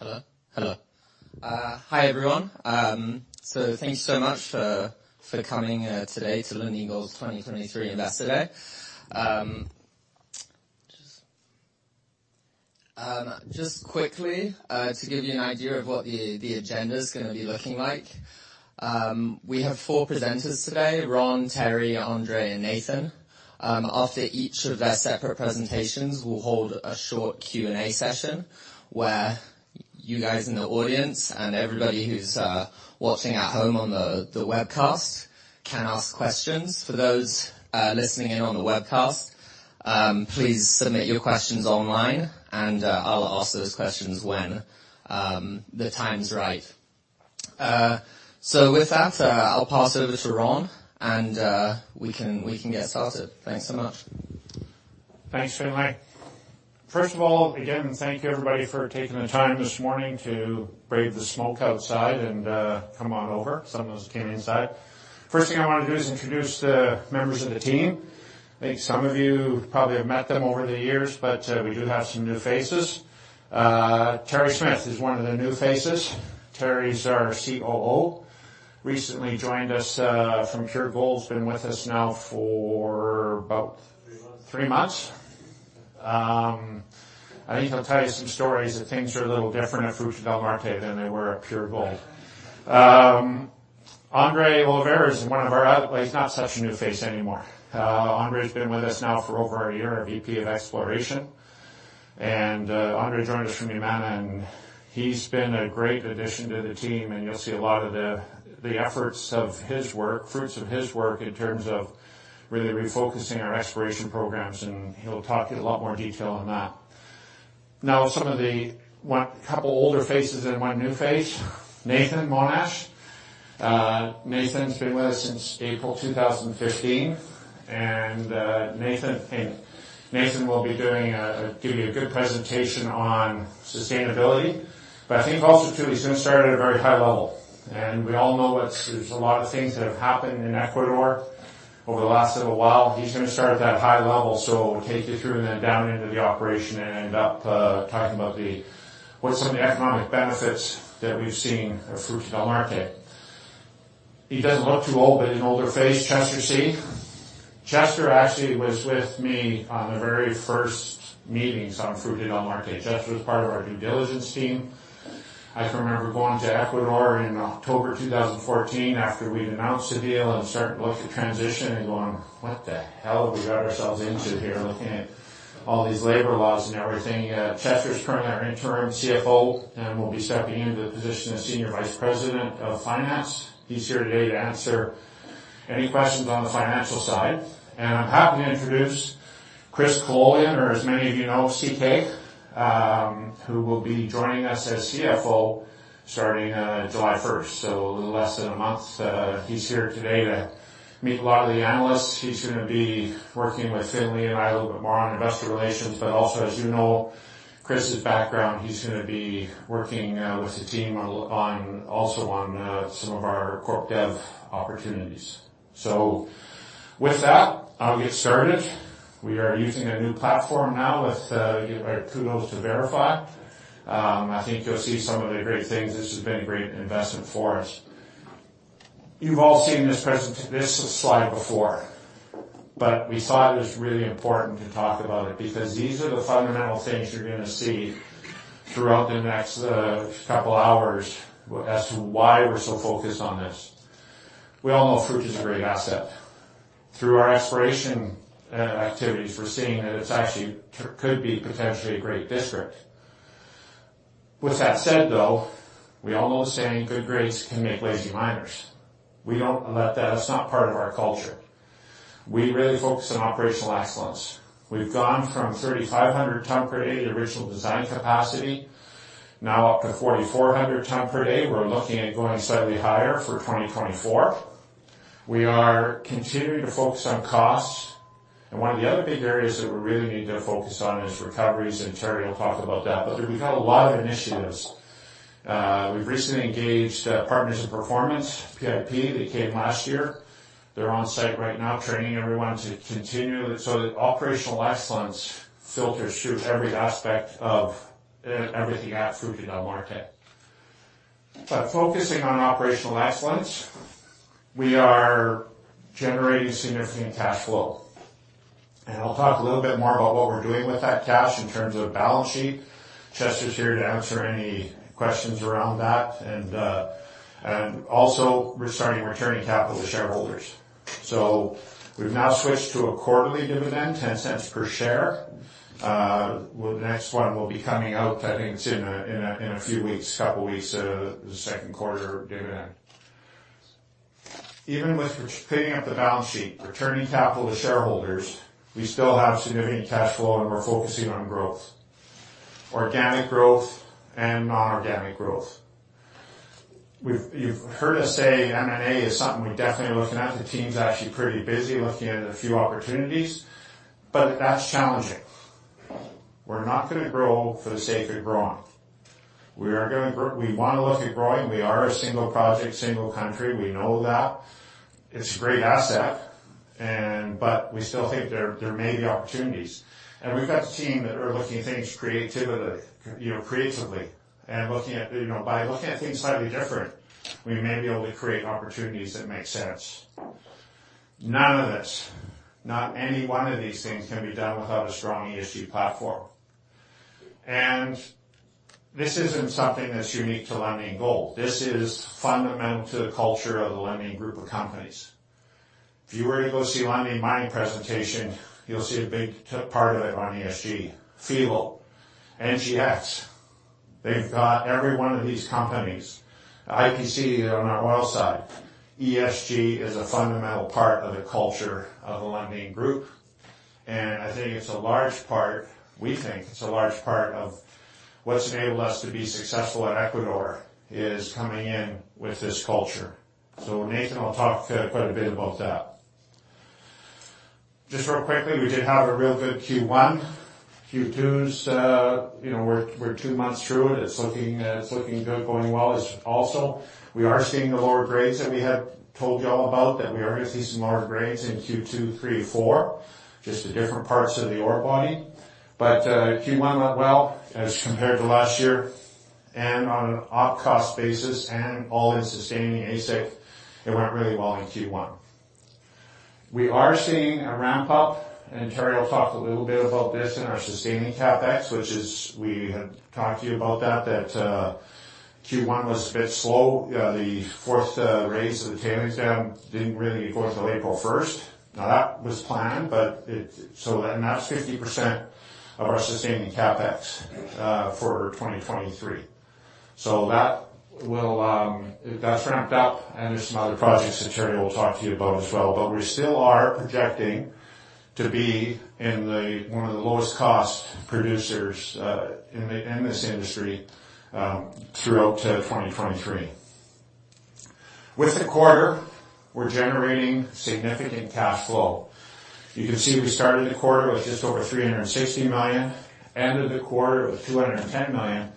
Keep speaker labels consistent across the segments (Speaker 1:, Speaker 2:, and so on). Speaker 1: Hello? Hello. Hi, everyone. Thank you so much for coming today to Lundin Gold's 2023 Investor Day. Just quickly to give you an idea of what the agenda is gonna be looking like, we have four presenters today: Ron, Terry, Andre, and Nathan. After each of their separate presentations, we'll hold a short Q&A session, where you guys in the audience and everybody who's watching at home on the webcast can ask questions. For those listening in on the webcast, please submit your questions online, I'll ask those questions when the time's right. With that, I'll pass over to Ron, and we can get started. Thanks so much.
Speaker 2: Thanks, Finlay. First of all, again, thank you, everybody, for taking the time this morning to brave the smoke outside and come on over. Some of us came inside. First thing I want to do is introduce the members of the team. I think some of you probably have met them over the years. We do have some new faces. Terry Smith is one of the new faces. Terry is our COO, recently joined us from Pure Gold. Been with us now for about-
Speaker 3: Three months.
Speaker 2: -three months. I think he'll tell you some stories that things are a little different at Fruta del Norte than they were at Pure Gold. Andre Oliveira is one of our other... Well, he's not such a new face anymore. Andre's been with us now for over a year, our VP of Exploration, and Andre joined us from Yamana, and he's been a great addition to the team, and you'll see a lot of the efforts of his work, fruits of his work, in terms of really refocusing our exploration programs, and he'll talk in a lot more detail on that. Some of the couple older faces and one new face, Nathan Monash. Nathan's been with us since April 2015, and Nathan, I think Nathan will be doing, giving a good presentation on sustainability. I think also, too, he's going to start at a very high level. We all know there's a lot of things that have happened in Ecuador over the last little while. He's going to start at that high level, so take you through and then down into the operation and end up talking about what some of the economic benefits that we've seen at Fruta del Norte. He doesn't look too old, but an older face, Chester See. Chester actually was with me on the very first meetings on Fruta del Norte. Chester was part of our due diligence team. I can remember going to Ecuador in October 2014, after we'd announced the deal and started to look at transition and going, "What the hell have we got ourselves into here?" Looking at all these labor laws and everything. Chester's currently our interim CFO and will be stepping into the position of Senior Vice President of Finance. He's here today to answer any questions on the financial side. I'm happy to introduce Chris Kololian, or as many of you know, CK, who will be joining us as CFO starting on July first. A little less than a month. He's here today to meet a lot of the analysts. He's gonna be working with Finlay and I a little bit more on investor relations, also, as you know, Chris's background, he's gonna be working with the team also on some of our corp dev opportunities. With that, I'll get started. We are using a new platform now with give our kudos to VRIFY. I think you'll see some of the great things. This has been a great investment for us. You've all seen this slide before. We thought it was really important to talk about it because these are the fundamental things you're gonna see throughout the next couple hours as to why we're so focused on this. We all know Fruta is a great asset. Through our exploration activities, we're seeing that it's actually, could be potentially a great district. With that said, though, we all know the saying, "Good grades can make lazy miners." We don't let that. That's not part of our culture. We really focus on operational excellence. We've gone from 3,500 ton per day, the original design capacity, now up to 4,400 ton per day. We're looking at going slightly higher for 2024. We are continuing to focus on cost, one of the other big areas that we really need to focus on is recoveries, and Terry Smith will talk about that. We've got a lot of initiatives. We've recently engaged, Partners in Performance, PIP. They came last year. They're on site right now, training everyone to continue, so that operational excellence filters through every aspect of, everything at Fruta del Norte. Focusing on operational excellence, we are generating significant cash flow. I'll talk a little bit more about what we're doing with that cash in terms of balance sheet. Chester See's here to answer any questions around that, also we're starting returning capital to shareholders. We've now switched to a quarterly dividend, $0.10 per share. Well, the next one will be coming out, I think, it's in a few weeks, couple weeks, the second quarter dividend. Even with cleaning up the balance sheet, returning capital to shareholders, we still have significant cash flow, and we're focusing on growth, organic growth and non-organic growth. You've heard us say M&A is something we're definitely looking at. The team's actually pretty busy looking at a few opportunities, but that's challenging. We're not gonna grow for the sake of growing. We are gonna we want to look at growing. We are a single project, single country. We know that. It's a great asset. We still think there may be opportunities. We've got the team that are looking at things creativity, you know, creatively, and looking at, you know, by looking at things slightly different, we may be able to create opportunities that make sense. None of this, not any one of these things, can be done without a strong ESG platform. This isn't something that's unique to Lundin Gold. This is fundamental to the culture of the Lundin Group of companies. If you were to go see a Lundin Mining presentation, you'll see a big part of it on ESG. Filo, NGEx, they've got every one of these companies, IPC on our oil side. ESG is a fundamental part of the culture of the Lundin Group, and I think it's a large part. We think it's a large part of what's enabled us to be successful in Ecuador, is coming in with this culture. Nathan will talk quite a bit about that. Just real quickly, we did have a real good Q1. Q2's, you know, we're two months through it. It's looking good, going well. It's also, we are seeing the lower grades that we had told you all about, that we are going to see some lower grades in Q2, 3, 4, just the different parts of the ore body. But, Q1 went well as compared to last year, and on an all-cost basis and all-in-sustaining AISC, it went really well in Q1. We are seeing a ramp-up, and Terry will talk a little bit about this in our sustaining CapEx. We had talked to you about that, Q1 was a bit slow. The fourth raise of the tailings dam didn't really go until April 1st. That was planned, but it... That's 50% of our sustaining CapEx for 2023. That will, that's ramped up, and there's some other projects that Terry will talk to you about as well. We still are projecting to be in the, one of the lowest cost producers in the, in this industry throughout 2023. With the quarter, we're generating significant cash flow. You can see we started the quarter with just over $360 million, ended the quarter with $210 million,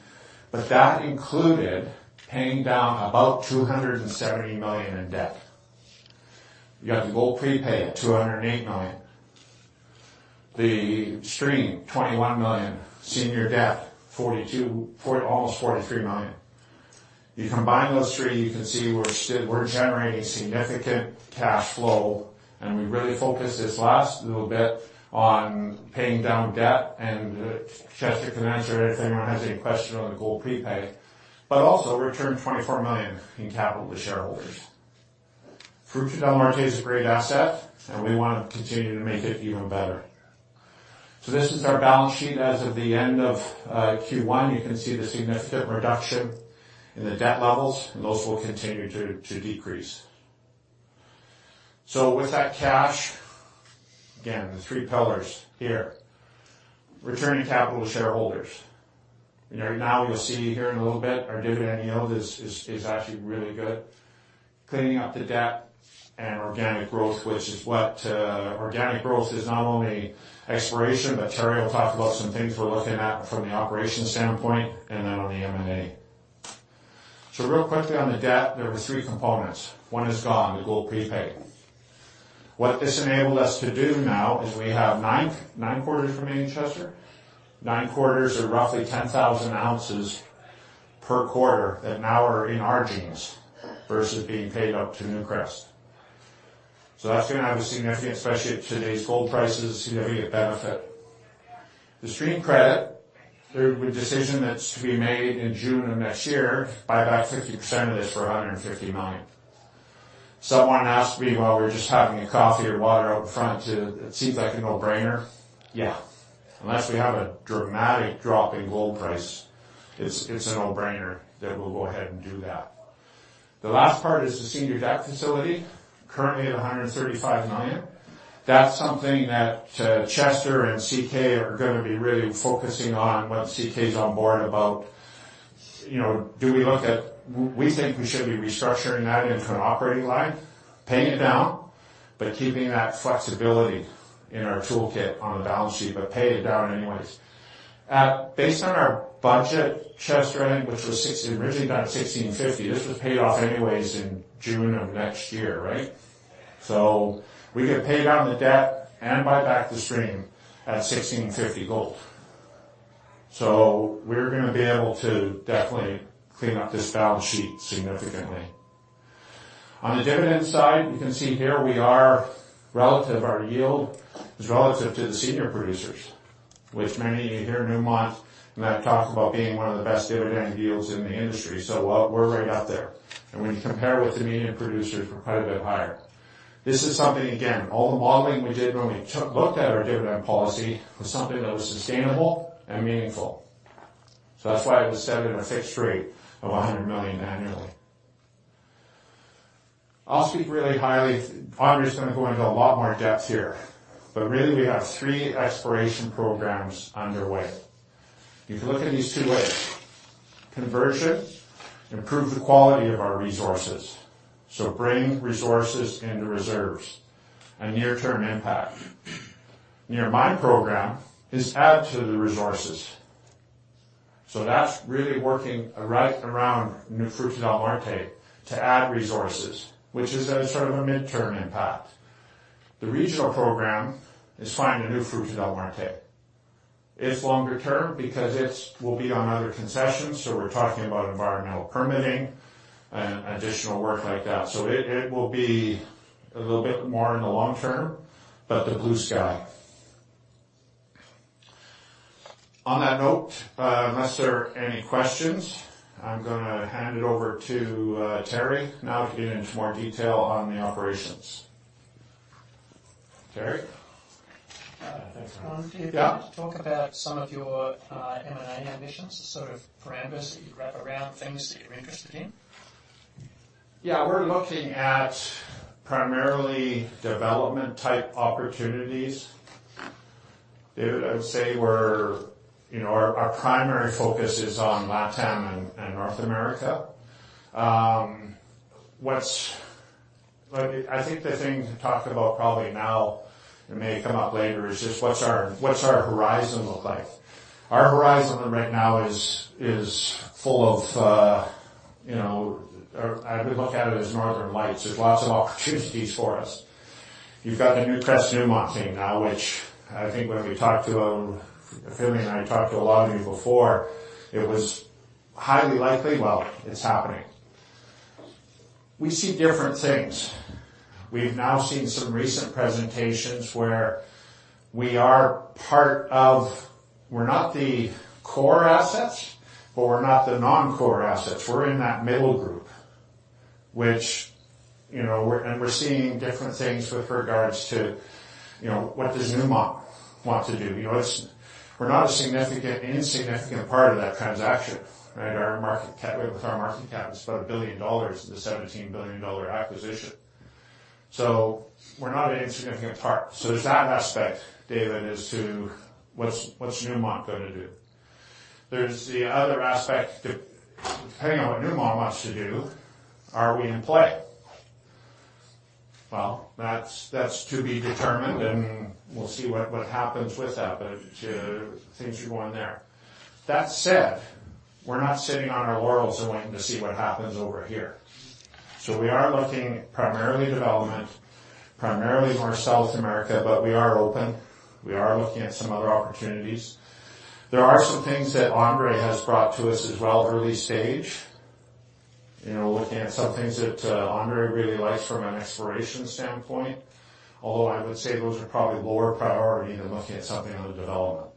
Speaker 2: but that included paying down about $270 million in debt. You got the gold prepay at $208 million, the stream, $21 million, senior debt, $42, almost $43 million. You combine those three, you can see we're generating significant cash flow. We really focused this last little bit on paying down debt. Chester can answer anything, or has any question on the gold prepay, but also returned $24 million in capital to shareholders. Fruta del Norte is a great asset. We want to continue to make it even better. This is our balance sheet as of the end of Q1. You can see the significant reduction in the debt levels. Those will continue to decrease. With that cash, again, the three pillars here: returning capital to shareholders. Right now, you'll see here in a little bit, our dividend yield is actually really good. Cleaning up the debt and organic growth, which is what, organic growth is not only exploration, but Terry will talk about some things we're looking at from the operations standpoint and then on the M&A. Real quickly on the debt, there were three components. One is gone, the gold prepay. What this enabled us to do now is we have nine quarters remaining, Chester? Nine quarters or roughly 10,000 ounces per quarter that now are in our jeans, versus being paid out to Newcrest. That's gonna have a significant, especially at today's gold prices, significant benefit. The stream credit, there will be a decision that's to be made in June of next year, buyback 50% of this for $150 million. Someone asked me while we were just having a coffee or water out front, "It seems like a no-brainer?" Yeah. Unless we have a dramatic drop in gold price, it's a no-brainer that we'll go ahead and do that. The last part is the senior debt facility, currently at $135 million. That's something that Chester and CK are gonna be really focusing on once CK is on board about, you know, do we look at... We think we should be restructuring that into an operating line, paying it down, but keeping that flexibility in our toolkit on the balance sheet, but pay it down anyways. Based on our budget, Chester, I think, which was $1,600, originally done at $1,650, this was paid off anyways in June of next year, right? We could pay down the debt and buy back the stream at $1,650 gold. We're gonna be able to definitely clean up this balance sheet significantly. On the dividend side, you can see here we are. Our yield is relative to the senior producers, which many of you hear Newmont, I talk about being one of the best dividend deals in the industry. Well, we're right up there, and when you compare with the medium producers, we're quite a bit higher. This is something, again, all the modeling we did when we looked at our dividend policy was something that was sustainable and meaningful. That's why it was set at a fixed rate of $100 million annually. Andre's gonna go into a lot more depth here, really, we have three exploration programs underway. You can look at these two ways: conversion, improve the quality of our resources, bring resources into reserves, a near-term impact. Near my program is add to the resources.... That's really working right around New Fruta del Norte to add resources, which is a sort of a midterm impact. The regional program is finding a New Fruta del Norte. It's longer term because it will be on other concessions, so we're talking about environmental permitting and additional work like that. It will be a little bit more in the long term, but the blue sky. On that note, unless there are any questions, I'm gonna hand it over to Terry, now to get into more detail on the operations. Terry?
Speaker 3: Thanks, Ron.
Speaker 2: Yeah.
Speaker 4: Do you want to talk about some of your M&A ambitions, the sort of parameters that you wrap around things that you're interested in?
Speaker 2: Yeah, we're looking at primarily development-type opportunities. David, I would say we're our primary focus is on Latin and North America. Like, I think the thing to talk about probably now, it may come up later, is just what's our horizon look like? Our horizon right now is full of, or I would look at it as northern lights. There's lots of opportunities for us. You've got the Newcrest-Newmont thing now, which I think when we talked to Philly and I talked to a lot of you before, it was highly likely, well, it's happening. We see different things. We've now seen some recent presentations where we are part of. We're not the core assets, but we're not the non-core assets. We're in that middle group, which, you know, we're seeing different things with regards to, you know, what does Newmont want to do? You know, it's. We're not an insignificant part of that transaction, right? Our market cap, with our market cap, is about $1 billion, the $17 billion acquisition. We're not an insignificant part. There's that aspect, David, as to what's Newmont gonna do? There's the other aspect, depending on what Newmont wants to do, are we in play? Well, that's to be determined, and we'll see what happens with that, but things are going there. That said, we're not sitting on our laurels and waiting to see what happens over here. We are looking primarily development, primarily more South America, but we are open. We are looking at some other opportunities. There are some things that Andre has brought to us as well, early stage. You know, looking at some things that Andre really likes from an exploration standpoint, although I would say those are probably lower priority than looking at something on the development.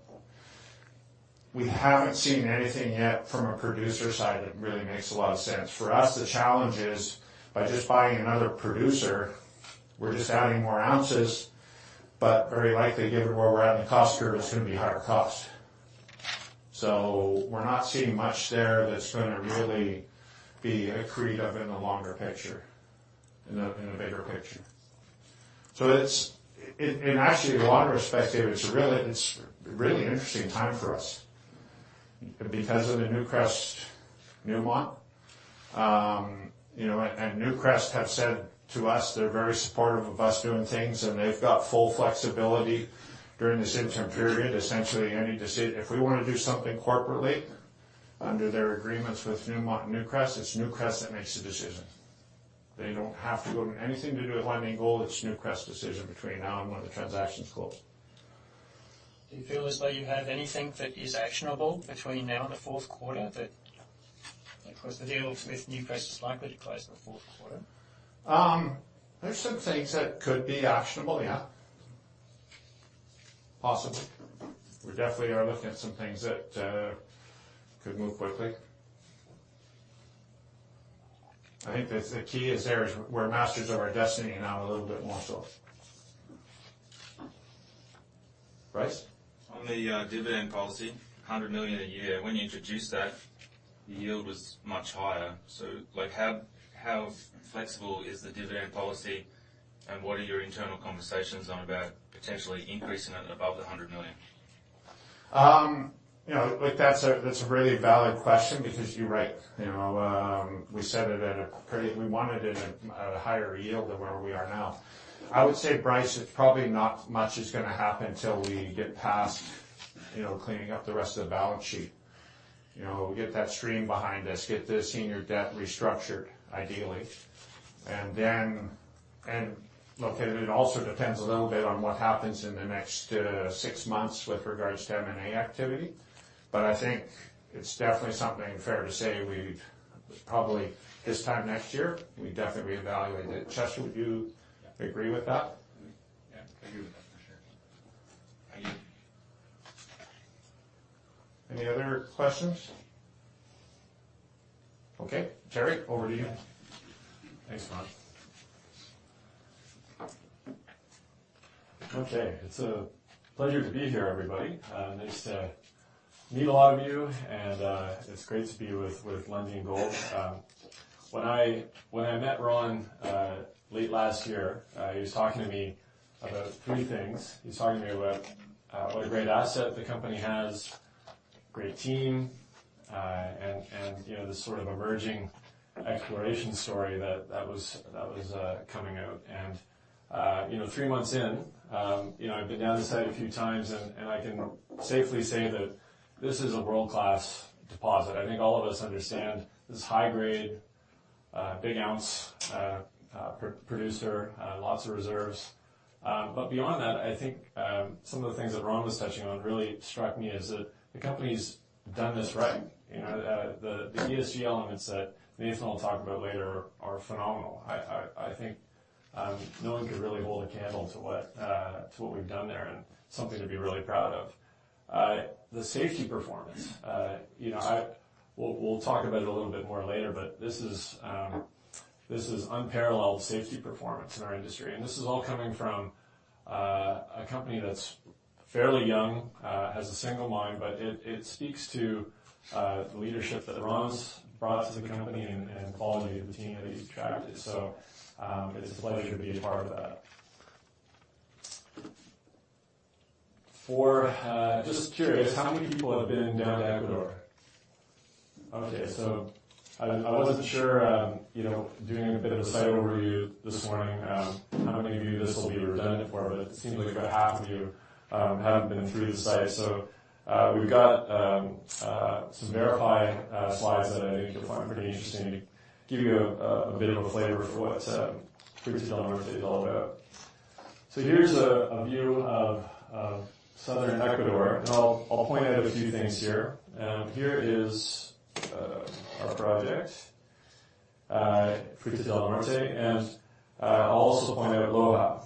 Speaker 2: We haven't seen anything yet from a producer side that really makes a lot of sense. For us, the challenge is, by just buying another producer, we're just adding more ounces, but very likely, given where we're at in the cost curve, it's gonna be higher cost. We're not seeing much there that's gonna really be accretive in the longer picture, in the bigger picture. It's actually, the water perspective, it's really interesting time for us because of the Newcrest, Newmont. you know, Newcrest have said to us, they're very supportive of us doing things, and they've got full flexibility during this interim period. Essentially, If we want to do something corporately under their agreements with Newmont and Newcrest, it's Newcrest that makes the decision. They don't have to go to anything to do with Lundin Gold, it's Newcrest's decision between now and when the transactions close.
Speaker 3: Do you feel as though you have anything that is actionable between now and the fourth quarter, that... Of course, the deal with Newcrest is likely to close in the fourth quarter?
Speaker 2: There's some things that could be actionable, yeah. Possibly. We definitely are looking at some things that could move quickly. I think the key is there is we're masters of our destiny now, a little bit more so. Bryce?
Speaker 5: On the dividend policy, $100 million a year, when you introduced that, the yield was much higher. Like, how flexible is the dividend policy, and what are your internal conversations on about potentially increasing it above the $100 million?
Speaker 2: You know, like, that's a really valid question because you're right. You know, we wanted it at a higher yield than where we are now. I would say, Bryce, it's probably not much is going to happen till we get past, you know, cleaning up the rest of the balance sheet. You know, get that stream behind us, get the senior debt restructured, ideally. Then, okay, it also depends a little bit on what happens in the next six months with regards to M&A activity. I think it's definitely something fair to say, probably, this time next year, we definitely evaluate it. Chester, would you agree with that?
Speaker 6: Yeah, I agree with that for sure. I do.
Speaker 2: Any other questions? Okay, Terry, over to you.
Speaker 3: Thanks, Ron. Okay, it's a pleasure to be here, everybody, nice to meet a lot of you, and it's great to be with Lundin Gold. When I met Ron late last year, he was talking to me about three things. He was talking to me about what a great asset the company has, great team, and, you know, the sort of emerging exploration story that was coming out. You know, three months in, you know, I've been down the site a few times, and I can safely say that this is a world-class deposit. I think all of us understand this is high grade, big ounce producer, lots of reserves. Beyond that, I think some of the things that Ron was touching on really struck me, is that the company's done this right. You know, the ESG elements that Nathan will talk about later are phenomenal. I think no one can really hold a candle to what we've done there, and something to be really proud of. The safety performance, you know, We'll talk about it a little bit more later, but this is unparalleled safety performance in our industry. This is all coming from a company that's fairly young, has a single mine, but it speaks to the leadership that Ron's brought to the company and the quality of the team that he's attracted. It's a pleasure to be a part of that.
Speaker 2: For Just curious, how many people have been down to Ecuador?
Speaker 3: Okay. I wasn't sure, you know, doing a bit of a site overview this morning, how many of you this will be redundant for, but it seems like about half of you, haven't been through the site. We've got some Verify slides that I think you'll find pretty interesting, give you a bit of a flavor for what Fruta del Norte is all about. Here's a view of southern Ecuador, and I'll point out a few things here. Here is our project, Fruta del Norte, and I'll also point out Loja,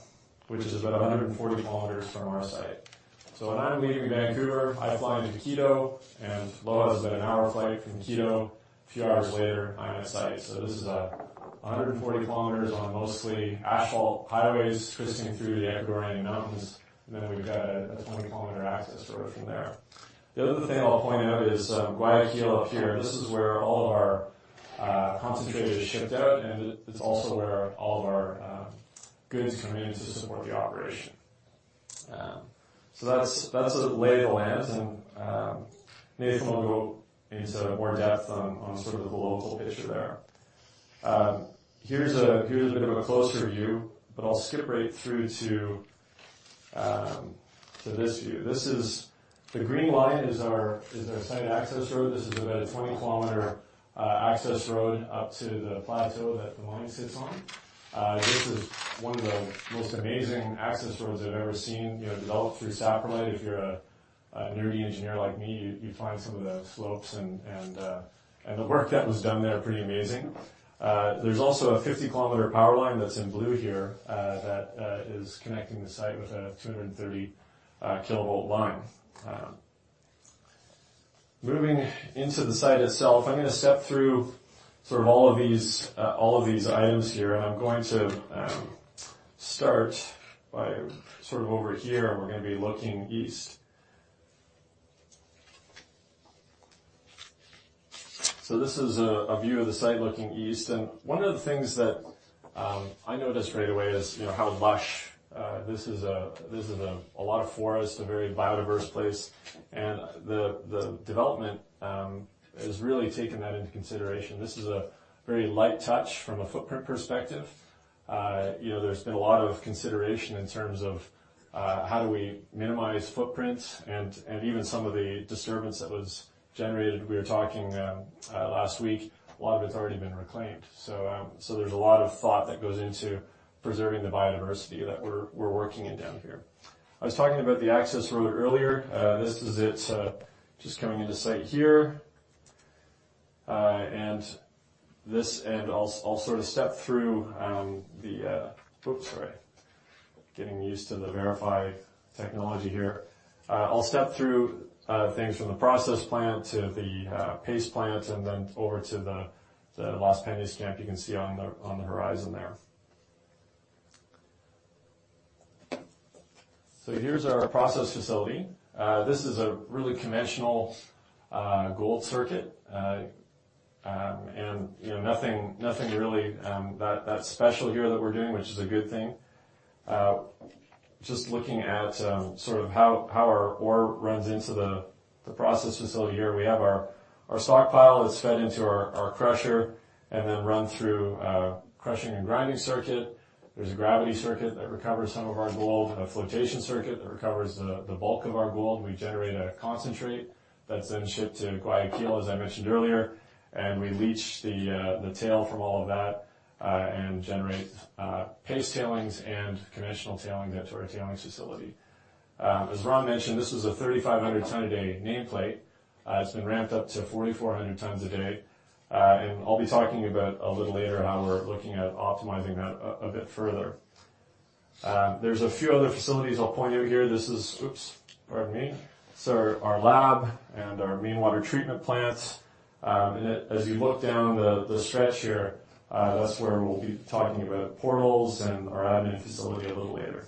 Speaker 3: which is about 140 kilometers from our site. When I'm leaving Vancouver, I fly into Quito, and Loja is about an hour flight from Quito. A few hours later, I'm at site. This is 140 kilometers on mostly asphalt highways, cruising through the Ecuadorian mountains, and then we've got a 20-kilometer access road from there. The other thing I'll point out is Guayaquil up here. This is where all of our concentrate is shipped out, and it's also where all of our goods come in to support the operation. That's a lay of the land, and Nathan will go into more depth on sort of the local picture there. Here's a bit of a closer view, but I'll skip right through to this view. The green line is our site access road. This is about a 20-kilometer access road up to the plateau that the mine sits on. This is one of the most amazing access roads I've ever seen, you know, developed through saprolite. If you're a nerdy engineer like me, you'd find some of the slopes and the work that was done there pretty amazing. There's also a 50-kilometer power line that's in blue here, that is connecting the site with a 230 kilovolt line. Moving into the site itself, I'm gonna step through sort of all of these, all of these items here, and I'm going to start by sort of over here, and we're gonna be looking east. This is a view of the site looking east, and one of the things that I noticed right away is, you know, how lush this is. This is a lot of forest, a very biodiverse place, and the development has really taken that into consideration. This is a very light touch from a footprint perspective. You know, there's been a lot of consideration in terms of how do we minimize footprints, and even some of the disturbance that was generated. We were talking last week, a lot of it's already been reclaimed. There's a lot of thought that goes into preserving the biodiversity that we're working in down here. I was talking about the access road earlier. This is it, just coming into site here. I'll sort of step through the... Oops, sorry! Getting used to the Verify technology here. I'll step through things from the process plant to the paste plant and then over to the Los Peñas camp you can see on the horizon there. Here's our process facility. This is a really conventional gold circuit. You know, nothing really that special here that we're doing, which is a good thing. Just looking at sort of how our ore runs into the process facility here. We have our stockpile is fed into our crusher and then run through a crushing and grinding circuit. There's a gravity circuit that recovers some of our gold, and a flotation circuit that recovers the bulk of our gold. We generate a concentrate that's then shipped to Guayaquil, as I mentioned earlier, and we leach the tail from all of that and generate paste tailings and conventional tailings down to our tailings facility. As Ron mentioned, this is a 3,500-ton a day nameplate. It's been ramped up to 4,400 tons a day, and I'll be talking about a little later how we're looking at optimizing that a bit further. There's a few other facilities I'll point out here. This is... Oops! Pardon me. Our lab and our main water treatment plant, and as you look down the stretch here, that's where we'll be talking about portals and our admin facility a little later.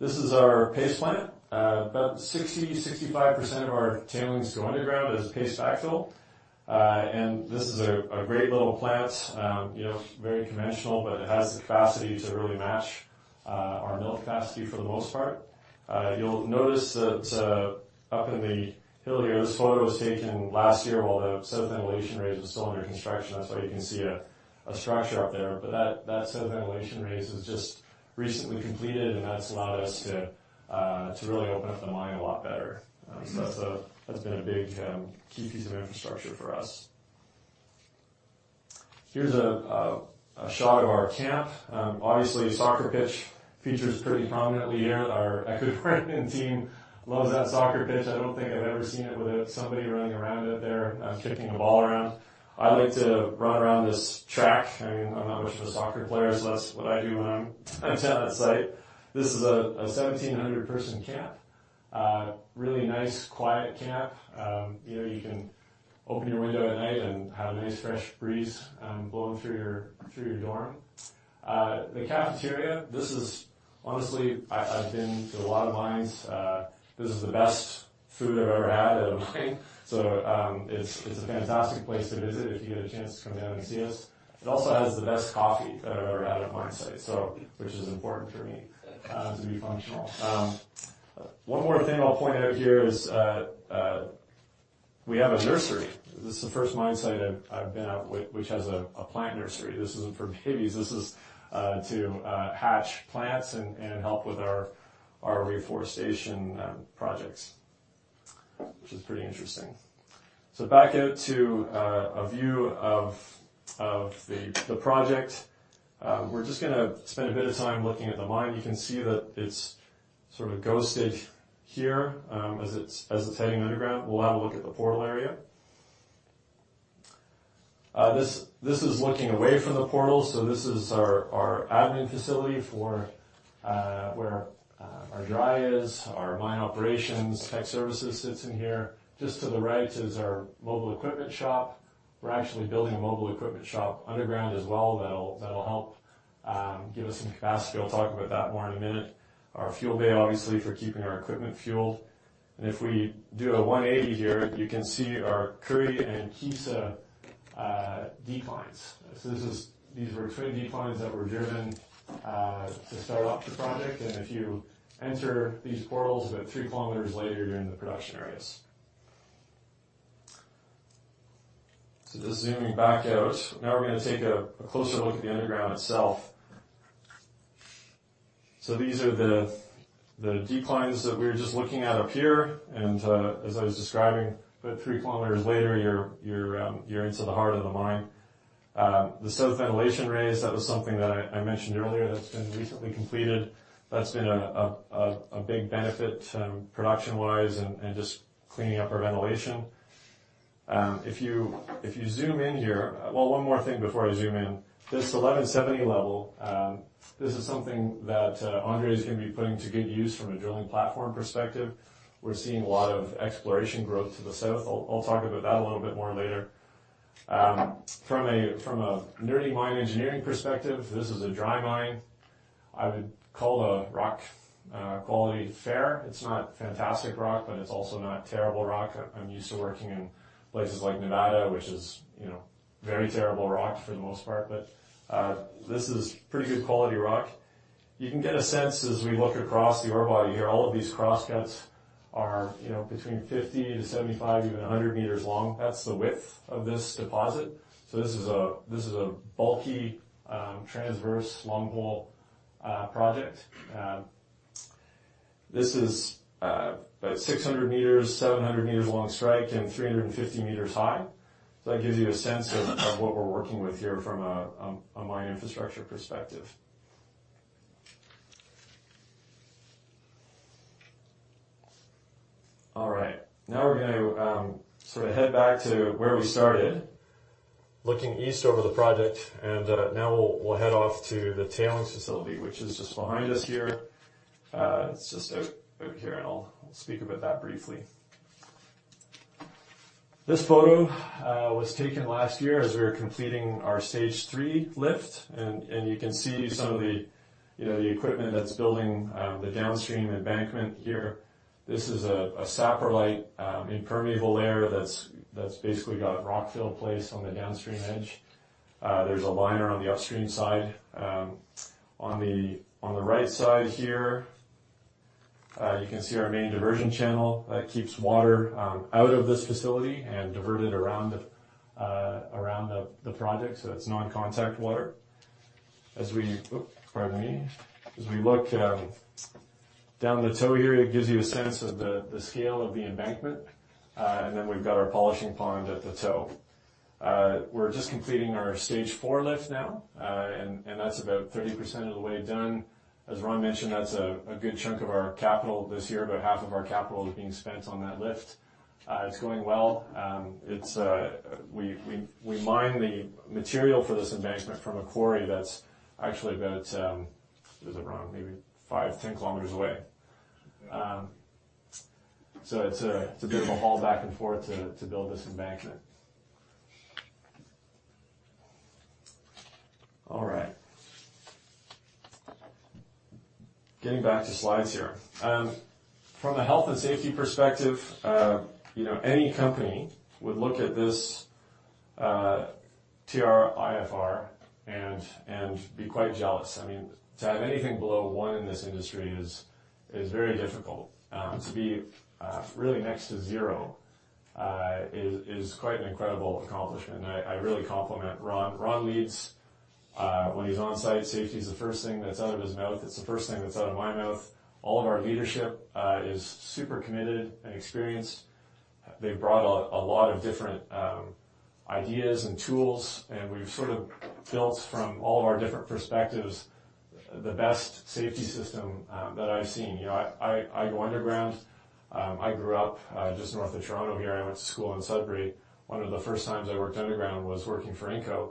Speaker 3: This is our paste plant. About 60%-65% of our tailings go underground as paste backfill. This is a great little plant, you know, very conventional, but it has the capacity to really match our mill capacity for the most part. You'll notice that up in the hill here, this photo was taken last year while the south ventilation range was still under construction. That's why you can see a structure up there. That south ventilation range was just recently completed, and that's allowed us to really open up the mine a lot better. That's been a big key piece of infrastructure for us. Here's a shot of our camp. Obviously, soccer pitch features pretty prominently here. Our Ecuadorian team loves that soccer pitch. I don't think I've ever seen it without somebody running around out there, kicking a ball around. I like to run around this track. I mean, I'm not much of a soccer player, so that's what I do when I'm down at site. This is a 1,700 person camp. Really nice, quiet camp. You know, you can open your window at night and have a nice fresh breeze blowing through your dorm. The cafeteria. Honestly, I've been to a lot of mines, this is the best food I've ever had at a mine. It's a fantastic place to visit if you get a chance to come down and see us. It also has the best coffee I've ever had at a mine site, which is important for me to be functional. One more thing I'll point out here is, we have a nursery. This is the first mine site I've been at, which has a plant nursery. This isn't for babies. This is to hatch plants and help with our reforestation projects, which is pretty interesting. Back out to a view of the project. We're just gonna spend a bit of time looking at the mine. You can see that it's sort of ghosted here, as it's heading underground. We'll have a look at the portal area. This is looking away from the portal, so this is our admin facility for where our dry is, our mine operations. Tech services sits in here. Just to the right is our mobile equipment shop. We're actually building a mobile equipment shop underground as well that'll help give us some capacity. I'll talk about that more in a minute. Our fuel bay, obviously, for keeping our equipment fueled. If we do a 180 here, you can see our Currie and Kesa declines. These were twin declines that were driven to start up the project, and if you enter these portals, about three kilometers later, you're in the production areas. Just zooming back out. Now we're gonna take a closer look at the underground itself. These are the declines that we were just looking at up here, as I was describing, about three kilometers later, you're into the heart of the mine. The south ventilation raise, that was something that I mentioned earlier that's been recently completed. That's been a big benefit production-wise and just cleaning up our ventilation. If you zoom in here. Well, one more thing before I zoom in. This 1,170 level, this is something that Andre is gonna be putting to good use from a drilling platform perspective. We're seeing a lot of exploration growth to the south. I'll talk about that a little bit more later. From a nerdy mine engineering perspective, this is a dry mine. I would call the rock quality fair. It's not fantastic rock, but it's also not terrible rock. I'm used to working in places like Nevada, which is, you know, very terrible rock for the most part. This is pretty good quality rock. You can get a sense as we look across the ore body here, all of these cross cuts are, you know, between 50 to 75, even 100 meters long. That's the width of this deposit. This is a bulky transverse long hole project. This is about 600 meters, 700 meters long strike and 350 meters high. That gives you a sense of what we're working with here from a mine infrastructure perspective. All right. Now we're gonna sort of head back to where we started, looking east over the project, and now we'll head off to the tailings facility, which is just behind us here. It's just out here, and I'll speak about that briefly. This photo was taken last year as we were completing our stage 3 lift, and you can see some of the, you know, the equipment that's building the downstream embankment here. This is a saprolite impermeable layer that's basically got rockfill placed on the downstream edge. There's a liner on the upstream side. On the right side here, you can see our main diversion channel that keeps water out of this facility and divert it around the project, so it's non-contact water. As we Pardon me. As we look down the toe here, it gives you a sense of the scale of the embankment, and then we've got our polishing pond at the toe. We're just completing our stage 4 lift now, and that's about 30% of the way done. As Ron mentioned, that's a good chunk of our capital this year. About half of our capital is being spent on that lift. It's going well. We mine the material for this embankment from a quarry that's actually about, what is it, Ron? Maybe five, 10 kilometers away. It's a bit of a haul back and forth to build this embankment. All right. Getting back to slides here. From a health and safety perspective, you know, any company would look at this TRIFR and be quite jealous. I mean, to have anything below one in this industry is very difficult. To be really next to zero is quite an incredible accomplishment, and I really compliment Ron. Ron leads. When he's on site, safety is the first thing that's out of his mouth. It's the first thing that's out of my mouth. All of our leadership is super committed and experienced. They've brought a lot of different ideas and tools, and we've sort of built from all of our different perspectives, the best safety system that I've seen. You know, I go underground. I grew up just north of Toronto here. I went to school in Sudbury. One of the first times I worked underground was working for Inco.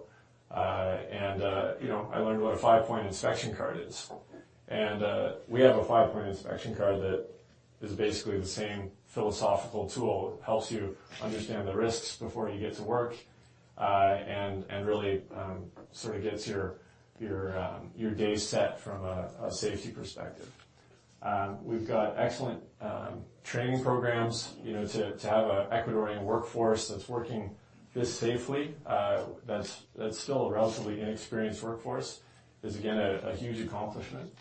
Speaker 3: You know, I learned what a five-point inspection card is. We have a five-point inspection card that is basically the same philosophical tool. It helps you understand the risks before you get to work and really sort of gets your day set from a safety perspective. We've got excellent training programs. You know, to have an Ecuadorian workforce that's working this safely, that's still a relatively inexperienced workforce, is again, a huge accomplishment.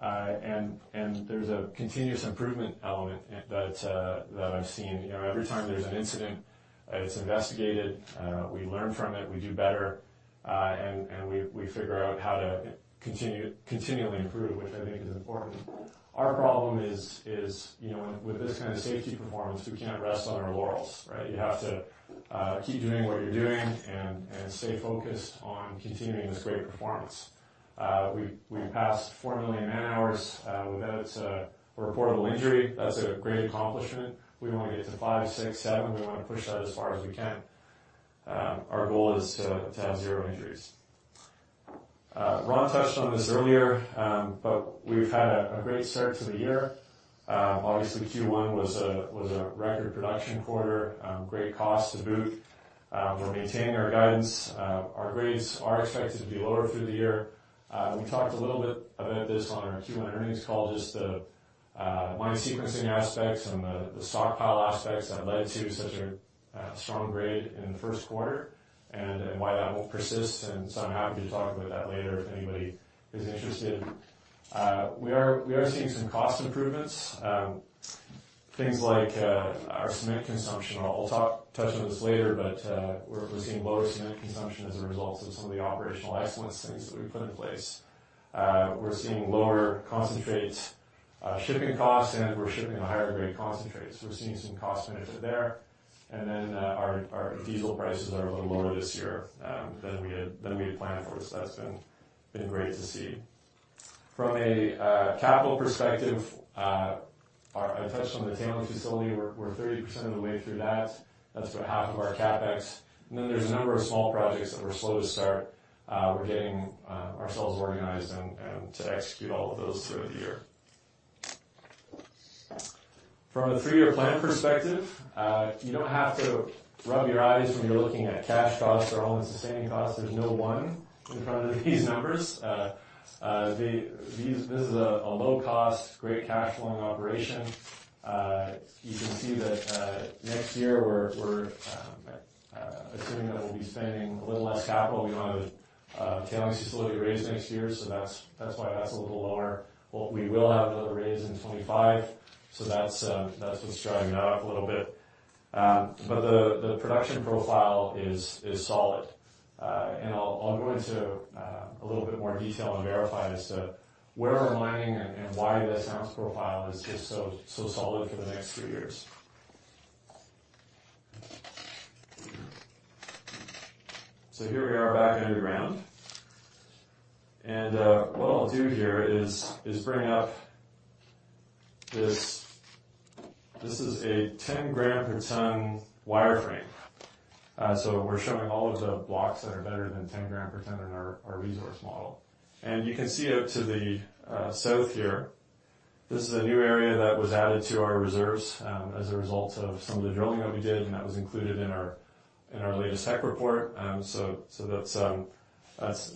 Speaker 3: There's a continuous improvement element in that I've seen. You know, every time there's an incident, it's investigated, we learn from it, we do better, and we figure out how to continually improve, which I think is important. Our problem is, you know, with this kind of safety performance, we can't rest on our laurels, right? You have to keep doing what you're doing and stay focused on continuing this great performance. We've passed 4 million man-hours without a reportable injury. That's a great accomplishment. We wanna get to five, six, seven. We wanna push that as far as we can. Our goal is to have zero injuries. Ron touched on this earlier, but we've had a great start to the year. Obviously, Q1 was a record production quarter, great cost to boot. We're maintaining our guidance. Our grades are expected to be lower through the year. We talked a little bit about this on our Q1 earnings call, just the mine sequencing aspects and the stockpile aspects that led to such a strong grade in the H1, and why that won't persist. I'm happy to talk about that later if anybody is interested. We are seeing some cost improvements. Things like our cement consumption. I'll talk. touch on this later, we're seeing lower cement consumption as a result of some of the operational excellence things that we've put in place. We're seeing lower concentrate shipping costs, and we're shipping a higher grade concentrate, so we're seeing some cost benefit there. Our diesel prices are a little lower this year than we had planned for. That's been great to see. From a capital perspective, I touched on the tailings facility. We're 30% of the way through that. That's about half of our CapEx. There's a number of small projects that we're slow to start. We're getting ourselves organized and to execute all of those throughout the year. From a three-year plan perspective, you don't have to rub your eyes when you're looking at cash costs or all-in sustaining costs. There's no one in front of these numbers. This is a low cost, great cash flowing operation. You can see that next year, we're assuming that we'll be spending a little less capital. We don't have a tailings facility raise next year, so that's why that's a little lower. We will have another raise in 25, so that's what's driving that up a little bit. The production profile is solid. I'll go into a little bit more detail on Verify as to where we're mining and why the sounds profile is just so solid for the next three years. Here we are, back underground. What I'll do here is bring up this. This is a 10-gram per tonne wireframe. We're showing all of the blocks that are better than 10 gram per tonne in our resource model. You can see out to the south here, this is a new area that was added to our reserves as a result of some of the drilling that we did, and that was included in our latest tech report. That's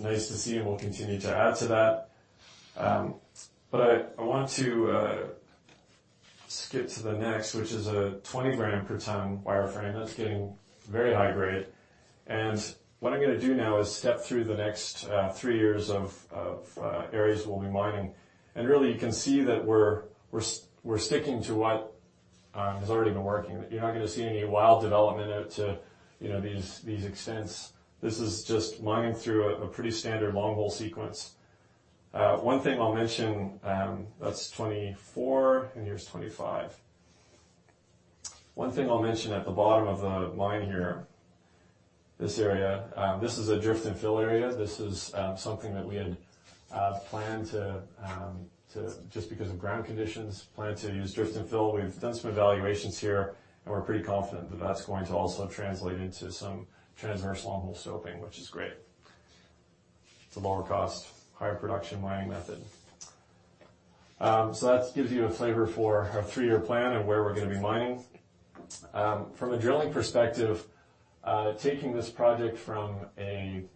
Speaker 3: nice to see, and we'll continue to add to that. I want to skip to the next, which is a 20-gram per tonne wire frame. That's getting very high grade. What I'm gonna do now is step through the next three years of areas we'll be mining. Really, you can see that we're sticking to what has already been working. You're not gonna see any wild development out to, you know, these extents. This is just mining through a pretty standard long hole sequence. One thing I'll mention, that's 2024, and here's 2025. One thing I'll mention at the bottom of the mine here, this area, this is a drift and fill area. This is something that we had planned to use drift and fill just because of ground conditions. We've done some evaluations here, and we're pretty confident that that's going to also translate into some transverse long hole stoping, which is great. It's a lower cost, higher production mining method. That gives you a flavor for our three-year plan and where we're gonna be mining. From a drilling perspective, taking this project from an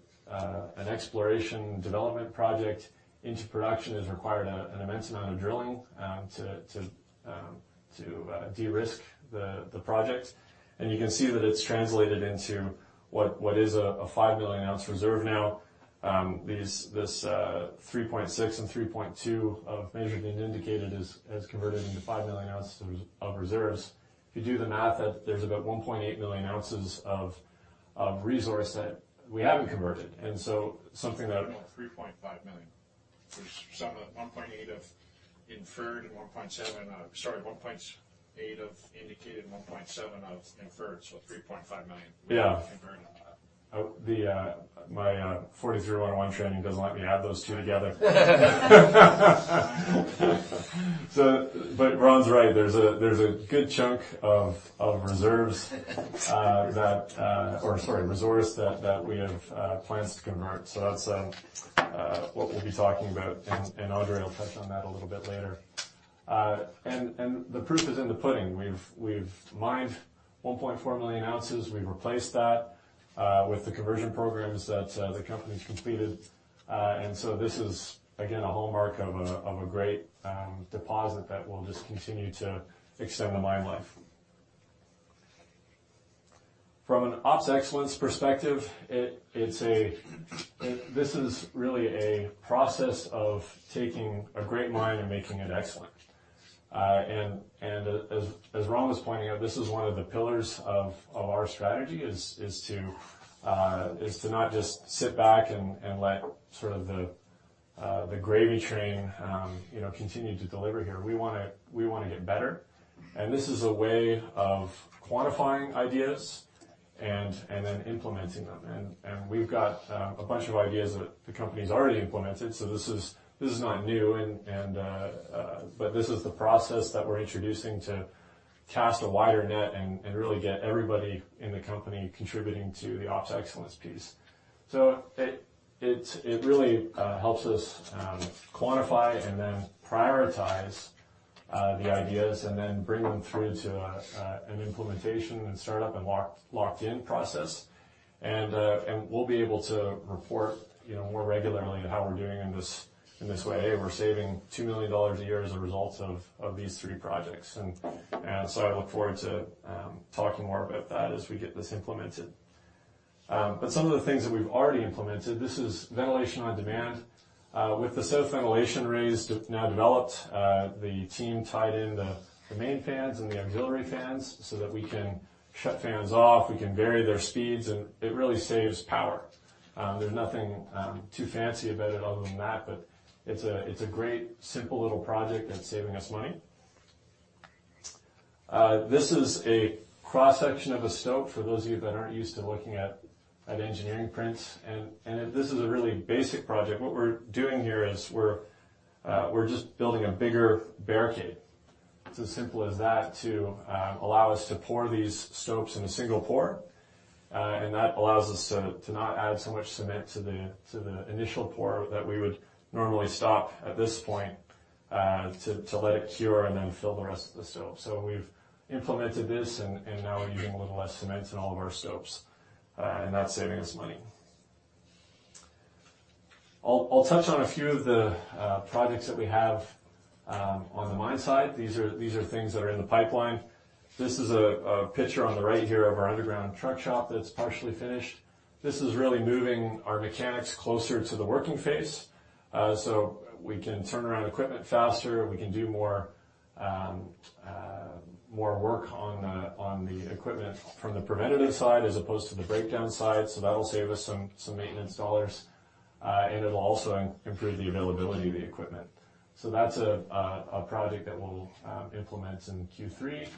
Speaker 3: exploration development project into production has required an immense amount of drilling to de-risk the project. You can see that it's translated into what is a 5 billion ounce reserve now. These, this, 3.6 and 3.2 of measured and indicated has converted into 5 million ounces of reserves. If you do the math, there's about 1.8 million ounces of resource that we haven't converted, so something that.
Speaker 5: No, $3.5 million. There's some of the 1.8 of inferred, and 1.7. Sorry, 1.8 of indicated, 1.7 of inferred, so $3.5 million.
Speaker 3: Yeah...
Speaker 5: converted on that.
Speaker 3: The my NI 43-101 training doesn't let me add those two together. Ron's right, there's a good chunk of reserves that, or sorry, resource that we have plans to convert. That's what we'll be talking about, and Audrey will touch on that a little bit later. The proof is in the pudding. We've mined 1.4 million ounces. We've replaced that with the conversion programs that the company's completed. This is, again, a hallmark of a great deposit that will just continue to extend the mine life. From an ops excellence perspective, it's a process of taking a great mine and making it excellent. As Ron was pointing out, this is one of the pillars of our strategy, is to not just sit back and let sort of the gravy train, you know, continue to deliver here. We wanna get better, and this is a way of quantifying ideas and then implementing them. We've got a bunch of ideas that the company's already implemented, so this is not new, but this is the process that we're introducing to cast a wider net and really get everybody in the company contributing to the ops excellence piece. It really helps us quantify and then prioritize the ideas and then bring them through to an implementation and startup and locked-in process. We'll be able to report, you know, more regularly on how we're doing in this, in this way. We're saving $2 million a year as a result of these three projects. I look forward to talking more about that as we get this implemented. Some of the things that we've already implemented, this is ventilation on demand. With the set of ventilation raised, now developed, the team tied in the main fans and the auxiliary fans so that we can shut fans off, we can vary their speeds, and it really saves power. There's nothing too fancy about it other than that, but it's a great, simple little project that's saving us money. This is a cross-section of a stope, for those of you that aren't used to looking at engineering prints. This is a really basic project. What we're doing here is we're just building a bigger barricade. It's as simple as that, to allow us to pour these stopes in a single pour, and that allows us to not add so much cement to the initial pour that we would normally stop at this point, to let it cure and then fill the rest of the stope. We've implemented this, and now we're using a little less cement in all of our stopes, and that's saving us money. I'll touch on a few of the projects that we have on the mine side. These are things that are in the pipeline. This is a picture on the right here of our underground truck shop that's partially finished. This is really moving our mechanics closer to the working phase, so we can turn around equipment faster, we can do more, more work on the equipment from the preventative side as opposed to the breakdown side, so that'll save us some maintenance dollars, and it'll also improve the availability of the equipment. That's a project that we'll implement in Q3.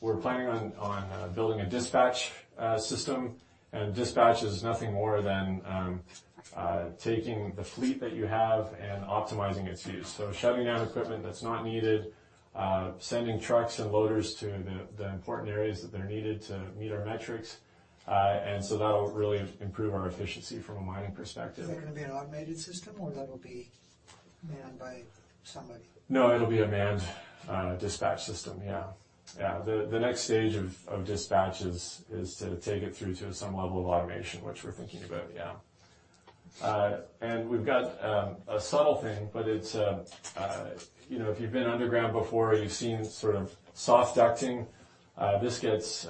Speaker 3: We're planning on building a dispatch system, and dispatch is nothing more than taking the fleet that you have and optimizing its use. Shutting down equipment that's not needed, sending trucks and loaders to the important areas that they're needed to meet our metrics, that'll really improve our efficiency from a mining perspective.
Speaker 5: Is that gonna be an automated system, or that'll be manned by somebody? No, it'll be a manned dispatch system. Yeah. The next stage of dispatch is to take it through to some level of automation, which we're thinking about. And we've got a subtle thing, but it's, you know, if you've been underground before, you've seen sort of soft ducting. This gets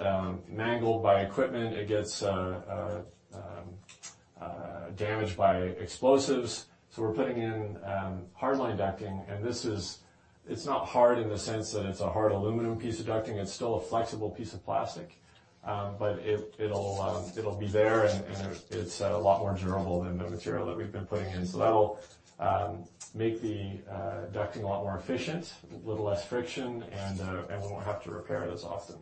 Speaker 5: mangled by equipment, it gets damaged by explosives, so we're putting in hardline ducting, and it's not hard in the sense that it's a hard aluminum piece of ducting. It's still a flexible piece of plastic, but it'll be there, and it's a lot more durable than the material that we've been putting in.
Speaker 3: That'll make the ducting a lot more efficient, a little less friction, and we won't have to repair it as often.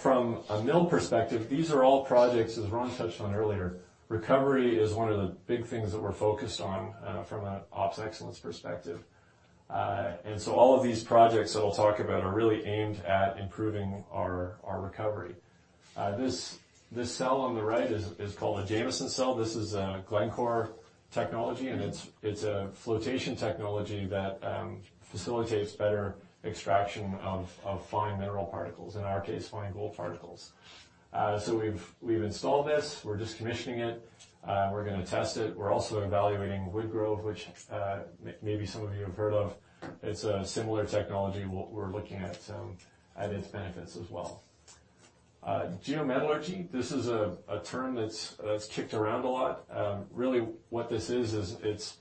Speaker 3: From a mill perspective, these are all projects, as Ron touched on earlier, recovery is one of the big things that we're focused on from an ops excellence perspective. All of these projects that I'll talk about are really aimed at improving our recovery. This cell on the right is called a Jameson Cell. This is a Glencore technology, and it's a flotation technology that facilitates better extraction of fine mineral particles, in our case, fine gold particles. We've installed this, we're just commissioning it, we're gonna test it. We're also evaluating Woodgrove, which maybe some of you have heard of. It's a similar technology, we're looking at its benefits as well. Geometallurgy, this is a term that's kicked around a lot. Really, what this is it's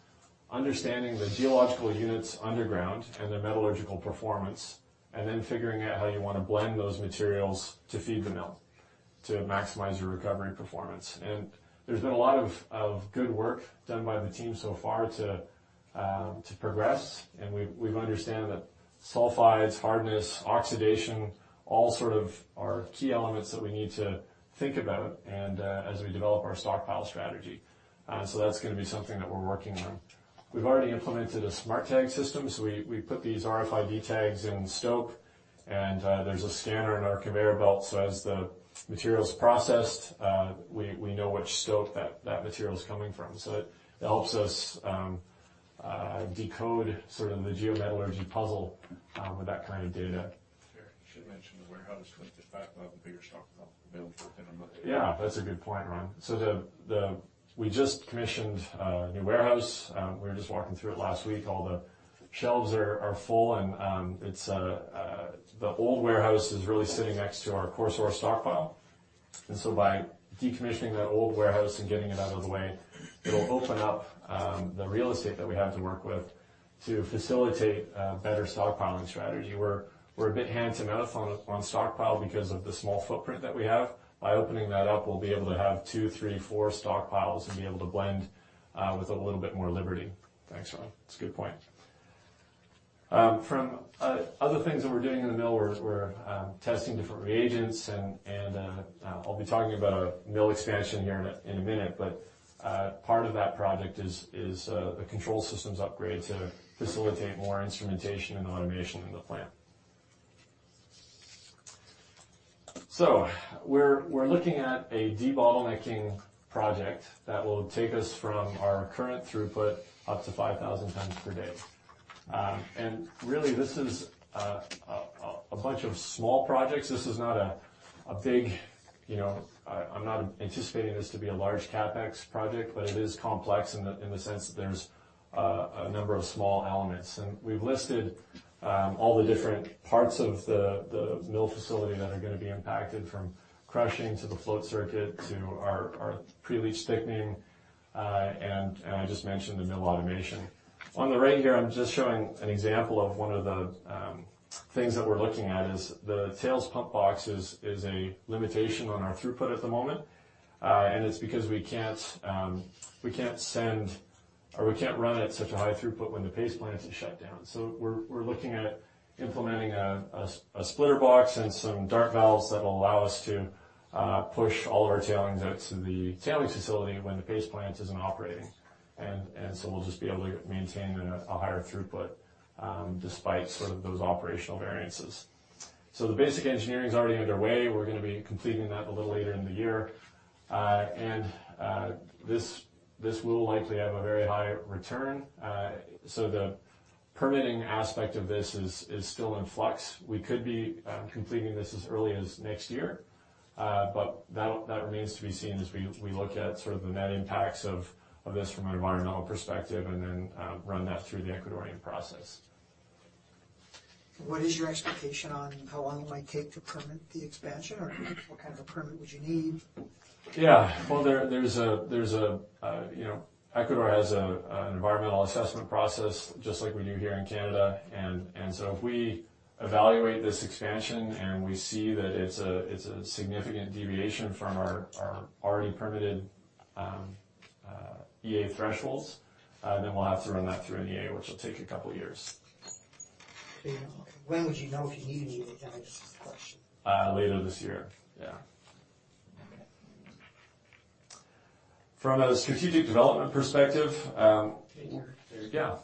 Speaker 3: understanding the geological units underground and their metallurgical performance, and then figuring out how you wanna blend those materials to feed the mill, to maximize your recovery performance. There's been a lot of good work done by the team so far to progress, and we understand that sulfides, hardness, oxidation, all sort of are key elements that we need to think about as we develop our stockpile strategy. That's gonna be something that we're working on. We've already implemented a smart tag system, so we put these RFID tags in stope, and there's a scanner in our conveyor belt, so as the material is processed, we know which stope that material is coming from. It helps us decode sort of the geometallurgy puzzle with that kind of data.
Speaker 2: Terry you should mention the warehouse with the fact about the bigger stockpile available for the winter months.
Speaker 3: Yeah, that's a good point, Ron. We just commissioned a new warehouse. We were just walking through it last week. All the shelves are full. The old warehouse is really sitting next to our core source stockpile. By decommissioning that old warehouse and getting it out of the way, it'll open up the real estate that we have to work with to facilitate a better stockpiling strategy, where we're a bit hand-to-mouth on stockpile because of the small footprint that we have. By opening that up, we'll be able to have two, three, four stockpiles and be able to blend with a little bit more liberty. Thanks, Ron. That's a good point. From other things that we're doing in the mill, we're testing different reagents and I'll be talking about our mill expansion here in a minute. Part of that project is a control systems upgrade to facilitate more instrumentation and automation in the plant. We're looking at a debottlenecking project that will take us from our current throughput up to 5,000 tons per day. Really, this is a bunch of small projects. This is not a big, you know. I'm not anticipating this to be a large CapEx project, but it is complex in the sense that there's a number of small elements. We've listed all the different parts of the mill facility that are gonna be impacted, from crushing, to the float circuit, to our pre-leach thickening, and I just mentioned the mill automation. On the right here, I'm just showing an example of one of the things that we're looking at, is the tails pump box is a limitation on our throughput at the moment. It's because we can't run at such a high throughput when the paste plant is shut down. We're looking at implementing a splitter box and some dart valves that will allow us to push all of our tailings out to the tailings facility when the paste plant isn't operating. We'll just be able to maintain a higher throughput, despite sort of those operational variances. The basic engineering is already underway. We're gonna be completing that a little later in the year. This will likely have a very high return. The permitting aspect of this is still in flux. We could be completing this as early as next year, but that remains to be seen as we look at sort of the net impacts of this from an environmental perspective, and then run that through the Ecuadorian process.
Speaker 5: What is your expectation on how long it might take to permit the expansion, or what kind of a permit would you need?
Speaker 3: Yeah. Well, there's a, you know, Ecuador has an environmental assessment process, just like we do here in Canada. If we evaluate this expansion and we see that it's a significant deviation from our already permitted EA thresholds, then we'll have to run that through an EA, which will take a couple of years.
Speaker 5: When would you know if you need it? I guess, is the question.
Speaker 3: later this year. Yeah. From a strategic development perspective. There you go.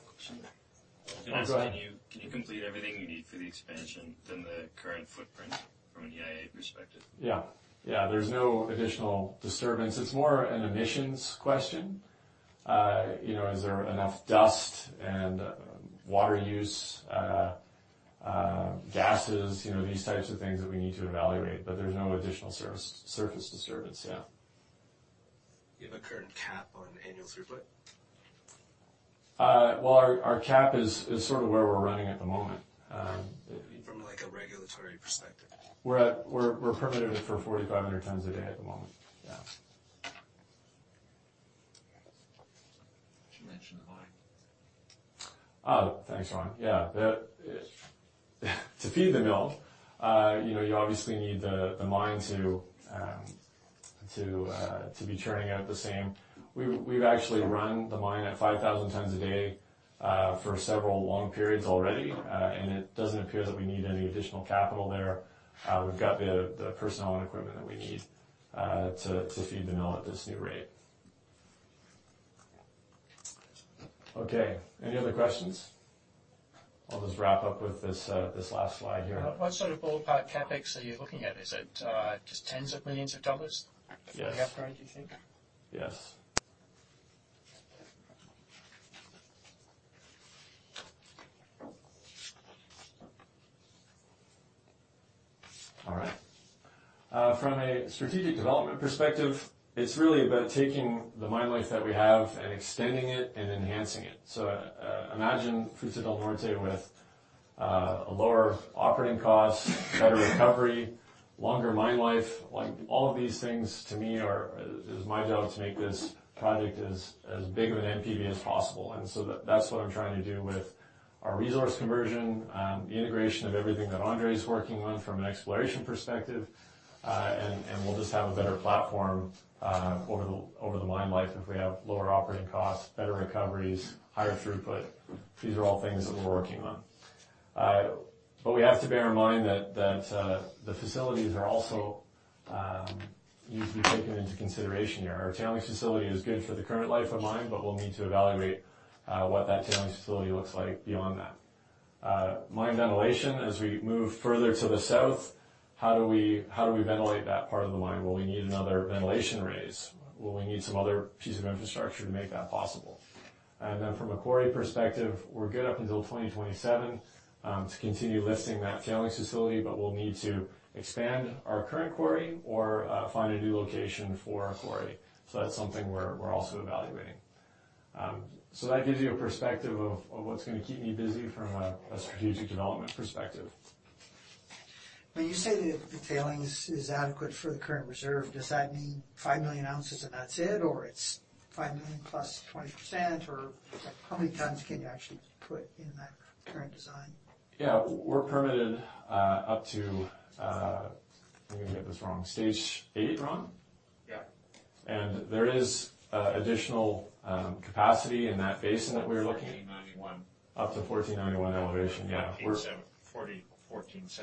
Speaker 3: Go ahead.
Speaker 6: Can you complete everything you need for the expansion than the current footprint from an EIA perspective?
Speaker 3: Yeah. Yeah, there's no additional disturbance. It's more an emissions question. you know, is there enough dust and water use, gases, you know, these types of things that we need to evaluate, but there's no additional surface disturbance. Yeah.
Speaker 6: You have a current cap on annual throughput?
Speaker 3: Well, our cap is sort of where we're running at the moment.
Speaker 6: From, like, a regulatory perspective.
Speaker 3: We're permitted for 4,500 tons a day at the moment. Yeah.
Speaker 2: You mentioned the mine.
Speaker 3: Oh, thanks, Ron. Yeah, the to feed the mill, you know, you obviously need the mine to to be churning out the same... We've actually run the mine at 5,000 tons a day for several long periods already. It doesn't appear that we need any additional capital there. We've got the personnel and equipment that we need to feed the mill at this new rate. Okay, any other questions? I'll just wrap up with this last slide here.
Speaker 5: What sort of ballpark CapEx are you looking at? Is it, just $10s of millions?
Speaker 3: Yes
Speaker 5: for the upgrade, do you think?
Speaker 3: Yes. All right. From a strategic development perspective, it's really about taking the mine life that we have and extending it and enhancing it. Imagine Fruta del Norte with a lower operating cost, better recovery, longer mine life, like, all of these things to me are, is my job to make this project as big of an NPV as possible. That's what I'm trying to do with our resource conversion, the integration of everything that Andre is working on from an exploration perspective. We'll just have a better platform over the mine life if we have lower operating costs, better recoveries, higher throughput. These are all things that we're working on. We have to bear in mind that the facilities are also need to be taken into consideration here. Our tailings facility is good for the current life of mine, we'll need to evaluate what that tailings facility looks like beyond that. Mine ventilation, as we move further to the south, how do we ventilate that part of the mine? Will we need another ventilation raise? Will we need some other piece of infrastructure to make that possible? From a quarry perspective, we're good up until 2027 to continue listing that tailings facility, but we'll need to expand our current quarry or find a new location for our quarry. That's something we're also evaluating. That gives you a perspective of what's gonna keep me busy from a strategic development perspective.
Speaker 5: When you say that the tailings is adequate for the current reserve, does that mean 5 million ounces, and that's it? Or it's 5 million plus 20%, or how many tons can you actually put in that current design?
Speaker 3: Yeah. We're permitted, up to... I'm gonna get this wrong. Stage 8, Ron?
Speaker 5: Yeah.
Speaker 3: There is additional capacity in that basin that we're.
Speaker 2: 1491.
Speaker 3: Up to 1,491 elevation, yeah.
Speaker 2: $1,471.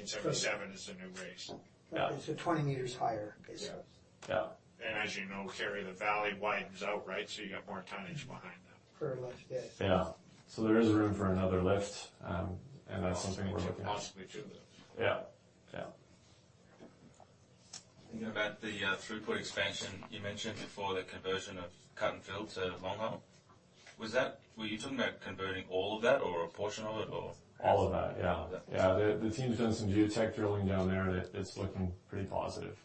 Speaker 2: $1,477 is the new raise.
Speaker 3: Yeah.
Speaker 5: 20 meters higher, basically?
Speaker 2: Yeah.
Speaker 3: Yeah.
Speaker 1: As you know, Terry, the valley widens out, right? You got more tonnage behind that.
Speaker 5: Per lift, yeah.
Speaker 3: Yeah. There is room for another lift, and that's something we're looking at.
Speaker 1: Possibly 2 lifts.
Speaker 3: Yeah, yeah.
Speaker 5: About the throughput expansion, you mentioned before the conversion of cut and fill to longhole. Were you talking about converting all of that or a portion of it or?
Speaker 3: All of that, yeah.
Speaker 5: Yeah.
Speaker 3: The team's done some geotech drilling down there, and it's looking pretty positive.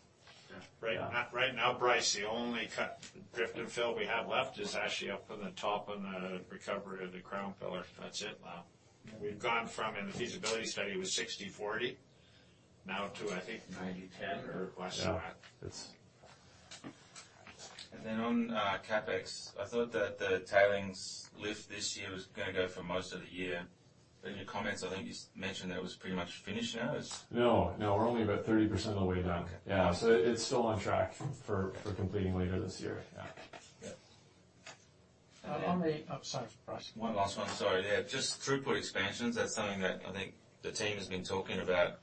Speaker 1: Right now, Bryce, the only cut, drift and fill we have left is actually up on the top of the recovery of the crown pillar. That's it now. We've gone from, in the feasibility study, it was 60/40, now to, I think, 90/10 or less than that.
Speaker 3: Yeah.
Speaker 5: On CapEx, I thought that the tailings lift this year was gonna go for most of the year, but in your comments, I think you mentioned that it was pretty much finished now.
Speaker 3: No, no, we're only about 30% of the way down. Yeah, it's still on track for completing later this year. Yeah.
Speaker 1: Yeah. Oh, sorry, Bryce.
Speaker 5: One last one. Sorry. Just throughput expansions, that's something that I think the team has been talking about,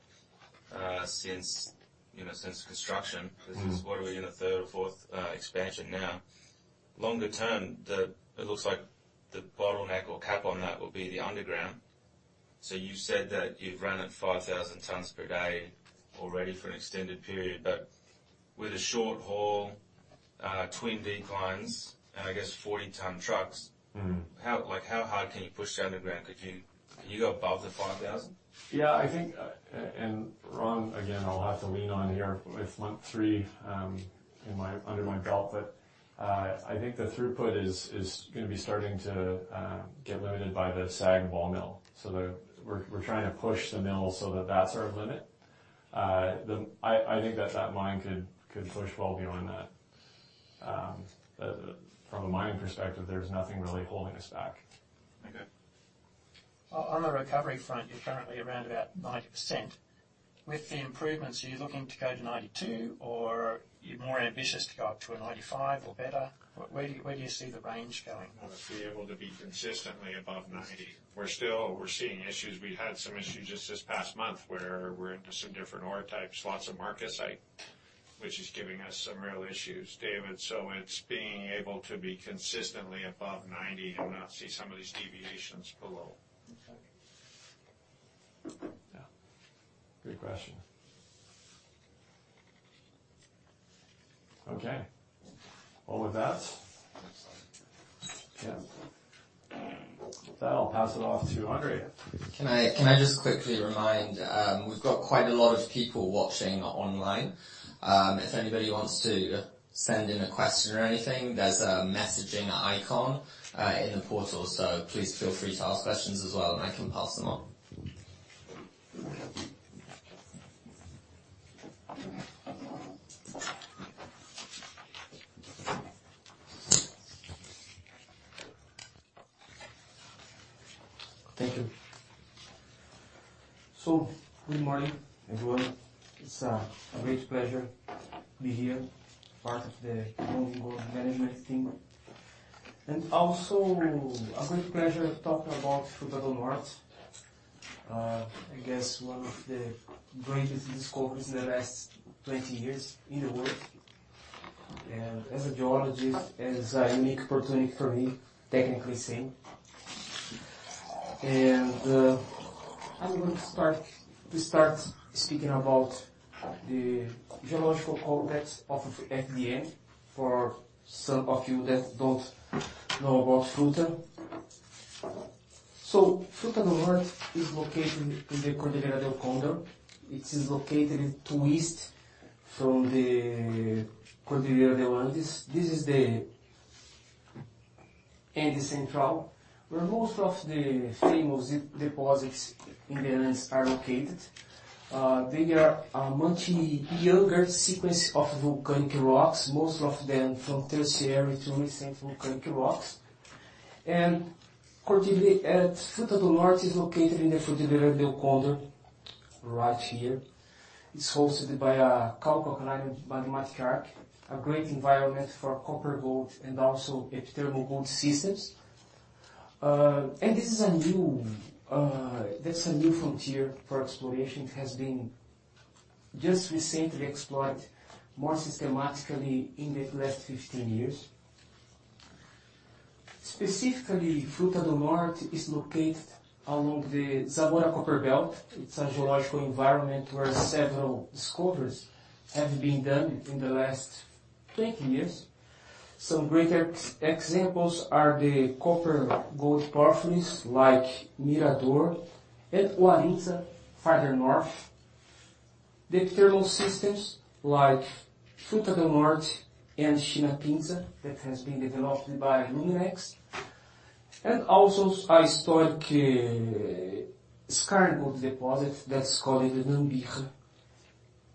Speaker 5: since, you know, since construct This is, what are we in the third or fourth, expansion now? Longer term, it looks like the bottleneck or cap on that will be the underground. You said that you've ran at 5,000 tons per day already for an extended period, but with a short haul, twin declines and I guess 40-ton trucks...
Speaker 3: Mm-hmm.
Speaker 5: -how, like, how hard can you push the underground? Could you, can you go above the 5,000?
Speaker 3: Yeah, I think, and Ron, again, I'll have to lean on here with month 3 in my under my belt, but I think the throughput is gonna be starting to get limited by the sag ball mill. We're trying to push the mill so that that's our limit. I think that mine could push well beyond that. From a mining perspective, there's nothing really holding us back.
Speaker 5: Okay. On the recovery front, you're currently around about 90%. With the improvements, are you looking to go to 92%, or you're more ambitious to go up to a 95% or better? Where do you see the range going?
Speaker 1: To be able to be consistently above 90. We're still seeing issues. We had some issues just this past month, where we're into some different ore types, lots of marcasite, which is giving us some real issues, David. It's being able to be consistently above 90 and not see some of these deviations below.
Speaker 5: Okay.
Speaker 3: Yeah. Good question. Okay, well, with that, yeah. With that, I'll pass it off to Andre.
Speaker 1: Can I just quickly remind, we've got quite a lot of people watching online. If anybody wants to send in a question or anything, there's a messaging icon in the portal, so please feel free to ask questions as well, and I can pass them on.
Speaker 7: Thank you. Good morning, everyone. It's a great pleasure to be here, part of the Lundin Gold management team, and also a great pleasure to talk about Fruta del Norte. I guess one of the greatest discoveries in the last 20 years in the world. As a geologist, it is a unique opportunity for me, technically same. I'm going to start speaking about the geological context of FDN, for some of you that don't know about Fruta. Fruta del Norte is located in the Cordillera del Cóndor. It is located to east from the Cordillera de Andes. This is the central, where most of the famous deposits in the Andes are located. They are a much younger sequence of volcanic rocks, most of them from tertiary to recent volcanic rocks. Fruta del Norte is located in the Cordillera del Cóndor, right here. It's hosted by a calc-alkaline magmatic arc, a great environment for copper, gold, and also epithermal gold systems. That's a new frontier for exploration. It has been just recently explored more systematically in the last 15 years. Specifically, Fruta del Norte is located along the Zamora copper-gold belt. It's a geological environment where several discoveries have been done in the last 20 years. Some great examples are the copper-gold porphyries, like Mirador and Warintza, farther north. The epithermal systems, like Fruta del Norte and Shinapinsa, that has been developed by Luminex, and also a historic skarn gold deposit that's called Nambija.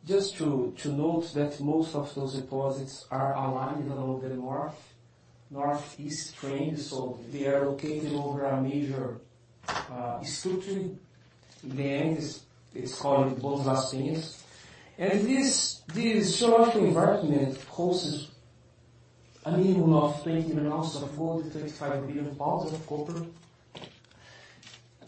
Speaker 7: Just to note that most of those deposits are aligned along the north, northeast trend, so they are located over a major structure in the Andes. It's called Bolas Peñas. This geological environment hosts a minimum of 20 million ounces of gold and 35 billion pounds of copper.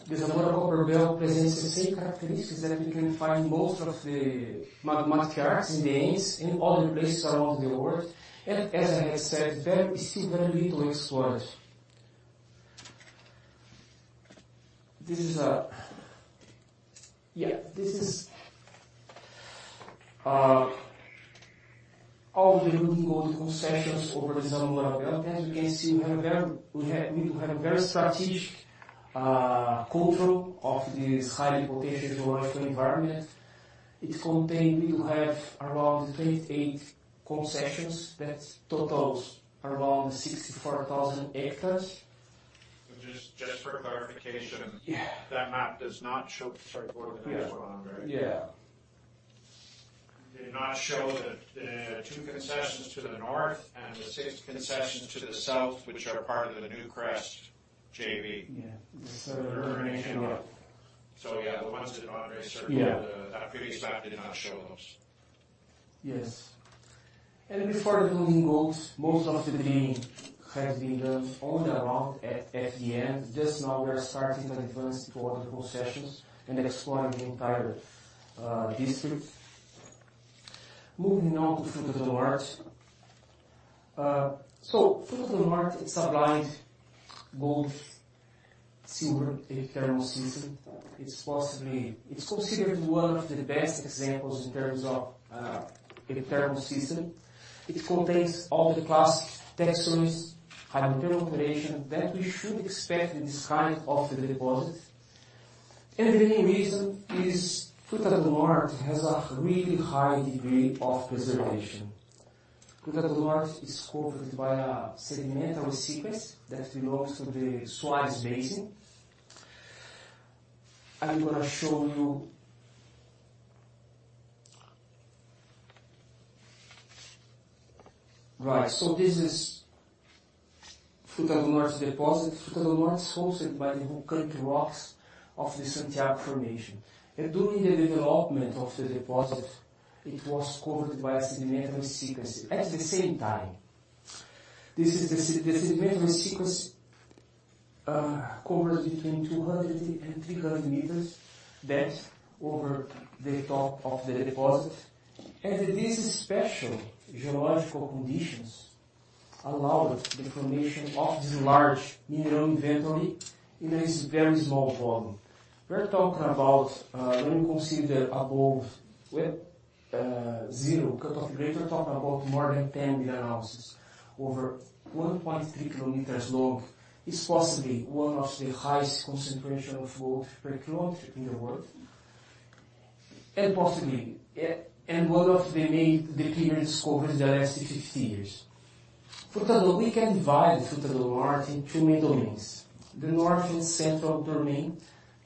Speaker 7: The Zamora copper-gold belt presents the same characteristics that we can find in most of the magmatic arcs in the Andes and other places around the world. As I had said, still very little explored. This is all the Lundin Gold concessions over the Zamora copper-gold belt. As you can see, we have a very strategic control of this highly potential geological environment. We have around 28 concessions that totals around 64,000 hectares.
Speaker 2: Just for clarification.
Speaker 7: Yeah.
Speaker 2: That map does not show... Sorry to go over that, Andres.
Speaker 7: Yeah.
Speaker 2: Did not show the two concessions to the north and the six concessions to the south, which are part of the Newcrest JV.
Speaker 7: Yeah.
Speaker 2: For information. Yeah, the ones that Andres circled-
Speaker 7: Yeah.
Speaker 2: That previous map did not show those.
Speaker 7: Yes. Before the Lundin Gold, most of the drilling has been done only around at the end. Just now, we are starting to advance to other concessions and exploring the entire district. Moving on to Fruta del Norte. Fruta del Norte, it's a blind gold, silver epithermal system. It's considered one of the best examples in terms of epithermal system. It contains all the classic textures, hydrothermal alteration, that we should expect in this kind of the deposit. The main reason is, Fruta del Norte has a really high degree of preservation. Fruta del Norte is covered by a sedimentary sequence that belongs to the Suárez Basin. I'm gonna show you. Right, this is Fruta del Norte deposit. Fruta del Norte is hosted by the volcanic rocks of the Santiago Formation. During the development of the deposit, it was covered by a sedimentary sequence at the same time. This is the sedimentary sequence covers between 200 and 300 meters depth over the top of the deposit. This special geological conditions allowed the formation of this large mineral inventory in a very small volume. We're talking about, when you consider above, zero cut off grade, we're talking about more than 10 billion ounces over 1.3 kilometers long. It's possibly one of the highest concentration of gold per kilometer in the world, and possibly, and one of the main, the bigger discoveries in the last 50 years. We can divide Fruta del Norte in two main domains. The northern central domain,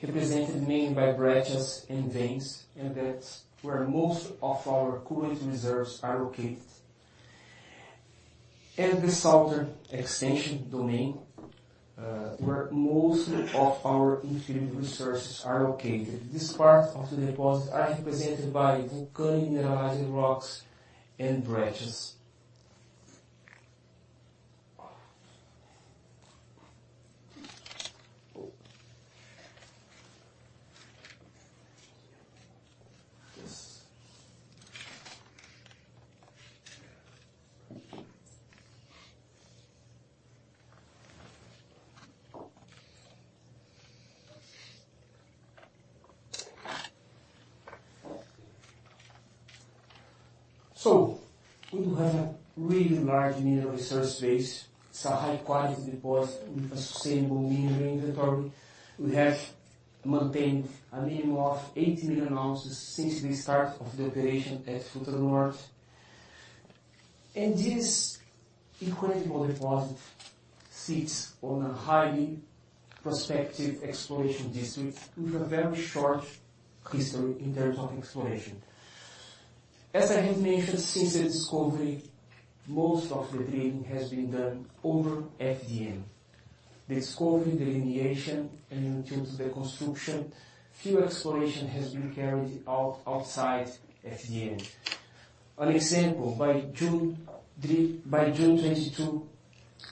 Speaker 7: represented mainly by breccias and veins, and that's where most of our current reserves are located. The southern extension domain, where most of our inferred resources are located. This part of the deposit are represented by volcanic mineralized rocks and breccias. Oh! Yes. We do have a really large mineral resource base. It's a high quality deposit with a sustainable mineral inventory. We have maintained a minimum of 80 million ounces since the start of the operation at Fruta del Norte.... This incredible deposit sits on a highly prospective exploration district with a very short history in terms of exploration. As I have mentioned, since the discovery, most of the drilling has been done over FDN. The discovery, delineation, and until the construction, few exploration has been carried out outside FDN. An example, by June 22,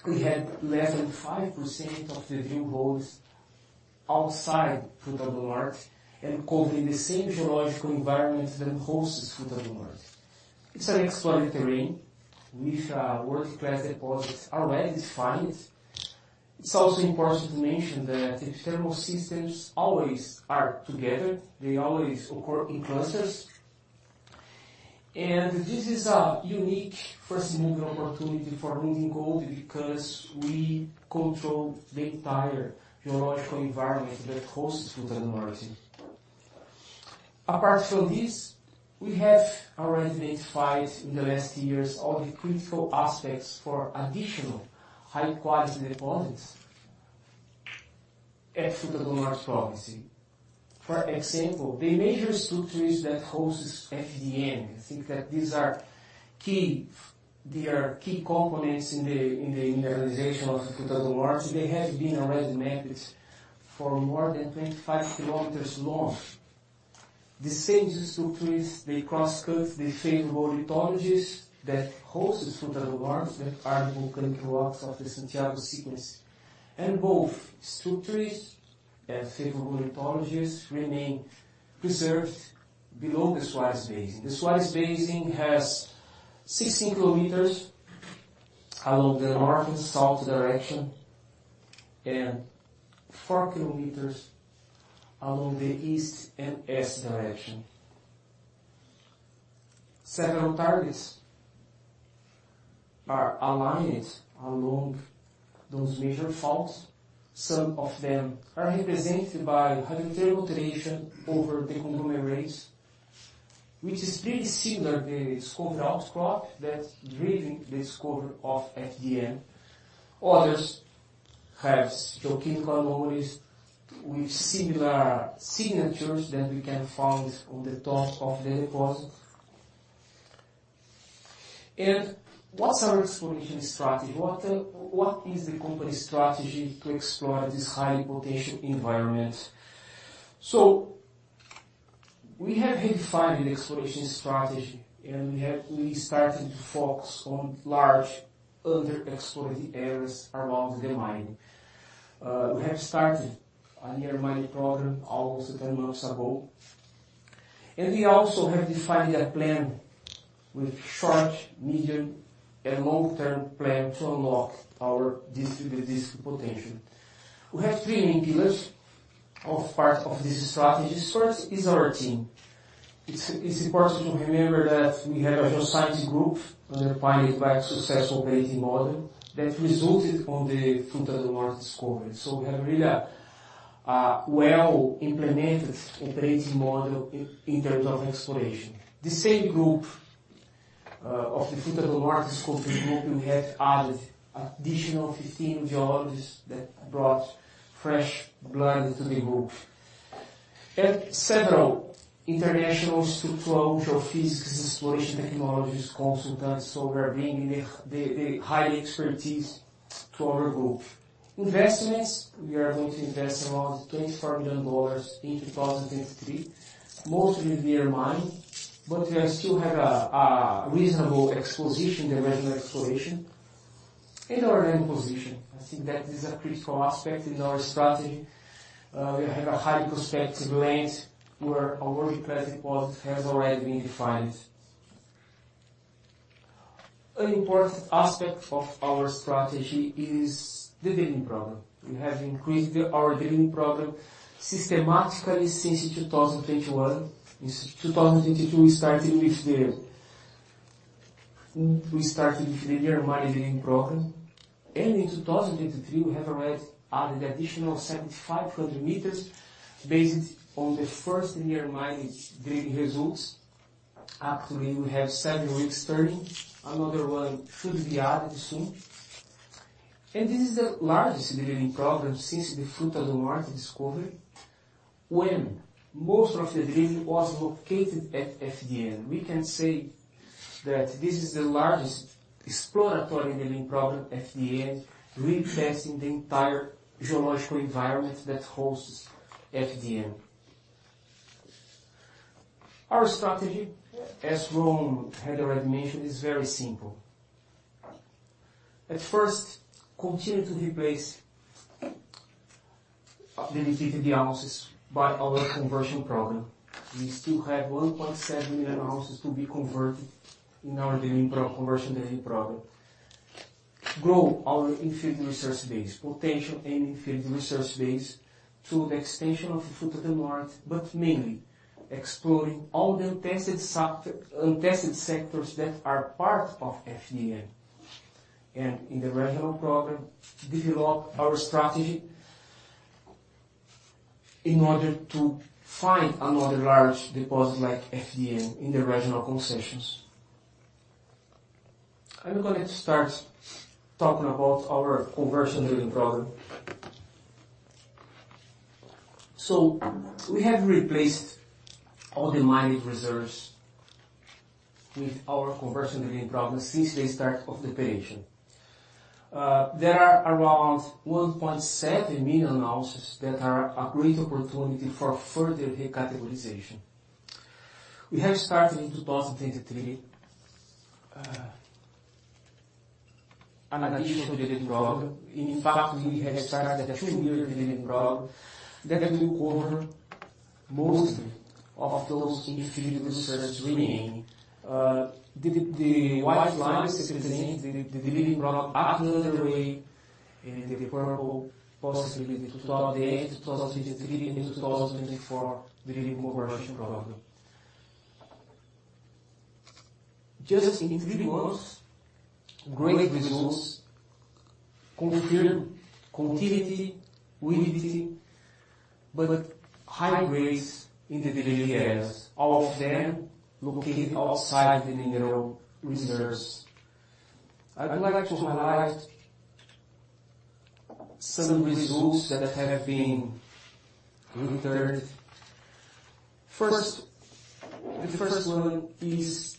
Speaker 7: we had less than 5% of the drill holes outside Fruta del Norte and covering the same geological environment that hosts Fruta del Norte. It's an exploratory terrain with world-class deposits already defined. It's also important to mention that the thermal systems always are together. They always occur in clusters. This is a unique first-mover opportunity for moving gold, because we control the entire geological environment that hosts Fruta del Norte. Apart from this, we have already identified in the last years all the critical aspects for additional high-quality deposits at Fruta del Norte province. For example, the major structures that hosts FDN. They are key components in the mineralization of Fruta del Norte. They have been already mapped for more than 25 kilometers long. The same structures, they cross-cut the favorable lithologies that hosts Fruta del Norte, that are volcanic rocks of the Santiago Formation, and both structures and favorable lithologies remain preserved below the Suárez Basin. The Suárez Basin has 16 kilometers along the north and south direction, and four kilometers along the east and west direction. Several targets are aligned along those major faults. Some of them are represented by hydrothermal alteration over the conglomerates, which is really similar, the discovered outcrop that driven the discovery of FDN. Others have geochemical anomalies with similar signatures that we can find on the top of the deposit. What's our exploration strategy? What is the company's strategy to explore this high-potential environment? We have redefined the exploration strategy, and we started to focus on large underexplored areas around the mine. We have started a near mine program almost 10 months ago, and we also have defined a plan with short, medium, and long-term plan to unlock our distributed district potential. We have three main pillars of part of this strategy. First is our team. It's important to remember that we have a geoscience group, identified by a successful grading model that resulted on the Fruta del Norte discovery. We have really a well-implemented and grading model in terms of exploration. The same group of the Fruta del Norte discovery group, we have added additional 15 geologists that brought fresh blood to the group. Several international structural geophysicist, exploration technologies, consultants, we are bringing the high expertise to our group. Investments, we are going to invest around $24 million in 2023, mostly near mine, we are still have a reasonable exposition, the regional exploration and our land position. I think that is a critical aspect in our strategy. We have a highly prospective land where a world-class deposit has already been defined. An important aspect of our strategy is the drilling program. We have increased our drilling program systematically since 2021. In 2022, we started with the near mine drilling program, in 2023, we have already added additional 7,500 meters based on the first near mine drilling results. Actually, we have seven rigs turning. Another one should be added soon. This is the largest drilling program since the Fruta del Norte discovery, when most of the drilling was located at FDN. We can say that this is the largest exploratory drilling program, FDN, retesting the entire geological environment that hosts FDN. Our strategy, as Rome had already mentioned, is very simple. At first, continue to replace the defeated the ounces by our conversion program. We still have 1.7 million ounces to be converted in our drilling conversion drilling program. Grow our in-pit resource base, potential and in-pit resource base, through the extension of the Fruta del Norte, but mainly exploring all the untested sectors that are part of FDN. In the regional program, develop our strategy in order to find another large deposit like FDN in the regional concessions. I'm going to start talking about our conversion drilling program. We have replaced all the mining reserves with our conversion drilling program since the start of the operation. There are around 1.7 million ounces that are a great opportunity for further recategorization. We have started in 2023 an additional drilling program. In fact, we have started a two-year drilling program that will cover most of those inferred resources remaining. The white lines represent the drilling program underway, and the purple, possibly the 2008, 2003, and 2004 drilling conversion program. Just in three months, great results confirmed continuity, rigidity, but high grades in the various areas, all of them located outside of the mineral reserves. I'd like to highlight some results that have been returned. First, the first one is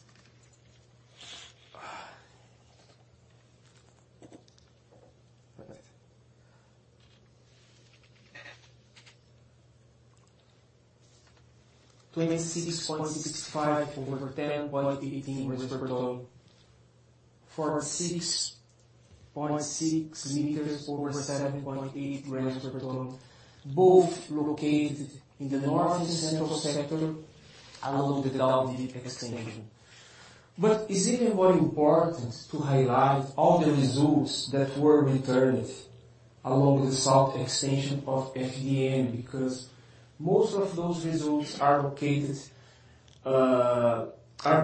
Speaker 7: 26.65 over 10.18 grams per tonne. 46.6 meters over 7.8 grams per tonne, both located in the northeast central sector along the down-dip extension. It's even more important to highlight all the results that were returned along the south extension of FDN, because most of those results are located, are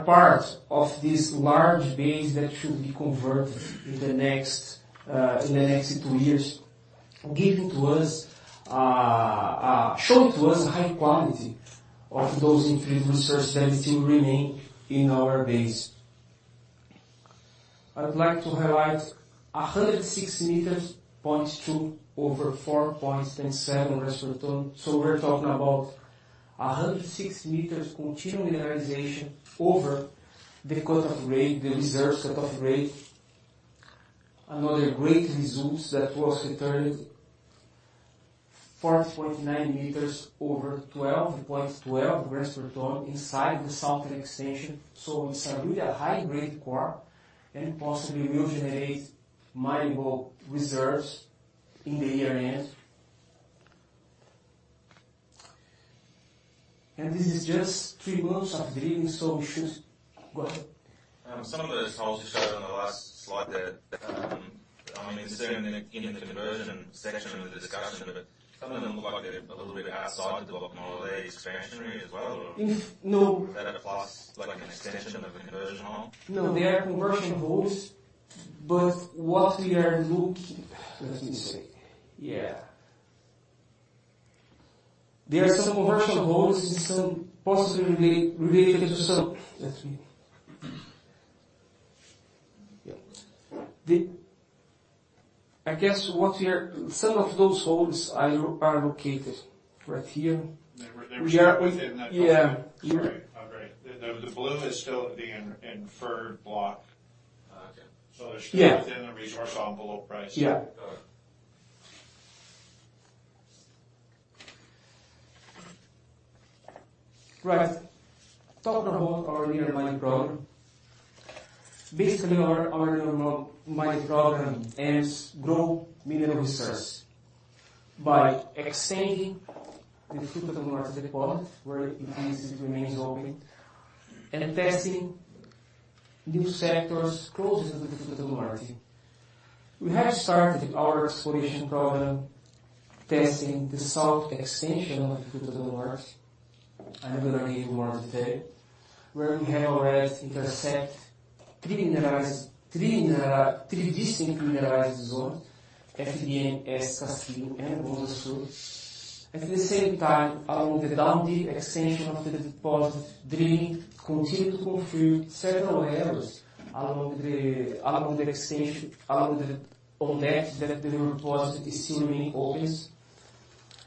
Speaker 7: part of this large base that should be converted in the next two years, giving to us, showing to us high quality of those inferred resources that still remain in our base. I'd like to highlight 106.2 meters over 4.7 grams per tonne. We're talking about 106 meters continued mineralization over the cut-off grade, the reserve cut-off grade. Another great results that was returned, 4.9 meters over 12.12 grams per tonne inside the southern extension. It's a really high-grade core and possibly will generate multiple reserves in the year-end. This is just three months of drilling, so we should. Go ahead.
Speaker 5: Some of the holes you showed on the last slide there, I mean, sitting in the conversion section of the discussion, but some of them look like they're a little bit outside of the expansion as well?
Speaker 7: No.
Speaker 5: Is that a plus, like an extension of the conversion hole?
Speaker 7: No, they are conversion holes, but Let me see. Yeah. There are some conversion holes and some possibly related to some... yeah. I guess Some of those holes are located right here.
Speaker 2: They were within.
Speaker 7: Yeah.
Speaker 2: Sorry. Oh, great. The blue is still the inferred block.
Speaker 5: Okay.
Speaker 2: So they're-
Speaker 7: Yeah...
Speaker 2: still within the resource envelope price.
Speaker 7: Yeah.
Speaker 5: Got it.
Speaker 7: Right. Talking about our near mine program. Basically, our near mine program aims to grow mineral resources by extending the Fruta del Norte deposit, where it is, it remains open, and testing new sectors closer to the Fruta del Norte. We have started our exploration program, testing the south extension of Fruta del Norte. I'm gonna give you more detail, where we have already intercept three distinct mineralized zone, FDN, Castillo, and Bonza Sur. At the same time, along the down-dip extension of the deposit, drilling continue to confirm several areas along the extension, on that the deposit is still remain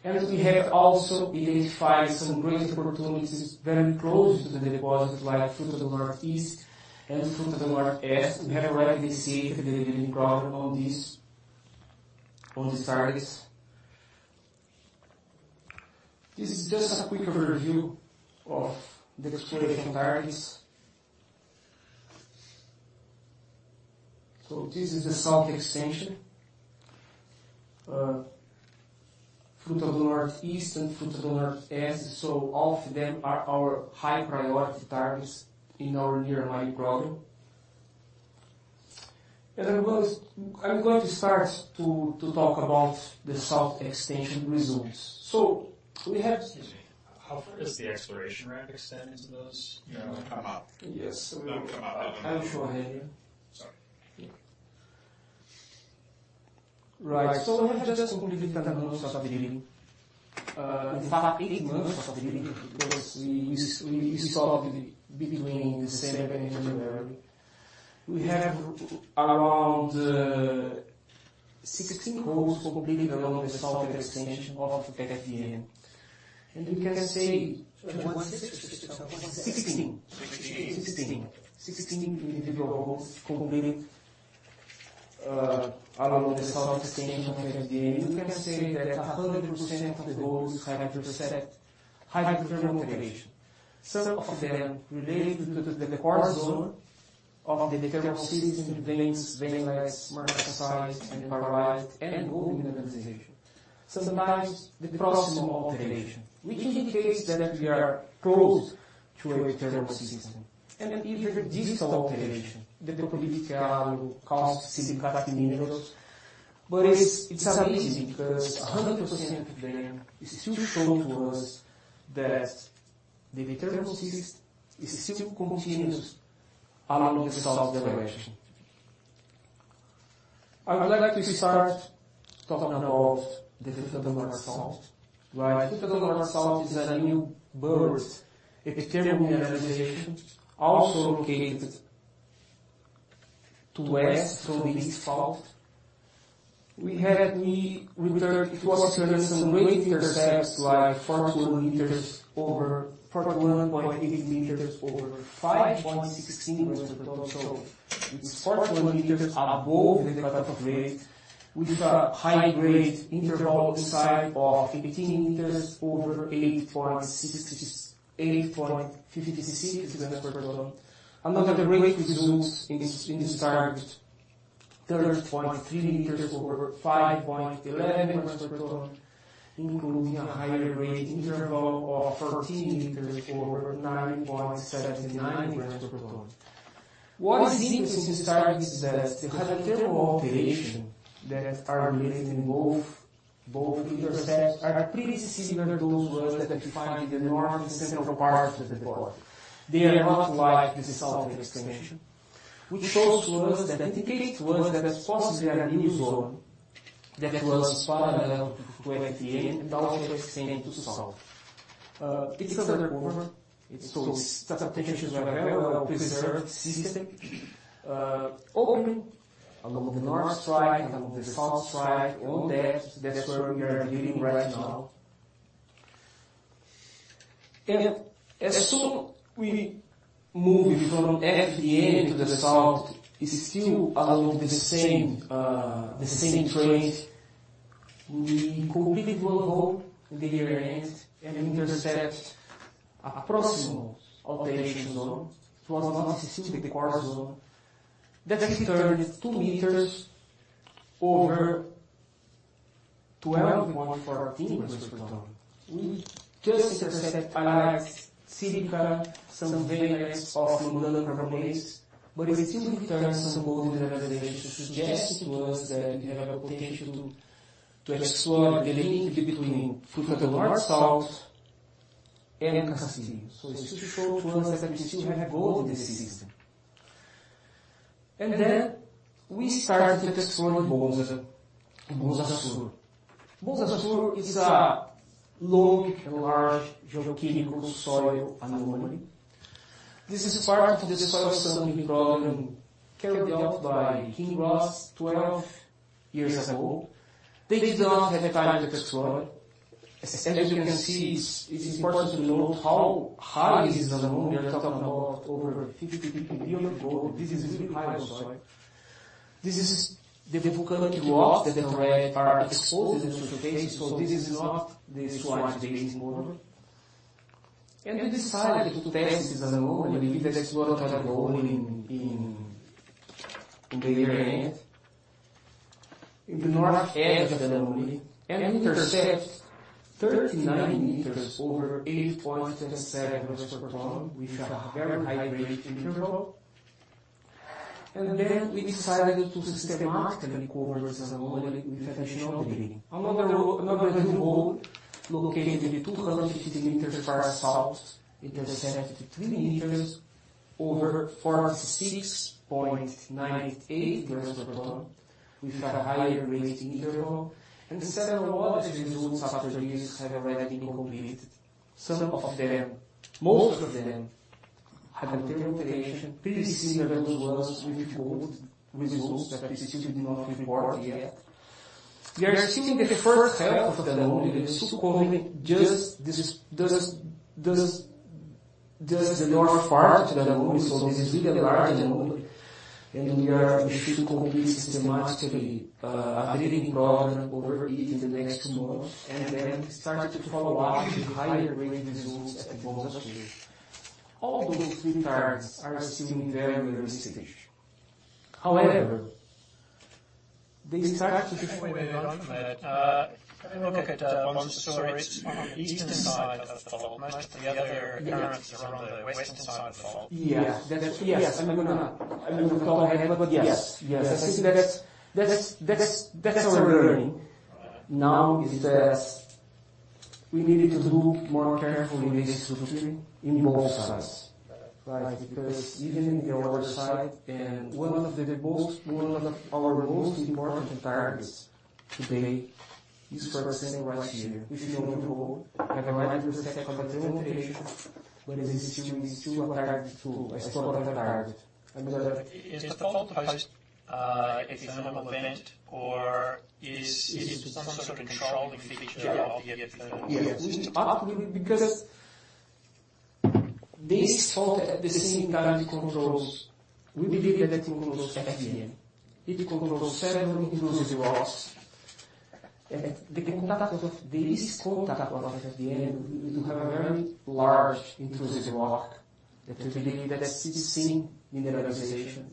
Speaker 7: open. We have also identified some great opportunities very close to the deposit, like Fruta del Norte East and Fruta del Norte West. We have already initiated the drilling program on these targets. This is just a quick overview of the exploration targets. This is the south extension, Fruta del Norte East and Fruta del Norte West, all of them are our high-priority targets in our near mine program. I'm going to start to talk about the south extension results.
Speaker 5: Excuse me, how far does the exploration right extend into those?
Speaker 2: They don't come up.
Speaker 7: Yes.
Speaker 2: They don't come up at all.
Speaker 7: I have it for here.
Speaker 5: Sorry.
Speaker 7: Right, we have just completed 10 months of drilling. In fact, eight months of drilling, because we started between December and January. We have around 16 holes completed along the southern extension of FDN. one six or one six? 16.e
Speaker 5: Sixteen.
Speaker 7: 16. 16 individual holes completed along the south extension of FDN. We can say that 100% of the holes have intercept hydrothermal alteration. Some of them related to the quartz zone of the mineral system, veins, veinlets, arsenopyrite, and pyrite, and gold mineralization. Sometimes the proximal alteration, which indicates that we are close to a hydrothermal system and even distal alteration, the pyritic calc-silicate minerals. It's amazing because 100% of them is still showing to us that the hydrothermal system is still continuous along the south direction. I would like to start talking about the Fruta del Norte South. Right, Fruta del Norte South is a new birth epithermal mineralization, also located to west from the east fault. It was producing great intercepts, like 41 meters over 41.8 meters over 5.16 grams per ton. It's 41 meters above the cut-off grade, with a high-grade interval inside of 18 meters over 8.56 grams per ton. Another great results in this target, 30.3 meters over 5.11 grams per ton, including a higher grade interval of 14 meters over 9.79 grams per ton. What is interesting to start is that the hydrothermal alteration that are related in both intercepts are pretty similar to those ones that we find in the north and central part of the deposit. They are not like the southern extension, which shows to us that, indicates to us that possibly a new zone that was parallel to FDN and also extend to south. It's another cover. It's so substantial, very well-preserved system, open along the north strike and along the south strike, all that's where we are drilling right now. As soon we move from FDN to the south, is still along the same, the same trend. We completed one hole in the area and intercept a proximal alteration zone. It was not still the core zone. That returned two meters over 12.14 grams per ton. We just intercept pyrites, silica, some veinlets of manganoan carbonates, but it still returns some gold mineralization, suggesting to us that we have a potential to explore the link between Fruta del Norte South and Castillo. It still show to us that we still have gold in the system. Then we started to explore Bonza Sur. Bonza Sur is a long and large geochemical soil anomaly. This is part of the soil sampling program carried out by Kinross 12 years ago. They did not have time to explore it. As you can see, it's important to note how high is this anomaly. We are talking about over 50 ppm gold. This is really high soil. This is the volcanic rocks that already are exposed in the surface, so this is not the Suárez Basin model. We decided to test this anomaly, we explored our gold in the north end of the anomaly, and intercept 39 meters over 8.10 grams per ton, with a very high-grade interval. We decided to systematically cover this anomaly with additional drilling. Another new hole located 250 meters far south, intercepted three meters over 46.98 grams per ton, which are higher grade interval. Several other results after this have already been completed. Some of them, most of them, have alteration pretty similar to ones with gold results that we still did not report yet. We are seeing the first half of the anomaly, we're still covering just this, just the north part of the anomaly. This is really a large anomaly. We should complete systematically a drilling program over it in the next months. Then start to follow up with higher grade results at Bonza Sur. All those three targets are assuming very similar.
Speaker 5: Wait, wait, on that. Can we look at Bonza Sur, it's on the eastern side of the fault? Most of the other targets are on the western side of the fault.
Speaker 7: Yes, that's. Yes, I'm gonna talk ahead, but yes. Yes, I think that's what we're learning. Now is that we needed to look more carefully this structure in both sides, right? Because even in the other side, and one of our most important targets today is for the same right here, which is on the hole, and I remind you the section of the presentation, where there is still a target two, a spot on the target.
Speaker 5: Is the fault post external event, or is some sort of controlling feature of the-
Speaker 7: Yes, actually, because this fault, at the same time, it controls FDN. It controls several intrusive rocks. The contact of this contact of FDN, we do have a very large intrusive rock, that we believe that it's seen in the mineralization.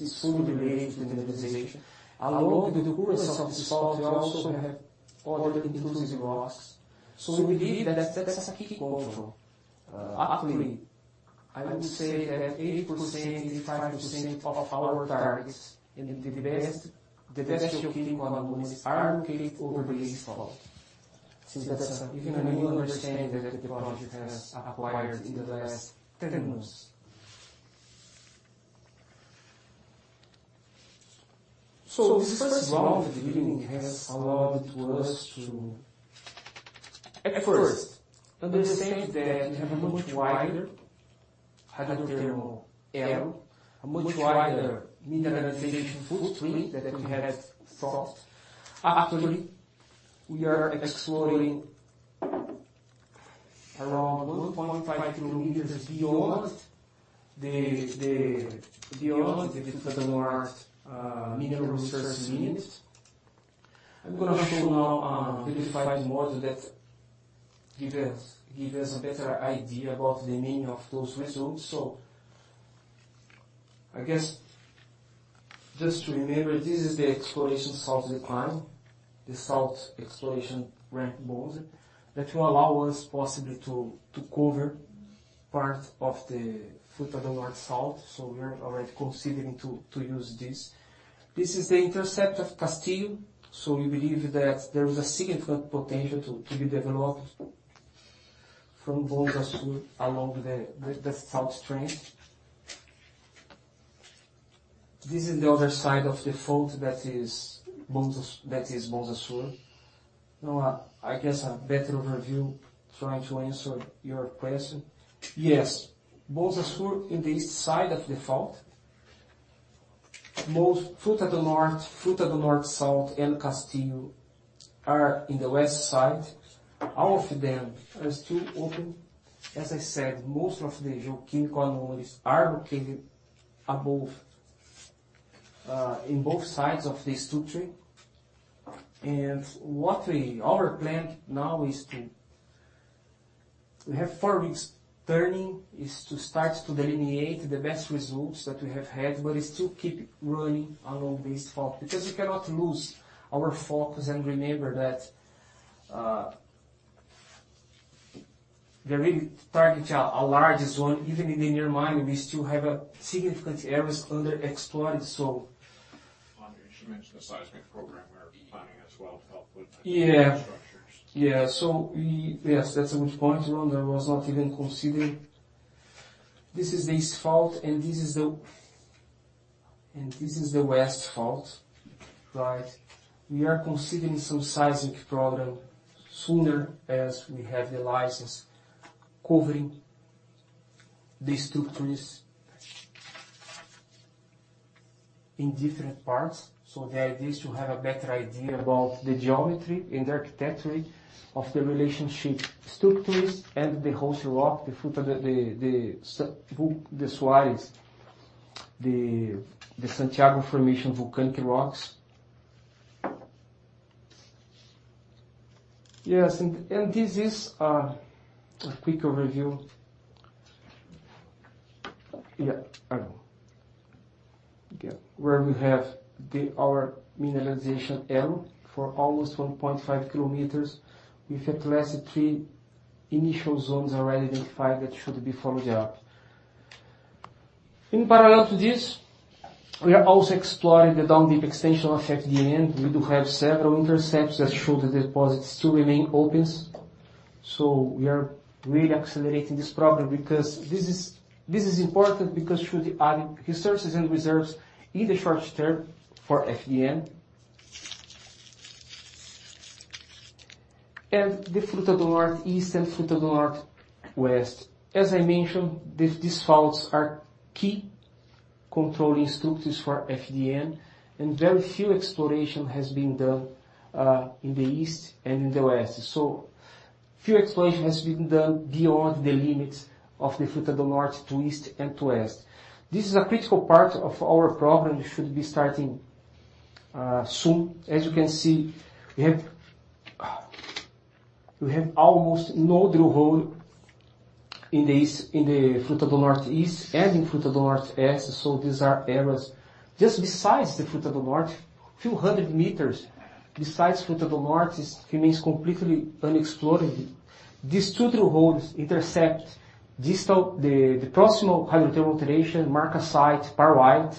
Speaker 7: It's fully related to the mineralization. Along with the course of this fault, we also have other intrusive rocks. We believe that that's a key control. Actually, I would say that 80%, 85% of our targets in the best geological anomalies are located over this fault. Since that's a, you know, a new understanding that the project has acquired in the last 10 months. This first round of drilling has allowed us to, at first, understand that we have a much wider hydrothermal area, a much wider mineralization footprint than we had thought. Actually, we are exploring around 1.5 kilometers beyond the Fruta del Norte mineral resources limit. I'm gonna show now the defined model that give us a better idea about the meaning of those results. I guess, just to remember, this is the exploration south decline, the south exploration ramp model, that will allow us possibly to cover part of the Fruta del Norte South. We are already considering to use this. This is the intercept of Castillo, so we believe that there is a significant potential to be developed from Bonza Sur along the south trend. This is the other side of the fault that is Bonza, that is Bonza Sur. I guess a better overview, trying to answer your question. Yes, Bonza Sur in the east side of the fault, most Fruta del Norte, Fruta del Norte South, and Castillo are in the west side. All of them are still open. As I said, most of the geological anomalies are located above, in both sides of the structure. Our plan now is to, We have four weeks turning, start to delineate the best results that we have had, but we still keep running along this fault, because we cannot lose our focus and remember that we're really targeting a large zone. Even in the near mine, we still have a significant areas underexplored.
Speaker 2: Andre, you mentioned the seismic program we are planning as well to help with-
Speaker 7: Yeah.
Speaker 2: structures.
Speaker 7: Yes, that's a good point, Ron. I was not even considering. This is the east fault, and this is the west fault, right? We are considering some seismic program sooner, as we have the license covering the structures in different parts. The idea is to have a better idea about the geometry and the architecture of the relationship structures and the host rock, the Fruta, the Suarez, the Santiago Formation volcanic rocks. Yes, this is a quick overview. Where we have our mineralization area for almost 1.5 kilometers, with at least three initial zones already identified that should be followed up. In parallel to this, we are also exploring the down deep extension of FDN. We do have several intercepts that show the deposits still remain open. We are really accelerating this program because this is important because through the added resources and reserves in the short term for FDN, and the Fruta del Norte East and Fruta del Norte West. As I mentioned, these faults are key controlling structures for FDN, and very few exploration has been done in the east and in the west. Few exploration has been done beyond the limits of the Fruta del Norte, to east and to west. This is a critical part of our program, we should be starting soon. As you can see, we have almost no drill hole in the east, in the Fruta del Norte East and in Fruta del Norte West, so these are areas just besides the Fruta del Norte, few hundred meters. Besides Fruta del Norte, it remains completely unexplored. These two drill holes intersect distal, the proximal hydrothermal alteration, marcasite pyrite.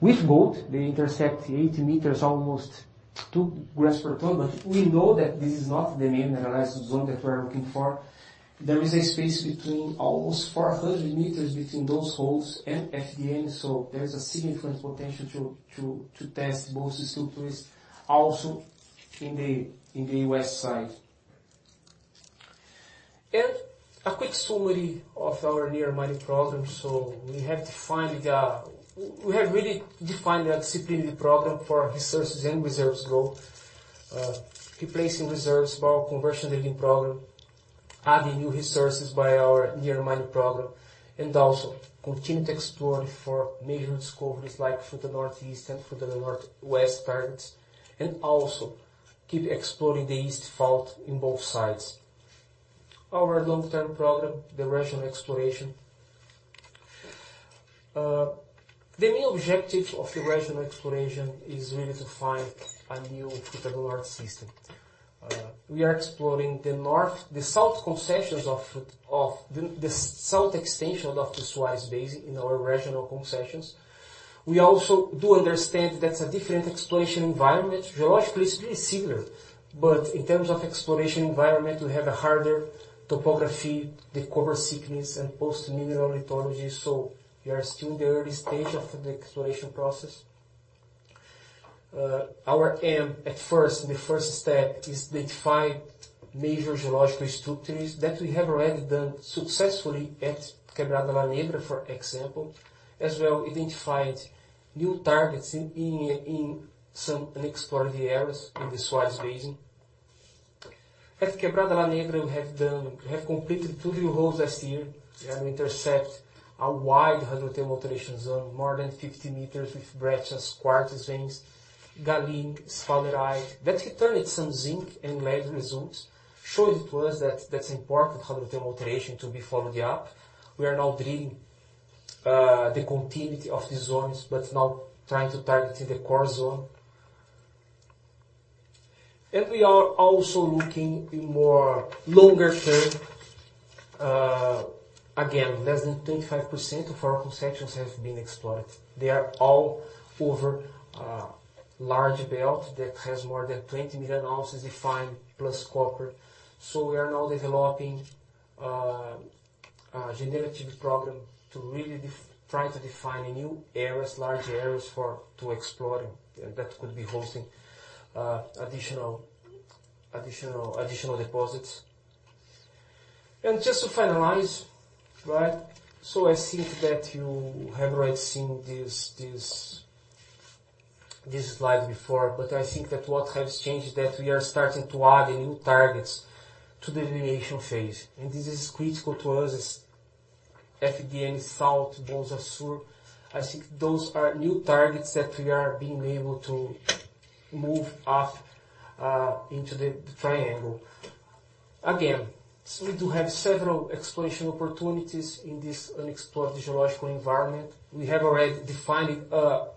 Speaker 7: With both, they intersect 80 meters, almost two grams per ton, but we know that this is not the main analysis zone that we're looking for. There is a space between almost 400 meters between those holes and FDN. There is a significant potential to test both structures also in the west side. A quick summary of our near mining program. We have really defined a disciplinary program for resources and reserves growth. Replacing reserves by our conversion drilling program, adding new resources by our near mining program, and also continue to explore for major discoveries like Fruta do Northeast and Fruta do Northwest targets, and also keep exploring the east fault in both sides. Our long-term program, the regional exploration. The main objective of the regional exploration is really to find a new Fruta del Norte system. We are exploring the south concessions of the south extension of the Cuyes Basin in our regional concessions. We also do understand that's a different exploration environment. Geologically, it's very similar, but in terms of exploration environment, we have a harder topography, the cover thickness, and post-mineral lithology. We are still in the early stage of the exploration process. Our aim at first, the first step, is to identify major geological structures that we have already done successfully at Quebrada La Negra, for example, as well identified new targets in some unexplored areas in the Cuyes Basin. At Quebrada La Negra, we have completed two drill holes last year. We intercept a wide hydrothermal alteration zone, more than 50 meters with breccia, quartz veins, galena, sphalerite, that returned some zinc and lead results, showed it was that's important hydrothermal alteration to be followed up. We are now drilling the continuity of these zones, now trying to target the core zone. We are also looking in more longer term. Again, less than 25% of our concessions have been explored. They are all over a large belt that has more than 20 million ounces of fine plus copper. We are now developing a generative program to really try to define new areas, larger areas to explore, and that could be hosting additional deposits. Just to finalize, right? I think that you have already seen this slide before, but I think that what has changed is that we are starting to add new targets to the evaluation phase, and this is critical to us as FDNS, Bonza Sur. I think those are new targets that we are being able to move up into the triangle. Again, we do have several exploration opportunities in this unexplored geological environment. We have already defined a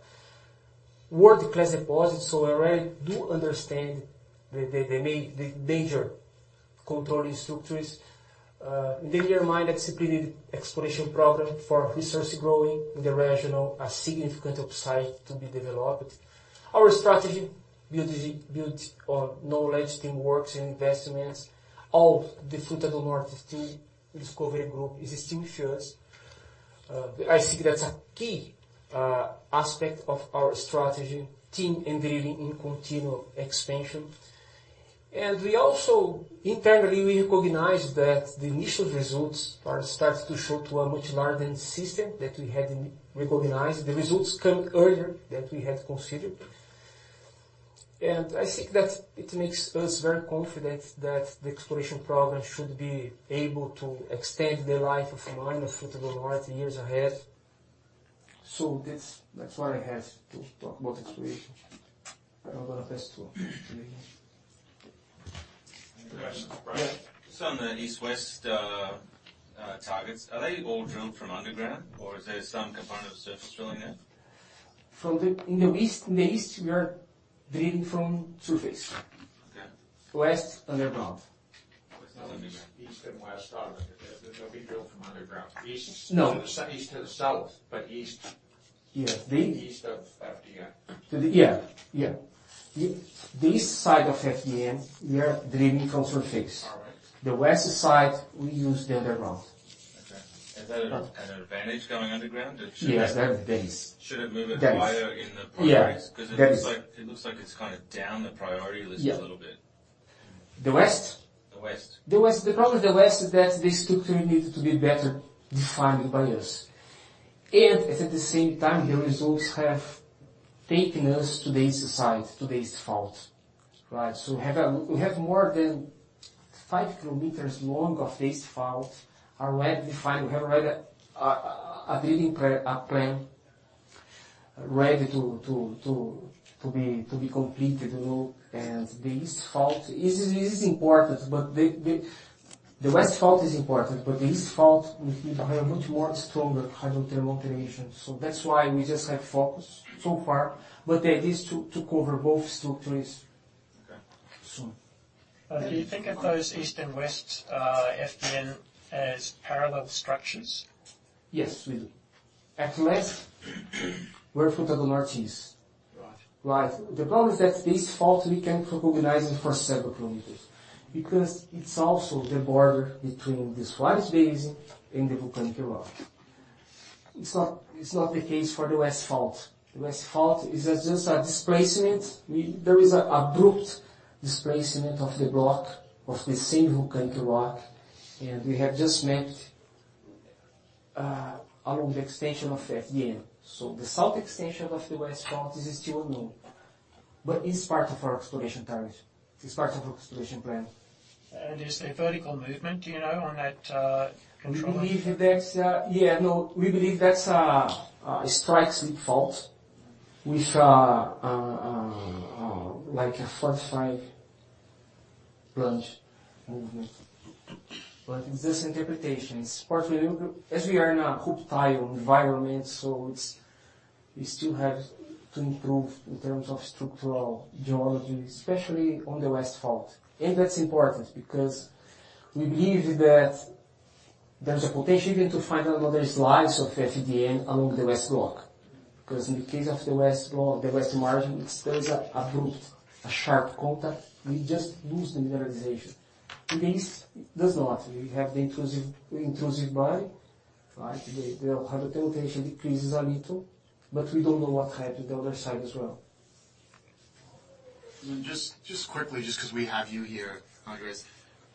Speaker 7: world-class deposit, I already do understand the main, the major controlling structures. In the near mine, a disciplined exploration program for resource growing in the regional, a significant upside to be developed. Our strategy build on knowledge, teamwork, and investments. All the Fruta del Norte team discovery group is extremely fierce. I think that's a key aspect of our strategy, team, and drilling in continual expansion. We also internally, we recognize that the initial results are starting to show to a much larger system than we had recognized. The results come earlier than we had considered. I think that it makes us very confident that the exploration program should be able to extend the life of the mine of Fruta del Norte years ahead. That's what I have to talk about exploration. I'm gonna pass to Julie.
Speaker 2: Any questions, Bryce?
Speaker 7: Yeah.
Speaker 5: On the east-west targets, are they all drilled from underground, or is there some component of surface drilling there?
Speaker 7: In the east, we are drilling from surface.
Speaker 5: Okay.
Speaker 7: West, underground.
Speaker 5: East and west are, there's no big drill from underground.
Speaker 7: No.
Speaker 5: Southeast to the south, but east.
Speaker 7: Yeah.
Speaker 5: East of FDN.
Speaker 7: Yeah. Yeah. This side of FDN, we are drilling from surface.
Speaker 5: All right.
Speaker 7: The west side, we use the underground.
Speaker 5: Okay. Is that an advantage going underground or should?
Speaker 7: Yes, that is.
Speaker 5: Should it move it higher?
Speaker 7: That is.
Speaker 5: in the priorities?
Speaker 7: Yeah, that is.
Speaker 5: It looks like it's kinda down the priority list.
Speaker 7: Yeah
Speaker 5: a little bit.
Speaker 7: The west?
Speaker 5: The west.
Speaker 7: The west, the problem with the west is that the structure needs to be better defined by us. At the same time, the results have taken us to the east side, to the east fault, right? We have more than five kilometers long of the east fault already defined. We have already a drilling a plan ready to be completed now. The east fault is important, but the west fault is important, but the east fault, we have a much more stronger hydrothermal alteration. That's why we just have focused so far, but the idea is to cover both structures.
Speaker 8: Do you think of those east and west FDN as parallel structures?
Speaker 7: Yes, we do. At least where Fruta del Norte is.
Speaker 8: Right.
Speaker 7: Right. The problem is that this fault, we can recognize it for several kilometers, because it's also the border between the Suárez Basin and the volcanic rock. It's not the case for the west fault. The west fault is just a displacement. There is a abrupt displacement of the block, of the same volcanic rock, and we have just met along the extension of FDN. The south extension of the west fault is still unknown, but it's part of our exploration target. It's part of our exploration plan.
Speaker 8: Is there vertical movement, do you know, on that, control?
Speaker 7: We believe that's a strike slip fault with a like a 45 plunge movement. It's this interpretation. As we are in a rupel environment, we still have to improve in terms of structural geology, especially on the west fault. That's important because we believe that there's a potential even to find another slice of FDN along the west block. Because in the case of the west block, the west margin, there is a sharp contact. We just lose the mineralization. In the east, there's not. We have the intrusive body, right? The hydro temptation decreases a little. We don't know what happened on the other side as well.
Speaker 5: Just quickly, just 'cause we have you here, Andres.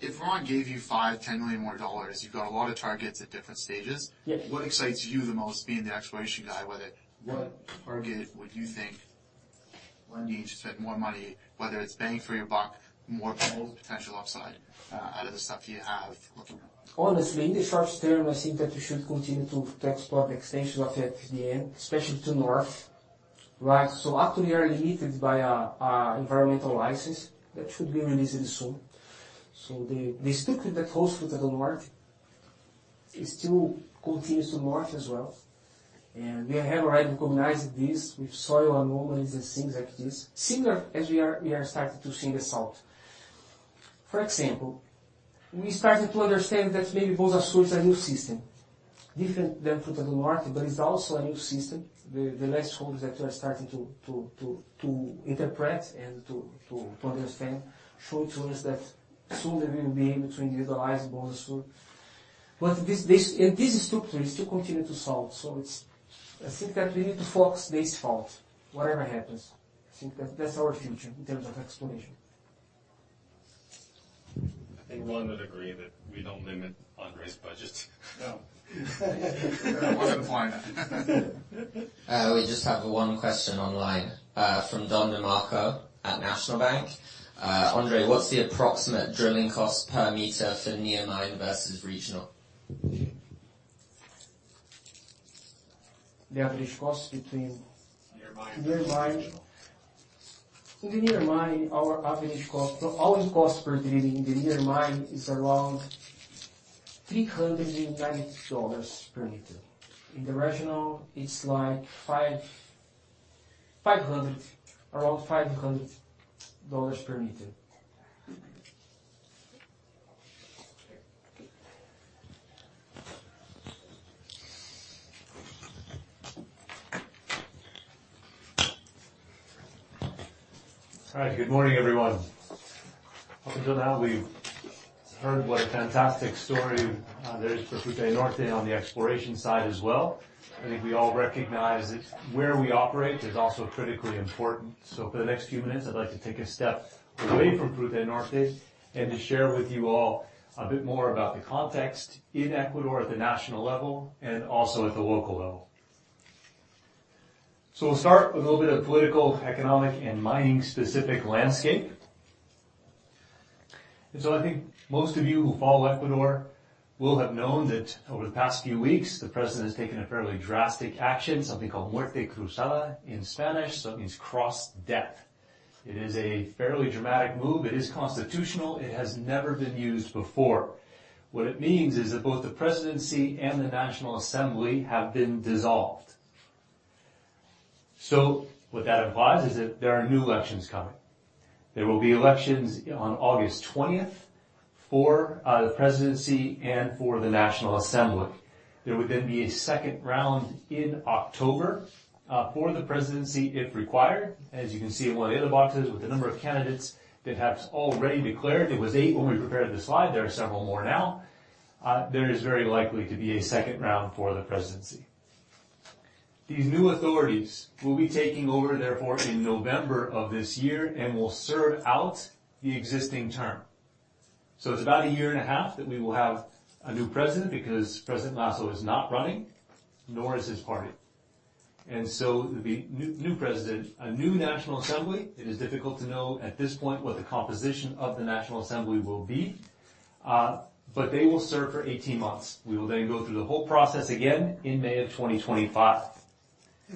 Speaker 5: If Ron gave you $5 million-$10 million more dollars, you've got a lot of targets at different stages.
Speaker 7: Yes.
Speaker 5: What excites you the most being the exploration guy? Whether what target would you think we need to spend more money, whether it's bang for your buck, more potential upside, out of the stuff you have looking at?
Speaker 7: Honestly, in the short term, I think that we should continue to explore the extension of FDN, especially to north. Right? Actually, we are limited by a environmental license that should be released soon. The structure that hosts Fruta del Norte, it still continues to north as well, and we have already recognized this with soil anomalies and things like this. Similar as we are starting to see the south. For example, we started to understand that maybe Bonza Sur is a new system, different than Fruta del Norte, but it's also a new system. The last holes that we are starting to interpret and to understand show to us that soon we will be able to individualize Bonza Sur. This structure is to continue to south. I think that we need to focus this fault, whatever happens. I think that that's our future in terms of exploration.
Speaker 6: I think Ron would agree that we don't limit Andres' budget.
Speaker 8: No. That wasn't the point.
Speaker 1: We just have one question online from Don DeMarco at National Bank. "Andre, what's the approximate drilling cost per meter for near mine versus regional?
Speaker 7: The average cost between-
Speaker 1: Near mine and regional.
Speaker 7: Near mine. In the near mine, our average cost, our cost per drilling in the near mine is around $390 per meter. In the regional, it's like $500, around $500 per meter.
Speaker 8: All right. Good morning, everyone. Up until now, we've heard what a fantastic story there is for Fruta del Norte on the exploration side as well. I think we all recognize that where we operate is also critically important. For the next few minutes, I'd like to take a step away from Fruta del Norte and to share with you all a bit more about the context in Ecuador at the national level and also at the local level. We'll start with a little bit of political, economic, and mining-specific landscape. I think most of you who follow Ecuador will have known that over the past few weeks, the president has taken a fairly drastic action, something called Muerte Cruzada in Spanish. It means cross-death. It is a fairly dramatic move. It is constitutional. It has never been used before. What it means is that both the presidency and the National Assembly have been dissolved. What that implies is that there are new elections coming. There will be elections on August 20th for the presidency and for the National Assembly. There would then be a second round in October for the presidency, if required. As you can see in one of the other boxes, with the number of candidates that have already declared, it was eight when we prepared this slide, there are several more now, there is very likely to be a second round for the presidency. These new authorities will be taking over, therefore, in November of this year and will serve out the existing term. It's about a year and a half that we will have a new president, because President Lasso is not running, nor is his party. It would be new president, a new National Assembly. It is difficult to know at this point what the composition of the National Assembly will be, but they will serve for 18 months. We will go through the whole process again in May of 2025.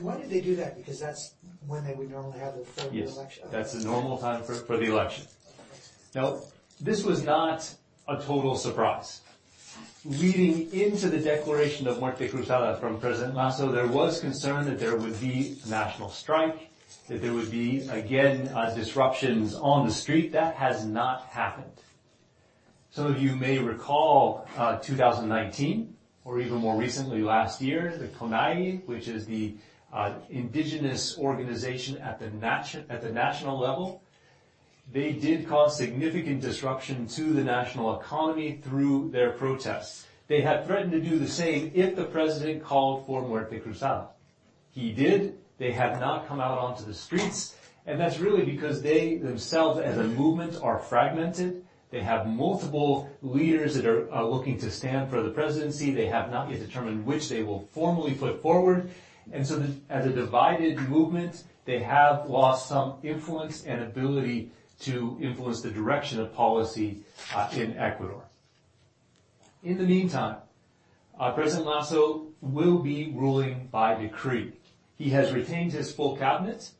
Speaker 5: Why did they do that? Because that's when they would normally have the federal election.
Speaker 8: Yes, that's the normal time for the election. This was not a total surprise. Leading into the declaration of Muerte Cruzada from President Lasso, there was concern that there would be a national strike, that there would be, again, disruptions on the street. That has not happened. Some of you may recall, 2019, or even more recently, last year, the CONAIE, which is the indigenous organization at the national level, they did cause significant disruption to the national economy through their protests. They had threatened to do the same if the president called for Muerte Cruzada. He did. They have not come out onto the streets, that's really because they themselves, as a movement, are fragmented. They have multiple leaders that are looking to stand for the presidency. They have not yet determined which they will formally put forward. As a divided movement, they have lost some influence and ability to influence the direction of policy in Ecuador. In the meantime, President Lasso will be ruling by decree. He has retained his full cabinet.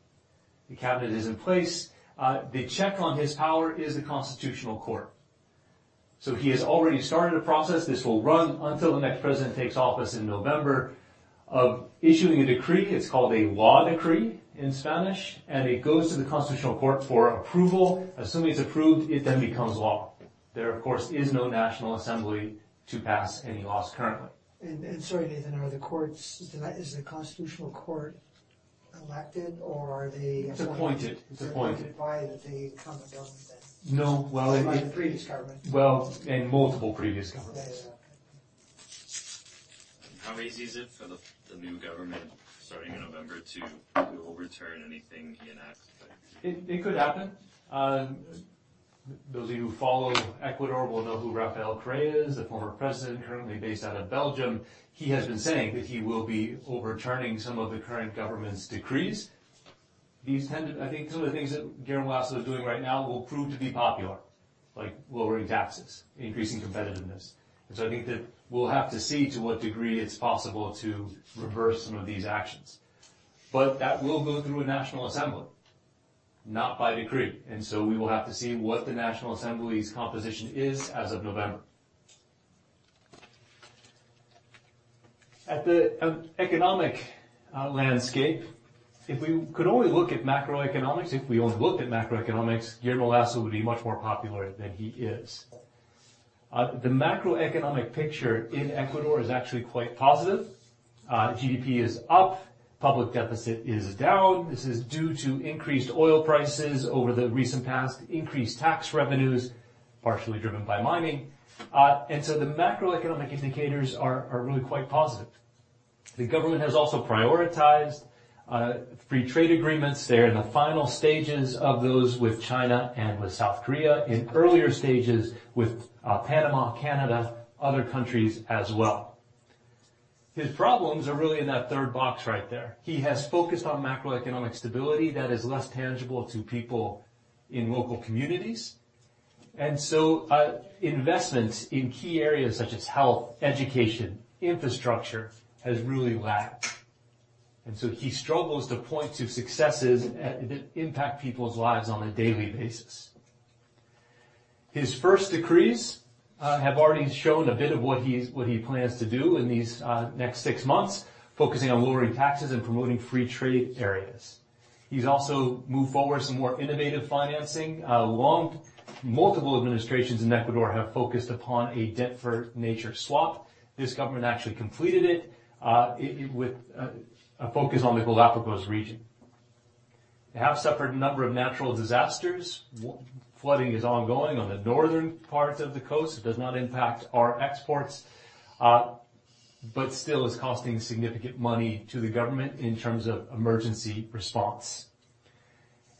Speaker 8: The cabinet is in place. The check on his power is the Constitutional Court. He has already started a process, this will run until the next president takes office in November, of issuing a decree. It's called a law decree in Spanish, and it goes to the Constitutional Court for approval. Assuming it's approved, it then becomes law. There, of course, is no National Assembly to pass any laws currently.
Speaker 5: Sorry, Nathan, is the Constitutional Court elected or are they appointed?
Speaker 8: It's appointed. It's appointed.
Speaker 5: Appointed by the current government, then?
Speaker 8: No.
Speaker 5: By the previous government.
Speaker 8: Well, multiple previous governments.
Speaker 5: Yeah, yeah. How easy is it for the new government starting in November to overturn anything he enacts?
Speaker 8: It could happen. Those of you who follow Ecuador will know who Rafael Correa is, the former President currently based out of Belgium. He has been saying that he will be overturning some of the current government's decrees. I think some of the things that Guillermo Lasso is doing right now will prove to be popular, like lowering taxes, increasing competitiveness, and so I think that we'll have to see to what degree it's possible to reverse some of these actions. That will go through a National Assembly, not by decree, and so we will have to see what the National Assembly's composition is as of November. At the economic landscape, if we could only look at macroeconomics, if we only looked at macroeconomics, Guillermo Lasso would be much more popular than he is. The macroeconomic picture in Ecuador is actually quite positive. GDP is up, public deficit is down. This is due to increased oil prices over the recent past, increased tax revenues, partially driven by mining. The macroeconomic indicators are really quite positive. The government has also prioritized free trade agreements. They're in the final stages of those with China and with South Korea, in earlier stages with Panama, Canada, other countries as well. His problems are really in that third box right there. He has focused on macroeconomic stability that is less tangible to people in local communities, investments in key areas such as health, education, infrastructure, has really lagged, he struggles to point to successes that impact people's lives on a daily basis. His first decrees have already shown a bit of what he plans to do in these next six months, focusing on lowering taxes and promoting free trade areas. He's also moved forward some more innovative financing. multiple administrations in Ecuador have focused upon a debt for naturse swap. This government actually completed it with a focus on the Galapagos region. They have suffered a number of natural disasters. Flooding is ongoing on the northern parts of the coast. It does not impact our exports, but still is costing significant money to the government in terms of emergency response.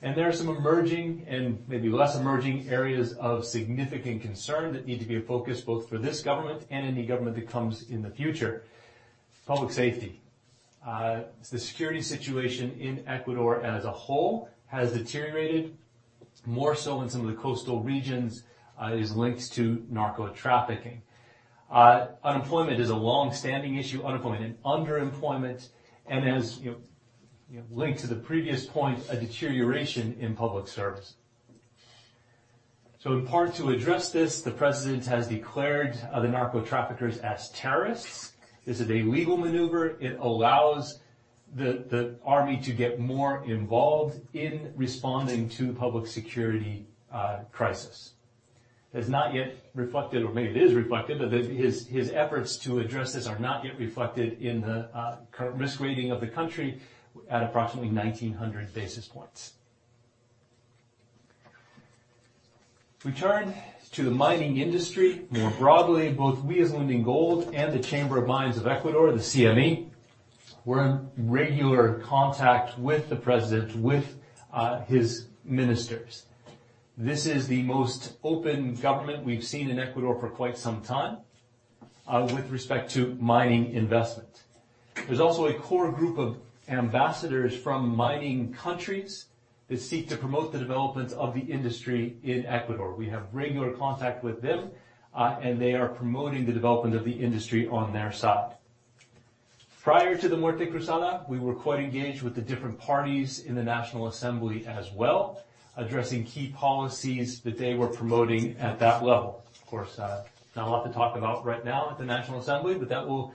Speaker 8: There are some emerging and maybe less emerging areas of significant concern that need to be a focus both for this government and any government that comes in the future. Public safety. The security situation in Ecuador as a whole has deteriorated, more so in some of the coastal regions, is linked to narco trafficking. Unemployment is a long-standing issue, unemployment and underemployment, and as you know, linked to the previous point, a deterioration in public service. In part, to address this, the president has declared the narco traffickers as terrorists. This is a legal maneuver. It allows the army to get more involved in responding to the public security crisis. It has not yet reflected, or maybe it is reflected, but that his efforts to address this are not yet reflected in the current risk rating of the country at approximately 1,900 basis points. We turn to the mining industry more broadly, both we as Lundin Gold and the Chamber of Mines of Ecuador, the CME. We're in regular contact with the President, with his ministers. This is the most open government we've seen in Ecuador for quite some time, with respect to mining investment. There's also a core group of ambassadors from mining countries that seek to promote the development of the industry in Ecuador. We have regular contact with them, they are promoting the development of the industry on their side. Prior to the Muerte Cruzada, we were quite engaged with the different parties in the National Assembly as well, addressing key policies that they were promoting at that level. Of course, not a lot to talk about right now at the National Assembly, that will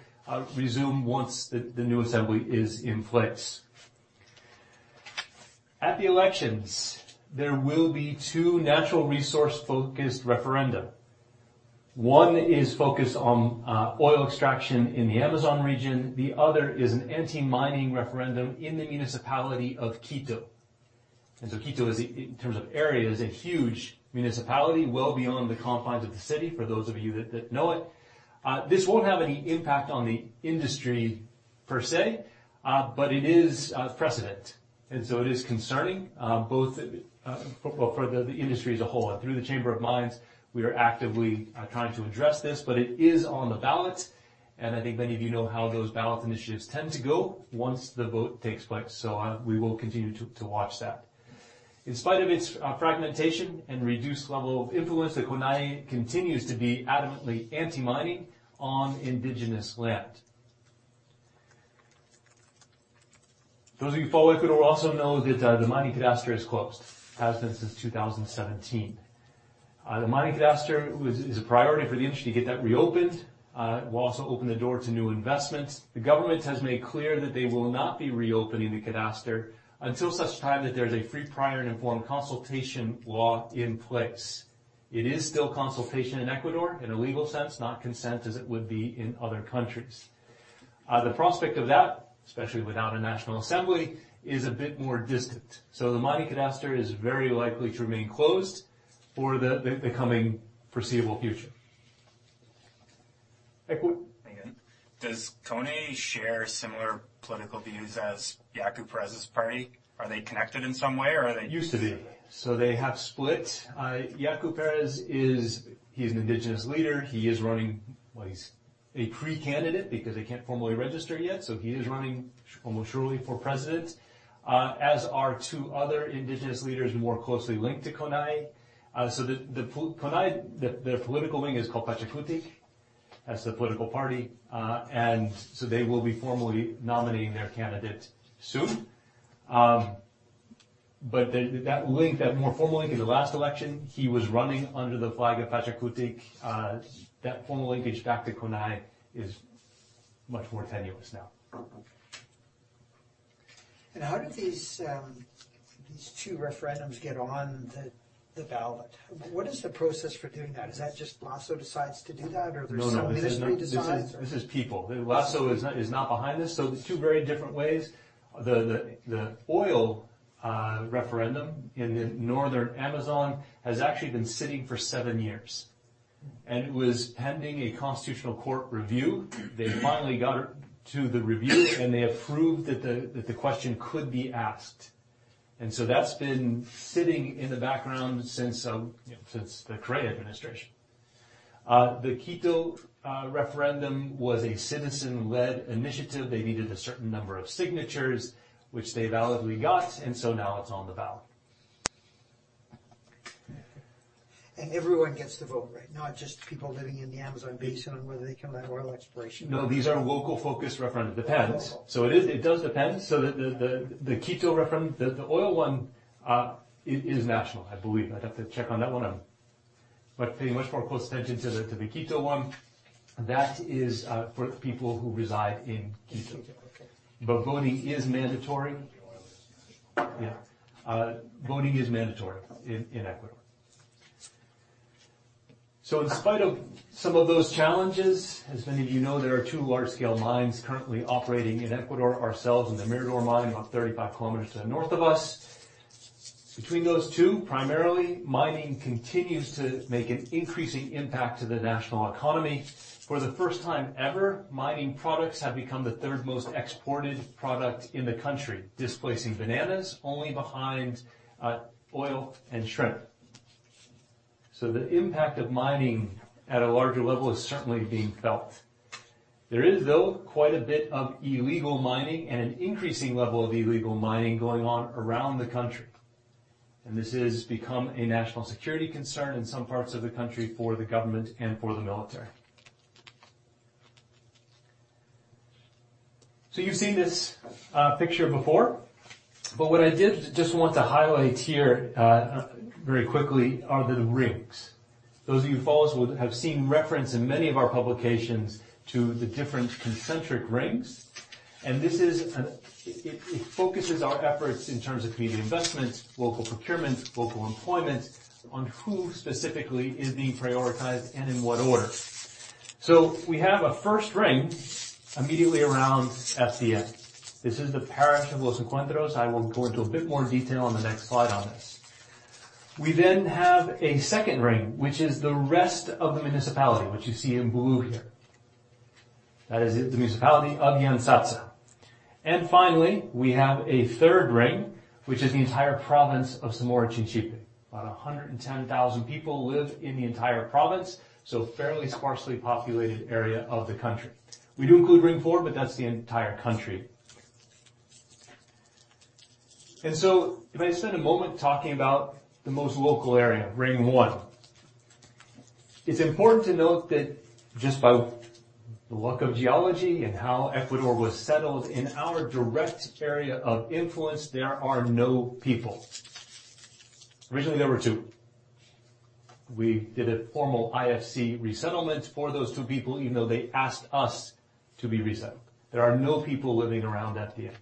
Speaker 8: resume once the new assembly is in place. At the elections, there will be two natural resource-focused referenda. One is focused on oil extraction in the Amazon region, the other is an anti-mining referendum in the municipality of Quito. Quito is, in terms of area, is a huge municipality, well beyond the confines of the city, for those of you that know it. This won't have any impact on the industry per se, but it is precedent, and so it is concerning both for the industry as a whole. Through the Chamber of Mines, we are actively trying to address this, but it is on the ballot, and I think many of you know how those ballot initiatives tend to go once the vote takes place. We will continue to watch that. In spite of its fragmentation and reduced level of influence, the CONAIE continues to be adamantly anti-mining on indigenous land. Those of you who follow Ecuador also know that, the mining cadastre is closed, has been since 2017. The mining cadastre is a priority for the industry to get that reopened. It will also open the door to new investments. The government has made clear that they will not be reopening the cadastre until such time that there is a free, prior, and informed consultation law in place. It is still consultation in Ecuador, in a legal sense, not consent, as it would be in other countries. The prospect of that, especially without a National Assembly, is a bit more distant. The mining cadastre is very likely to remain closed for the coming foreseeable future. Echo?
Speaker 5: Hi again. Does CONAIE share similar political views as Yaku Pérez's party? Are they connected in some way?
Speaker 8: Used to be. They have split. Yaku Pérez is an indigenous leader. He is running, well, he's a pre-candidate because they can't formally register yet, so he is running almost surely for president, as are two other indigenous leaders more closely linked to CONAIE. The CONAIE, the political wing is called Pachakutik. That's the political party. They will be formally nominating their candidate soon. That link, that more formal link in the last election, he was running under the flag of Pachakutik. That formal linkage back to CONAIE is much more tenuous now.
Speaker 5: How did these two referendums get on the ballot? What is the process for doing that? Is that just Lasso decides to do that, or there's some-
Speaker 8: No, no.
Speaker 5: Ministry decides, or?
Speaker 8: This is people. Lasso is not behind this. There's two very different ways. The oil referendum in the northern Amazon has actually been sitting for seven years, and it was pending a Constitutional Court review. They finally got it to the review, and they approved that the question could be asked. That's been sitting in the background since, you know, since the Correa administration. The Quito referendum was a citizen-led initiative. They needed a certain number of signatures, which they validly got, now it's on the ballot.
Speaker 5: Everyone gets to vote, right? Not just people living in the Amazon, based on whether they come to have oil exploration.
Speaker 8: No, these are local-focused referenda. Depends.
Speaker 5: Oh.
Speaker 8: It is, it does depend. The Quito referendum. The oil one, it is national, I believe. I'd have to check on that one. Paying much more close attention to the Quito one, that is, for people who reside in Quito.
Speaker 5: In Quito, okay.
Speaker 8: Voting is mandatory.
Speaker 5: The oil is national.
Speaker 8: Yeah. Voting is mandatory in Ecuador. In spite of some of those challenges, as many of you know, there are two large-scale mines currently operating in Ecuador, ourselves and the Mirador mine, about 35 kilometers to the north of us. Between those two, primarily, mining continues to make an increasing impact to the national economy. For the first time ever, mining products have become the third most exported product in the country, displacing bananas only behind oil and shrimp. The impact of mining at a larger level is certainly being felt. There is, though, quite a bit of illegal mining and an increasing level of illegal mining going on around the country, and this has become a national security concern in some parts of the country for the government and for the military. You've seen this picture before, what I did just want to highlight here very quickly, are the rings. Those of you who follow us would have seen reference in many of our publications to the different concentric rings. It focuses our efforts in terms of community investments, local procurement, local employment, on who specifically is being prioritized and in what order. We have a first ring immediately around FDM. This is the Parish of Los Encuentros. I will go into a bit more detail on the next slide on this. We have a second ring, which is the rest of the municipality, which you see in blue here. That is the municipality of Yantzaza. Finally, we have a third ring, which is the entire province of Zamora Chinchipe. About 110,000 people live in the entire province, so fairly sparsely populated area of the country. We do include Ring four, but that's the entire country. If I spend a moment talking about the most local area, Ring one. It's important to note that just by the luck of geology and how Ecuador was settled, in our direct area of influence, there are no people. Originally, there were two. We did a formal IFC resettlement for those two people, even though they asked us to be resettled. There are no people living around FDN.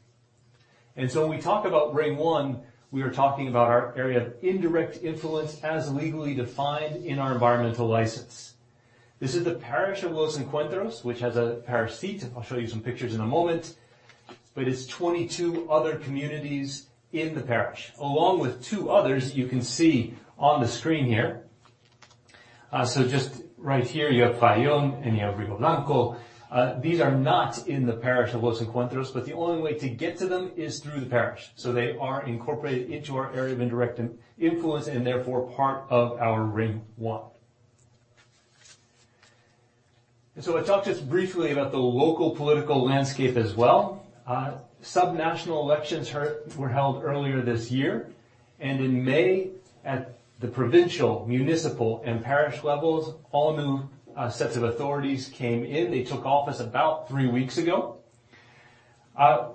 Speaker 8: When we talk about Ring one, we are talking about our area of indirect influence as legally defined in our environmental license. This is the parish of Los Encuentros, which has a parish seat. I'll show you some pictures in a moment, but it's 22 other communities in the parish, along with two others you can see on the screen here. Just right here, you have Payón, and you have Rio Blanco. These are not in the parish of Los Encuentros, but the only way to get to them is through the parish, so they are incorporated into our area of indirect in-influence and therefore part of our Ring One. I'll talk just briefly about the local political landscape as well. Subnational elections were held earlier this year, and in May, at the provincial, municipal, and parish levels, all new sets of authorities came in. They took office about 3 weeks ago.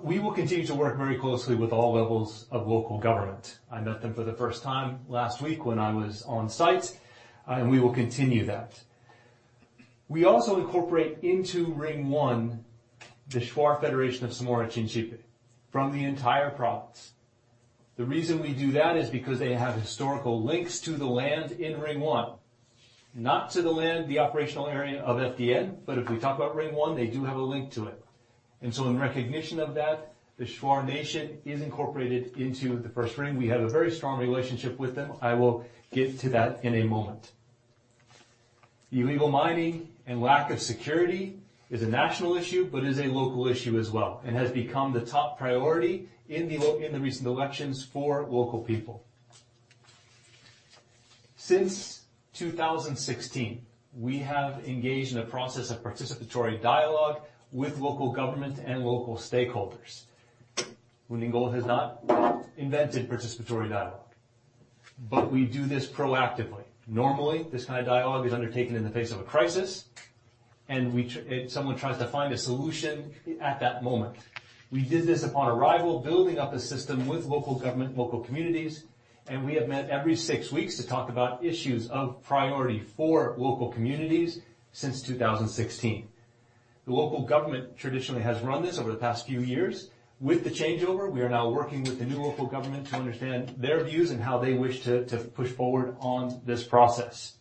Speaker 8: We will continue to work very closely with all levels of local government. I met them for the first time last week when I was on site, and we will continue that. We also incorporate into Ring One, the Shuar Federation of Zamora Chinchipe from the entire province. The reason we do that is because they have historical links to the land in Ring One, not to the land, the operational area of FDN, but if we talk about Ring One, they do have a link to it. In recognition of that, the Shuar Nation is incorporated into the first ring. We have a very strong relationship with them. I will get to that in a moment. Illegal mining and lack of security is a national issue, but is a local issue as well, and has become the top priority in the recent elections for local people. Since 2016, we have engaged in a process of participatory dialogue with local government and local stakeholders. Lundin Gold has not invented participatory dialogue, but we do this proactively. Normally, this kind of dialogue is undertaken in the face of a crisis, and someone tries to find a solution at that moment. We did this upon arrival, building up a system with local government, local communities, and we have met every six weeks to talk about issues of priority for local communities since 2016. The local government traditionally has run this over the past few years. With the changeover, we are now working with the new local government to understand their views and how they wish to push forward on this process.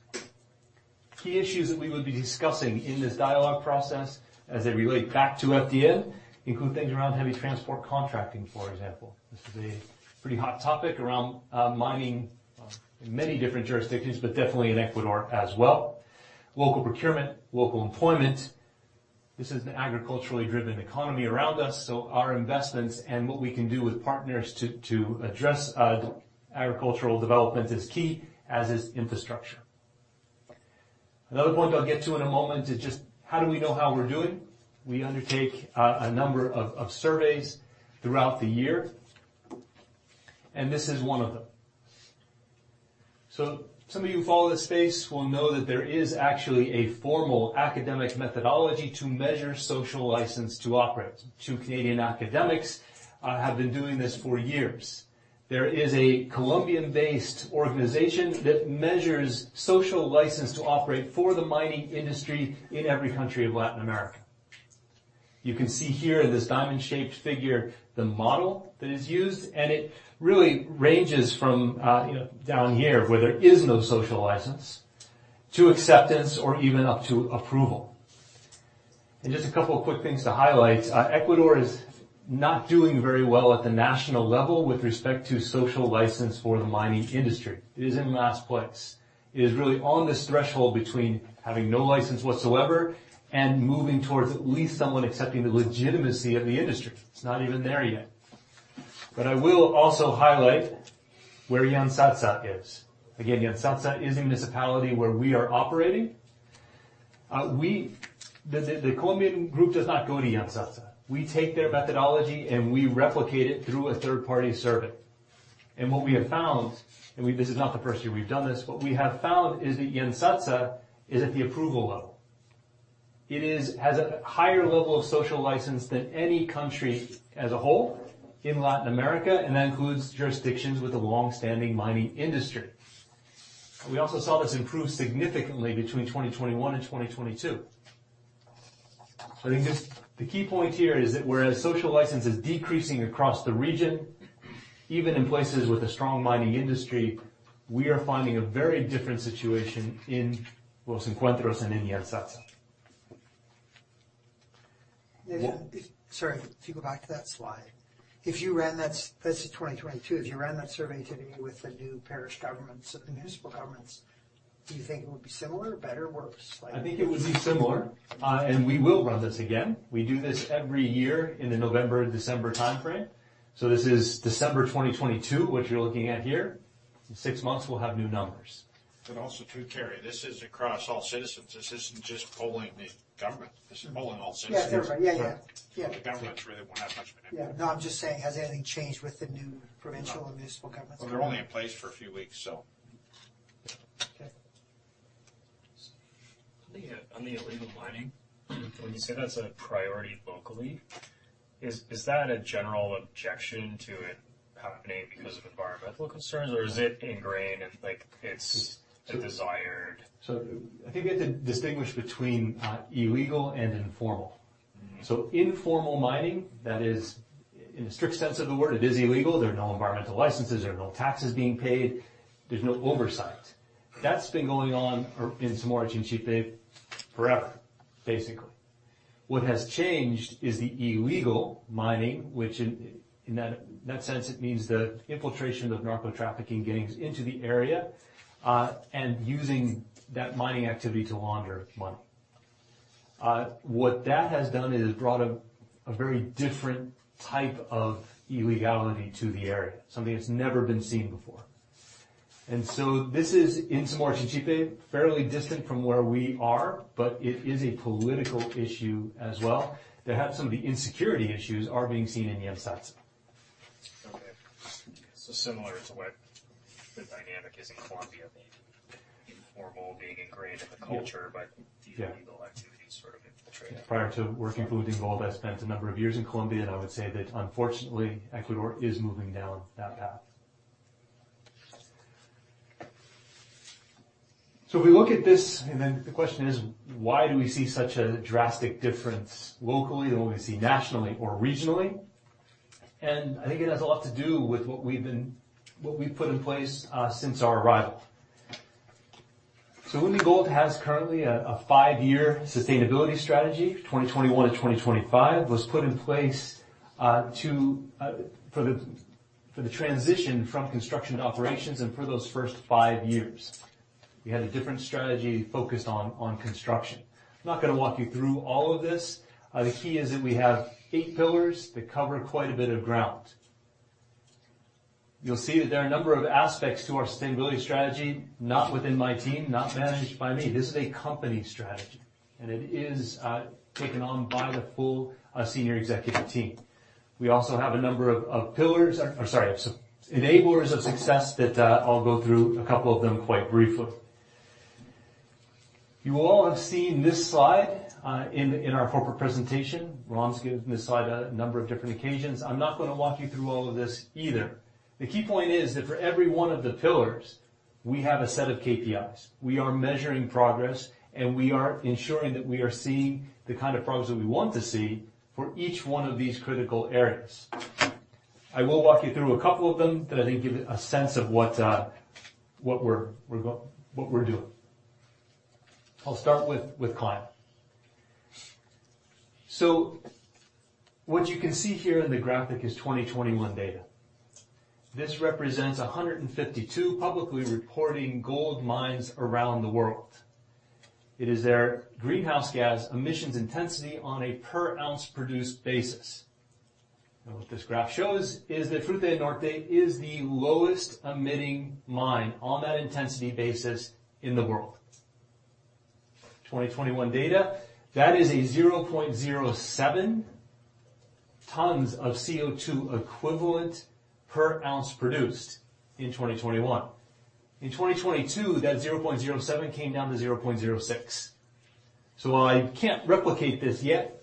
Speaker 8: Key issues that we will be discussing in this dialogue process, as they relate back to FDN, include things around heavy transport contracting, for example. This is a pretty hot topic around mining in many different jurisdictions, but definitely in Ecuador as well. Local procurement, local employment. This is an agriculturally driven economy around us, so our investments and what we can do with partners to address agricultural development is key, as is infrastructure. Another point I'll get to in a moment is just: how do we know how we're doing? We undertake a number of surveys throughout the year, and this is one of them. Some of you who follow this space will know that there is actually a formal academic methodology to measure social license to operate. Two Canadian academics have been doing this for years. There is a Colombian-based organization that measures social license to operate for the mining industry in every country of Latin America. You can see here in this diamond-shaped figure, the model that is used. It really ranges from, you know, down here, where there is no social license, to acceptance or even up to approval. Just a couple of quick things to highlight. Ecuador is not doing very well at the national level with respect to social license for the mining industry. It is in last place. It is really on this threshold between having no license whatsoever and moving towards at least someone accepting the legitimacy of the industry. It's not even there yet. I will also highlight where Yantzaza is. Again, Yantzaza is a municipality where we are operating. The Colombian group does not go to Yantzaza. We take their methodology, and we replicate it through a third-party survey. What we have found, this is not the first year we've done this, what we have found is that Yantzaza is at the approval level. It is, has a higher level of social license than any country as a whole in Latin America, and that includes jurisdictions with a long-standing mining industry. We also saw this improve significantly between 2021 and 2022. The key point here is that whereas social license is decreasing across the region, even in places with a strong mining industry, we are finding a very different situation in Los Encuentros and in Yantzaza.
Speaker 5: Sorry, if you go back to that slide. That's the 2022. If you ran that survey today with the new parish governments, the municipal governments, do you think it would be similar, better, or worse, like?
Speaker 8: I think it would be similar, and we will run this again. We do this every year in the November, December time frame. This is December 2022, what you're looking at here. In six months, we'll have new numbers.
Speaker 2: Also, too, Terry, this is across all citizens. This isn't just polling the government, this is polling all citizens.
Speaker 5: Yeah, fair, yeah. Yeah.
Speaker 2: The government really won't have much of an impact.
Speaker 5: Yeah. No, I'm just saying, has anything changed with the new provincial or municipal governments?
Speaker 2: They're only in place for a few weeks, so...
Speaker 5: Okay. On the illegal mining, when you say that's a priority locally, is that a general objection to it happening because of environmental concerns, or is it ingrained and, like, it's a desired?
Speaker 8: I think you have to distinguish between illegal and informal.
Speaker 5: Mm-hmm.
Speaker 8: Informal mining, that is, in a strict sense of the word, it is illegal. There are no environmental licenses, there are no taxes being paid, there's no oversight. That's been going on or in Zamora Chinchipe forever, basically. What has changed is the illegal mining, which in that sense, it means the infiltration of narco-trafficking gangs into the area, and using that mining activity to launder money. What that has done is it brought a very different type of illegality to the area, something that's never been seen before. This is in Zamora Chinchipe, fairly distant from where we are, but it is a political issue as well, that have some of the insecurity issues are being seen in Yantzaza.
Speaker 5: Okay. Similar to what the dynamic is in Colombia, informal being ingrained in the culture.
Speaker 8: Yeah...
Speaker 5: the illegal activities sort of infiltrating.
Speaker 8: Prior to working with Lundin Gold, I spent a number of years in Colombia, I would say that unfortunately, Ecuador is moving down that path. If we look at this, then the question is: Why do we see such a drastic difference locally than what we see nationally or regionally? I think it has a lot to do with what we've put in place since our arrival. Lundin Gold has currently a five-year sustainability strategy. 2021 to 2025 was put in place to for the transition from construction to operations and for those first five years. We had a different strategy focused on construction. I'm not gonna walk you through all of this. The key is that we have eight pillars that cover quite a bit of ground. You'll see that there are a number of aspects to our sustainability strategy, not within my team, not managed by me. This is a company strategy. It is taken on by the full senior executive team. We also have a number of pillars. I'm sorry, enablers of success that I'll go through a couple of them quite briefly. You all have seen this slide in our corporate presentation. Ron's given this slide a number of different occasions. I'm not gonna walk you through all of this either. The key point is that for every one of the pillars, we have a set of KPIs. We are measuring progress, and we are ensuring that we are seeing the kind of progress that we want to see for each one of these critical areas. I will walk you through a couple of them that I think give you a sense of what we're doing. I'll start with climate. What you can see here in the graphic is 2021 data. This represents 152 publicly reporting gold mines around the world. It is their greenhouse gas emissions intensity on a per-ounce produced basis. What this graph shows is that Fruta del Norte is the lowest emitting mine on that intensity basis in the world. 2021 data, that is a 0.07 tons of CO2 equivalent per ounce produced in 2021. In 2022, that 0.07 came down to 0.06. While I can't replicate this yet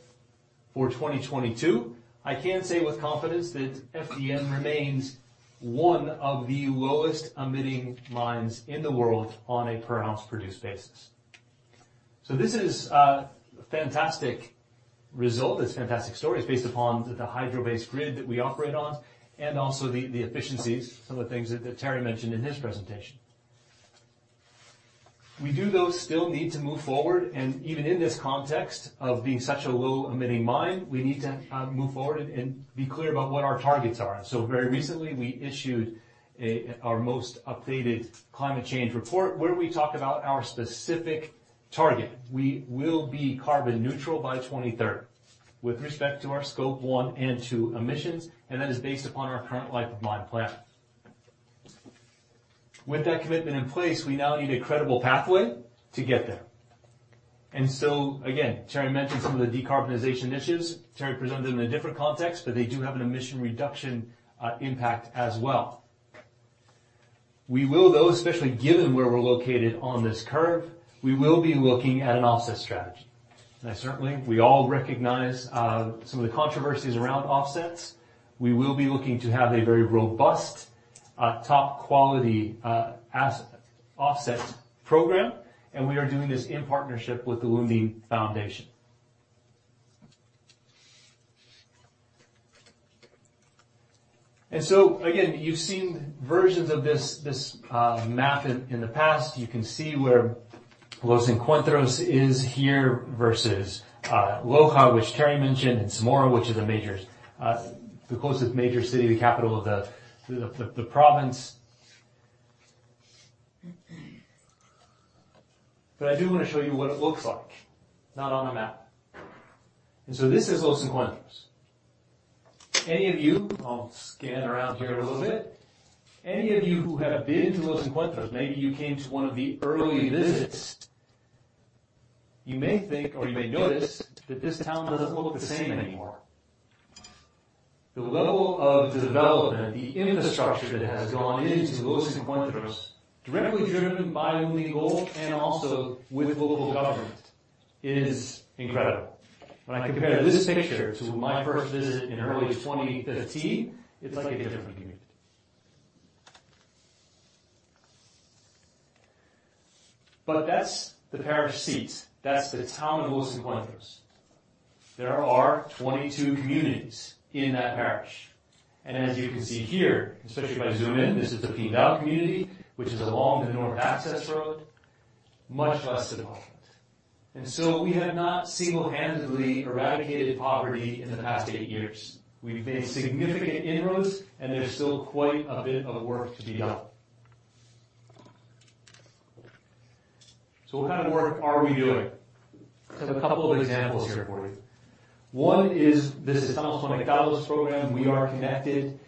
Speaker 8: for 2022, I can say with confidence that FDN remains one of the lowest emitting mines in the world on a per-ounce produced basis. This is a fantastic result. It's a fantastic story. It's based upon the hydro-based grid that we operate on, and also the efficiencies, some of the things that Terry mentioned in his presentation. We do, though, still need to move forward, and even in this context of being such a low emitting mine, we need to move forward and be clear about what our targets are. Very recently, we issued our most updated climate change report, where we talk about our specific target. We will be carbon neutral by 2030, with respect to our scope one and two emissions. That is based upon our current life of mine plan. With that commitment in place, we now need a credible pathway to get there. Again, Terry mentioned some of the decarbonization initiatives. Terry presented them in a different context, but they do have an emission reduction impact as well. We will, though, especially given where we're located on this curve, we will be looking at an offset strategy. Certainly, we all recognize some of the controversies around offsets. We will be looking to have a very robust, top quality, offset program. We are doing this in partnership with the Lundin Foundation. Again, you've seen versions of this map in the past. You can see where Los Encuentros is here versus Loja, which Terry mentioned, and Zamora, which is a major, the closest major city, the capital of the province. I do want to show you what it looks like, not on a map. This is Los Encuentros. Any of you, I'll scan around here a little bit. Any of you who have been to Los Encuentros, maybe you came to one of the early visits, you may think, or you may notice that this town doesn't look the same anymore. The level of development, the infrastructure that has gone into Los Encuentros, directly driven by Lundin Gold and also with local government, is incredible. When I compare this picture to my first visit in early 2015, it's like a different community. That's the parish seat. That's the town of Los Encuentros. There are 22 communities in that parish, and as you can see here, especially if I zoom in, this is the Pindal community, which is along the north access road, much less development. We have not single-handedly eradicated poverty in the past eight years. We've made significant inroads, and there's still quite a bit of work to be done. What kind of work are we doing? A couple of examples here for you. One is the Estamos Conectados program, We Are Connected.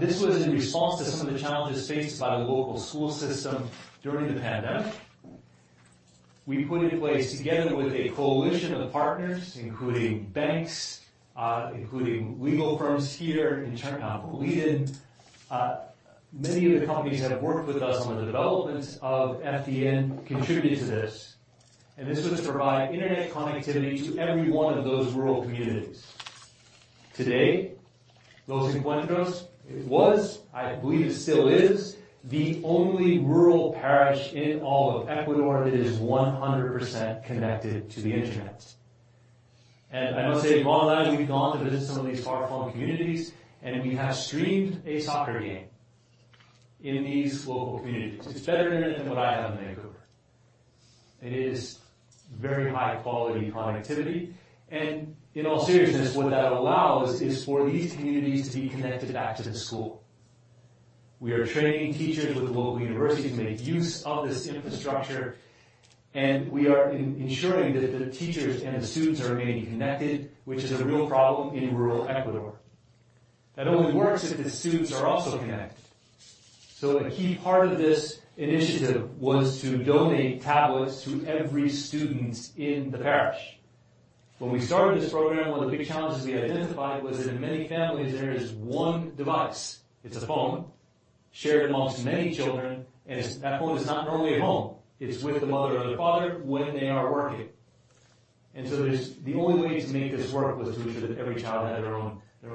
Speaker 8: This was in response to some of the challenges faced by the local school system during the pandemic. We put in place, together with a coalition of partners, including banks, including legal firms here in town, in Quito. Many of the companies that have worked with us on the development of FDN contributed to this. This was to provide internet connectivity to every one of those rural communities. Today, Los Encuentros, it was, I believe it still is, the only rural parish in all of Ecuador that is 100% connected to the internet. I must say, Mona and I, we've gone to visit some of these far-flung communities, and we have streamed a soccer game in these local communities. It's better internet than what I have in Vancouver. It is very high-quality connectivity, and in all seriousness, what that allows is for these communities to be connected back to the school. We are training teachers with the local university to make use of this infrastructure, we are ensuring that the teachers and the students are remaining connected, which is a real problem in rural Ecuador. That only works if the students are also connected. A key part of this initiative was to donate tablets to every students in the parish. When we started this program, one of the big challenges we identified was that in many families, there is one device. It's a phone shared amongst many children, that phone is not normally at home. It's with the mother or the father when they are working. The only way to make this work was to ensure that every child had their own, their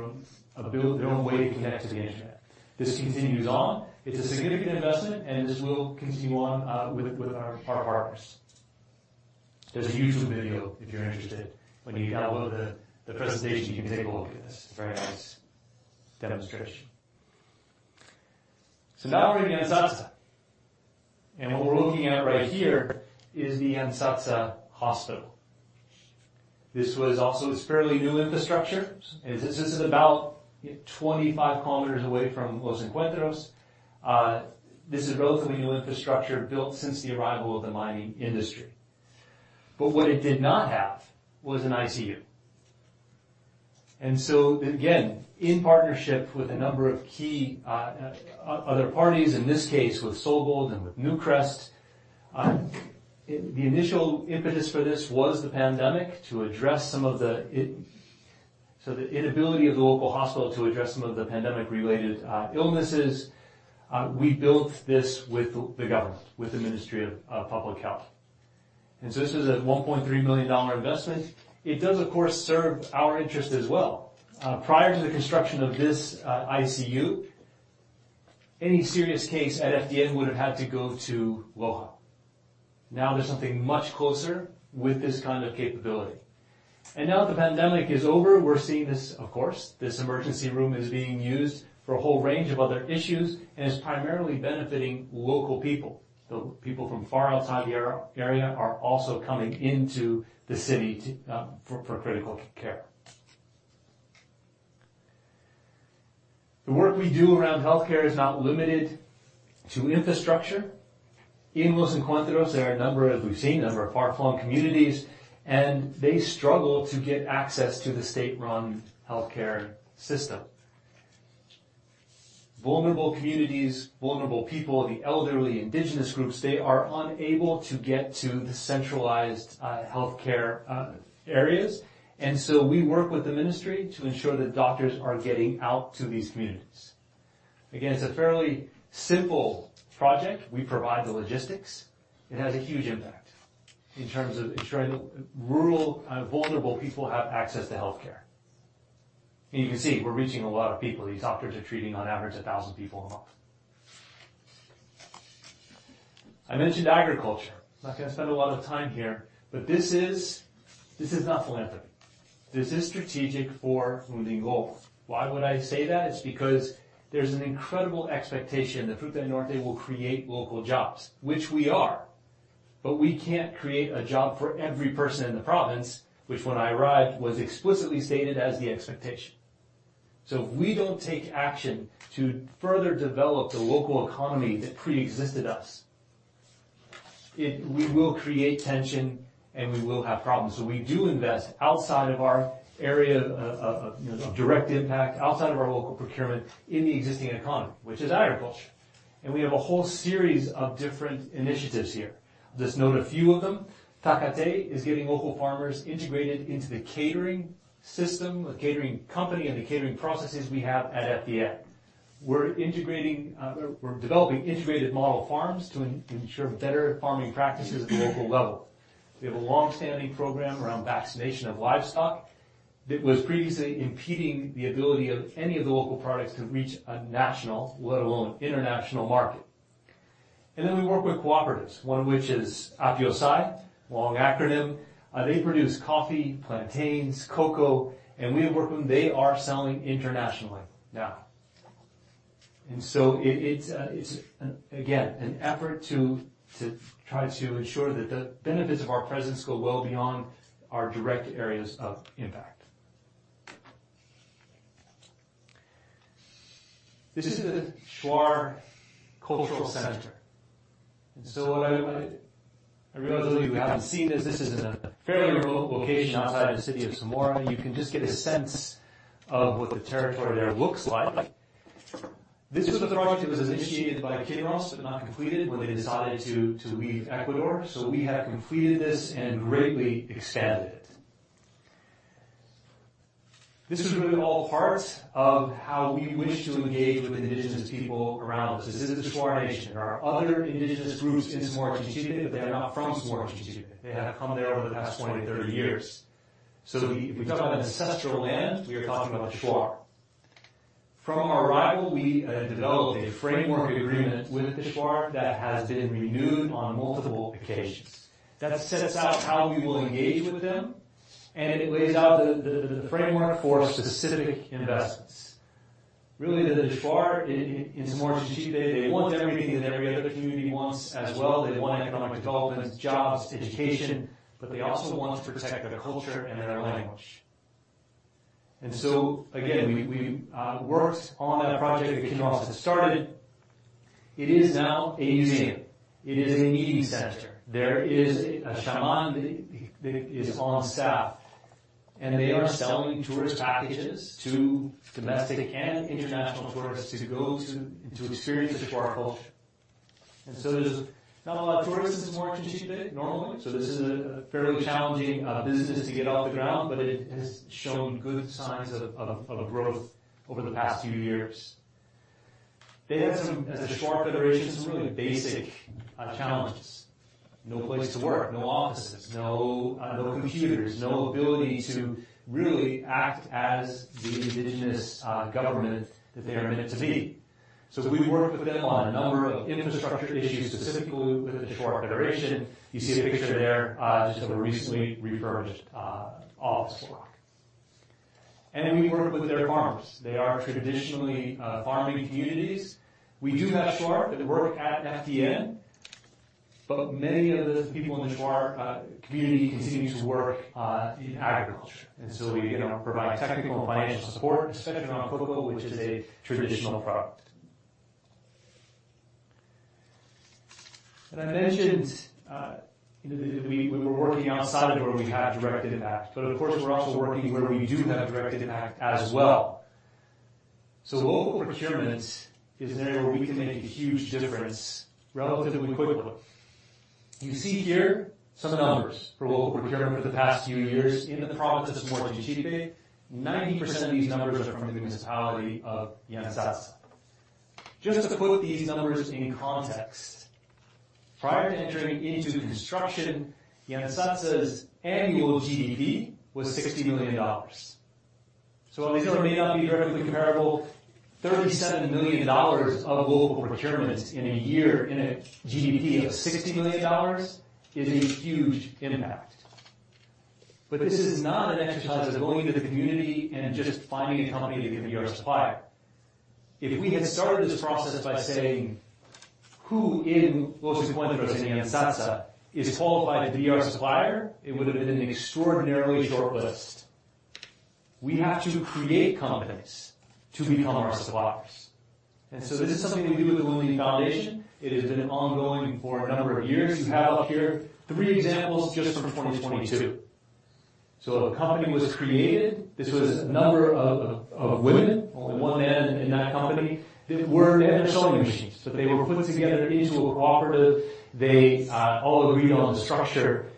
Speaker 8: own way to connect to the internet. This continues on. It's a significant investment, and this will continue on with our partners. There's a YouTube video if you're interested. When you download the presentation, you can take a look at this. Very nice demonstration. Now we're in Yantzaza, and what we're looking at right here is the Yantzaza Hospital. This was also. It's fairly new infrastructure. This is about 25 kilometers away from Los Encuentros. This is relatively new infrastructure built since the arrival of the mining industry. What it did not have was an ICU. Again, in partnership with a number of key other parties, in this case, with SolGold and with Newcrest, the initial impetus for this was the pandemic, to address some of the inability of the local hospital to address some of the pandemic-related illnesses. We built this with the government, with the Ministry of Public Health. This is a $1.3 million investment. It does, of course, serve our interest as well. Prior to the construction of this ICU, any serious case at FDN would have had to go to Loja. Now, there's something much closer with this kind of capability. Now that the pandemic is over, we're seeing this, of course, this emergency room is being used for a whole range of other issues, and it's primarily benefiting local people. The people from far outside the area are also coming into the city to for critical care. The work we do around healthcare is not limited to infrastructure. In Los Encuentros, there are a number, as we've seen, a number of far-flung communities, and they struggle to get access to the state-run healthcare system. Vulnerable communities, vulnerable people, the elderly, indigenous groups, they are unable to get to the centralized healthcare areas, and so we work with the ministry to ensure that doctors are getting out to these communities. It's a fairly simple project. We provide the logistics. It has a huge impact in terms of ensuring that rural vulnerable people have access to healthcare. You can see, we're reaching a lot of people. These doctors are treating on average, 1,000 people a month. I mentioned agriculture. I'm not gonna spend a lot of time here, but this is not philanthropy. This is strategic for Lundin Gold. Why would I say that? It's because there's an incredible expectation that Fruta del Norte will create local jobs, which we are, but we can't create a job for every person in the province, which when I arrived, was explicitly stated as the expectation. If we don't take action to further develop the local economy that preexisted us, we will create tension, and we will have problems. We do invest outside of our area of, you know, direct impact, outside of our local procurement in the existing economy, which is agriculture. We have a whole series of different initiatives here. Just note a few of them. Takate is getting local farmers integrated into the catering system, the catering company, and the catering processes we have at FDN. We're developing integrated model farms to ensure better farming practices at the local level. We have a long-standing program around vaccination of livestock that was previously impeding the ability of any of the local products to reach a national, let alone international, market. We work with cooperatives, one of which is APIOSAI, long acronym. They produce coffee, plantains, cocoa, and we work with them. They are selling internationally now. It's, again, an effort to try to ensure that the benefits of our presence go well beyond our direct areas of impact. This is the Shuar Cultural Center. What I realize those of you who haven't seen this is in a fairly remote location outside the city of Zamora. You can just get a sense of what the territory there looks like. This was a project that was initiated by Kinross, but not completed when they decided to leave Ecuador. We have completed this and greatly expanded it. This is really all part of how we wish to engage with indigenous people around us. This is the Shuar Nation. There are other indigenous groups in Zamora Chinchipe, but they are not from Zamora Chinchipe. They have come there over the past 20-30 years. If we talk about ancestral land, we are talking about the Shuar. From our arrival, we developed a framework agreement with the Shuar that has been renewed on multiple occasions. That sets out how we will engage with them, and it lays out the framework for specific investments. Really, the Shuar in Zamora Chinchipe, they want everything that every other community wants as well. They want economic development, jobs, education, but they also want to protect their culture and their language. Again, we worked on that project that Kinross had started. It is now a museum. It is a meeting center. There is a shaman that is on staff, and they are selling tourist packages to domestic and international tourists to experience the Shuar culture. There's not a lot of tourists in Zamora Chinchipe normally, so this is a fairly challenging business to get off the ground, but it has shown good signs of growth over the past few years. They had some, as a Shuar Federation, some really basic challenges. No place to work, no offices, no computers, no ability to really act as the indigenous government that they are meant to be. We worked with them on a number of infrastructure issues, specifically with the Shuar Federation. You see a picture there, just of a recently refurbished office block. We work with their farmers. They are traditionally farming communities. We do have Shuar that work at FDN, but many of the people in the Shuar community continue to work in agriculture. We, you know, provide technical and financial support, especially around cocoa, which is a traditional product. I mentioned, you know, that we were working outside of where we have direct impact, but of course, we're also working where we do have direct impact as well. Local procurement is an area where we can make a huge difference relatively quickly. You see here some numbers for local procurement for the past few years in the province of Zamora Chinchipe. 90% of these numbers are from the municipality of Yantzaza. Just to put these numbers in context, prior to entering into construction, Yantzaza's annual GDP was $60 million. While these numbers may not be directly comparable, $37 million of local procurements in a year, in a GDP of $60 million, is a huge impact. This is not an exercise of going to the community and just finding a company to be our supplier. If we had started this process by saying, "Who in Los Encuentros in Yantzaza is qualified to be our supplier?" It would have been an extraordinarily short list. We have to create companies to become our suppliers. This is something we do with the Lundin Foundation. It has been ongoing for a number of years. You have up here three examples just from 2022. A company was created. This was a number of women, only one man in that company, that were. They had their sewing machines, they were put together into a cooperative. They all agreed on the structure,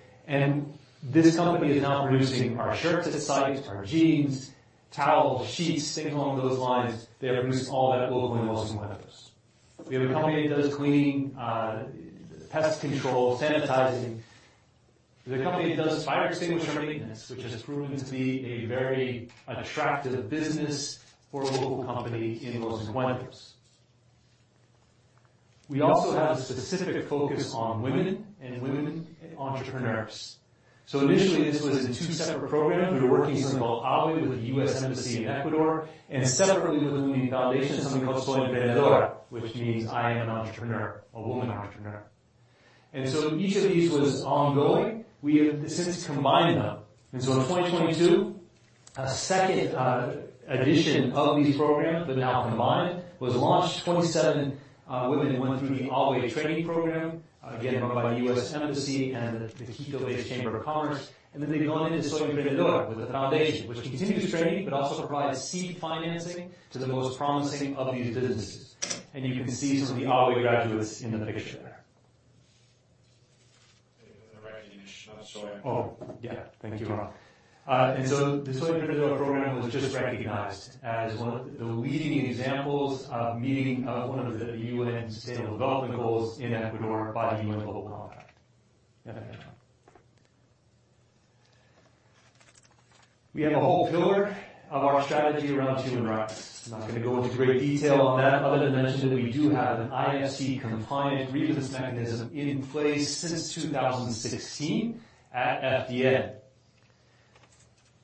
Speaker 8: this company is now producing our shirts at the site, our jeans, towels, sheets, things along those lines. They produce all that locally in Los Encuentros. We have a company that does cleaning, pest control, sanitizing. There's a company that does fire extinguisher maintenance, which has proven to be a very attractive business for a local company in Los Encuentros. We also have a specific focus on women and women entrepreneurs. Initially, this was in two separate programs. We were working on something called AWE with the U.S. Embassy in Ecuador, separately with the Lundin Foundation, something called Soy Emprendedora, which means I am an entrepreneur, a woman entrepreneur. Each of these was ongoing. We have since combined them. In 2022, a second edition of these programs, but now combined, was launched. 27 women went through the AWE training program, again, run by the U.S. Embassy and the Quito Chamber of Commerce. They've gone into Soy Emprendedora with the foundation, which continues training, but also provides seed financing to the most promising of these businesses. You can see some of the AWE graduates in the picture there.
Speaker 5: The recognition of Soy Emprendedora.
Speaker 8: Oh, yeah. Thank you, Ron. The Soy Emprendedora program was just recognized as one of the leading examples of meeting one of the UN's sustainable development goals in Ecuador by the UN Global Compact. Yeah, thank you. We have a whole pillar of our strategy around human rights. I'm not going to go into great detail on that other than mention that we do have an IFC-compliant grievance mechanism in place since 2016 at FDN.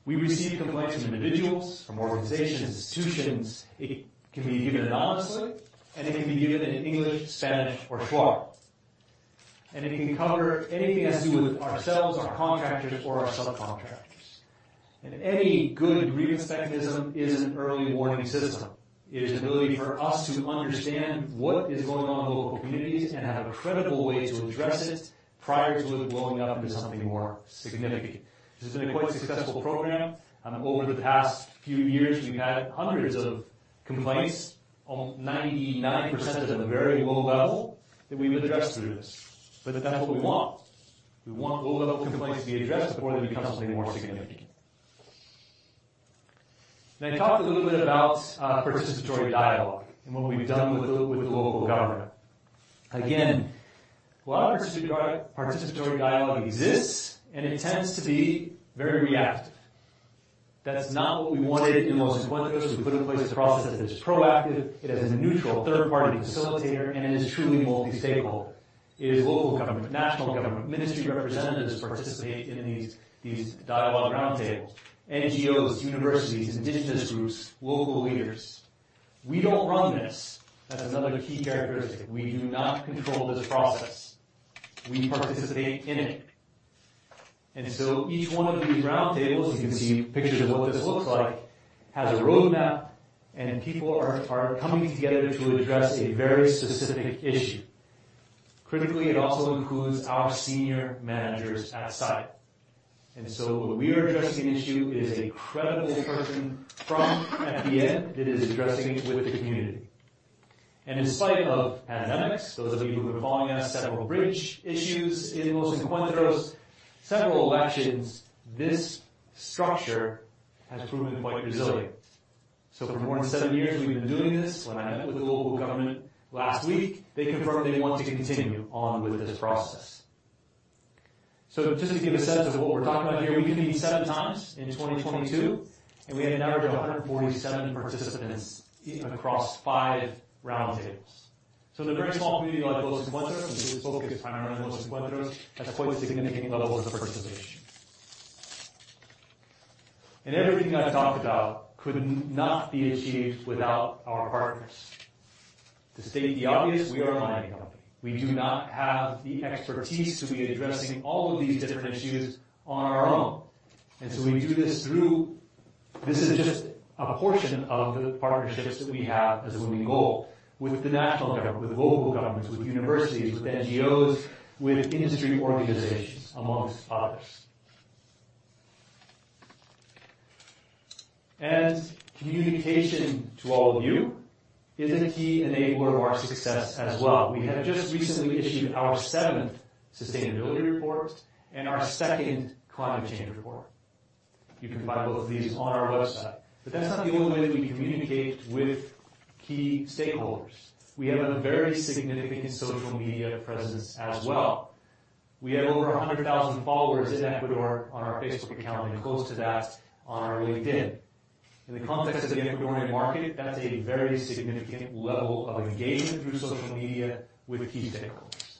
Speaker 8: We receive complaints from individuals, from organizations, institutions. It can be given anonymously, and it can be given in English, Spanish, or Shuar. It can cover anything that has to do with ourselves, our contractors, or our subcontractors. Any good grievance mechanism is an early warning system. It is an ability for us to understand what is going on in local communities and have a credible way to address it prior to it blowing up into something more significant. This has been a quite successful program. Over the past few years, we've had hundreds of complaints. Almost 99% of them are very low level that we've addressed through this. That's what we want. We want low-level complaints to be addressed before they become something more significant. I talked a little bit about participatory dialogue and what we've done with the local government. A lot of participatory dialogue exists, and it tends to be very reactive. That's not what we wanted in Los Encuentros. We put in place a process that is proactive, it has a neutral third-party facilitator, and it is truly multi-stakeholder. It is local government, national government, ministry representatives participate in these dialogue roundtables, NGOs, universities, indigenous groups, local leaders. We don't run this. That's another key characteristic. We do not control this process. We participate in it. Each one of these roundtables, you can see pictures of what this looks like, has a roadmap, and people are coming together to address a very specific issue. Critically, it also includes our senior managers at site. When we are addressing an issue, it is a credible person from FDN that is addressing it with the community. In spite of pandemics, those of you who have been following us, several bridge issues in Los Encuentros, several elections, this structure has proven quite resilient. For more than seven years, we've been doing this. When I met with the local government last week, they confirmed they want to continue on with this process. Just to give a sense of what we're talking about here, we convene seven times in 2022, and we had an average of 147 participants across five roundtables. In a very small community like Los Encuentros, and this focus primarily on Los Encuentros, that's quite a significant level of participation. Everything I talked about could not be achieved without our partners. To state the obvious, we are a mining company. We do not have the expertise to be addressing all of these different issues on our own, we do this through... This is just a portion of the partnerships that we have as Lundin Gold with the national government, with local governments, with universities, with NGOs, with industry organizations, amongst others. Communication to all of you is a key enabler of our success as well. We have just recently issued our 7th sustainability report and our 2nd climate change report. You can find both of these on our website. That's not the only way that we communicate with key stakeholders. We have a very significant social media presence as well. We have over 100,000 followers in Ecuador on our Facebook account, and close to that on our LinkedIn. In the context of the Ecuadorian market, that's a very significant level of engagement through social media with key stakeholders.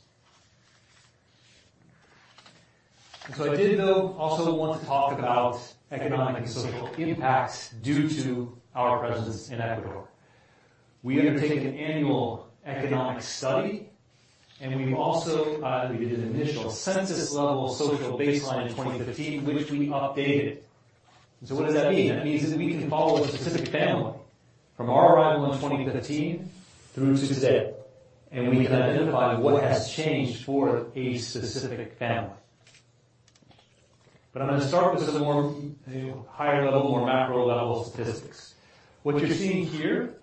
Speaker 8: I did, though, also want to talk about economic and social impacts due to our presence in Ecuador. We undertake an annual economic study, and we've also, we did an initial census-level social baseline in 2015, which we updated. What does that mean? That means that we can follow a specific family from our arrival in 2015 through to today, and we can identify what has changed for a specific family. I'm going to start with some more, you know, higher-level, more macro-level statistics. What you're seeing here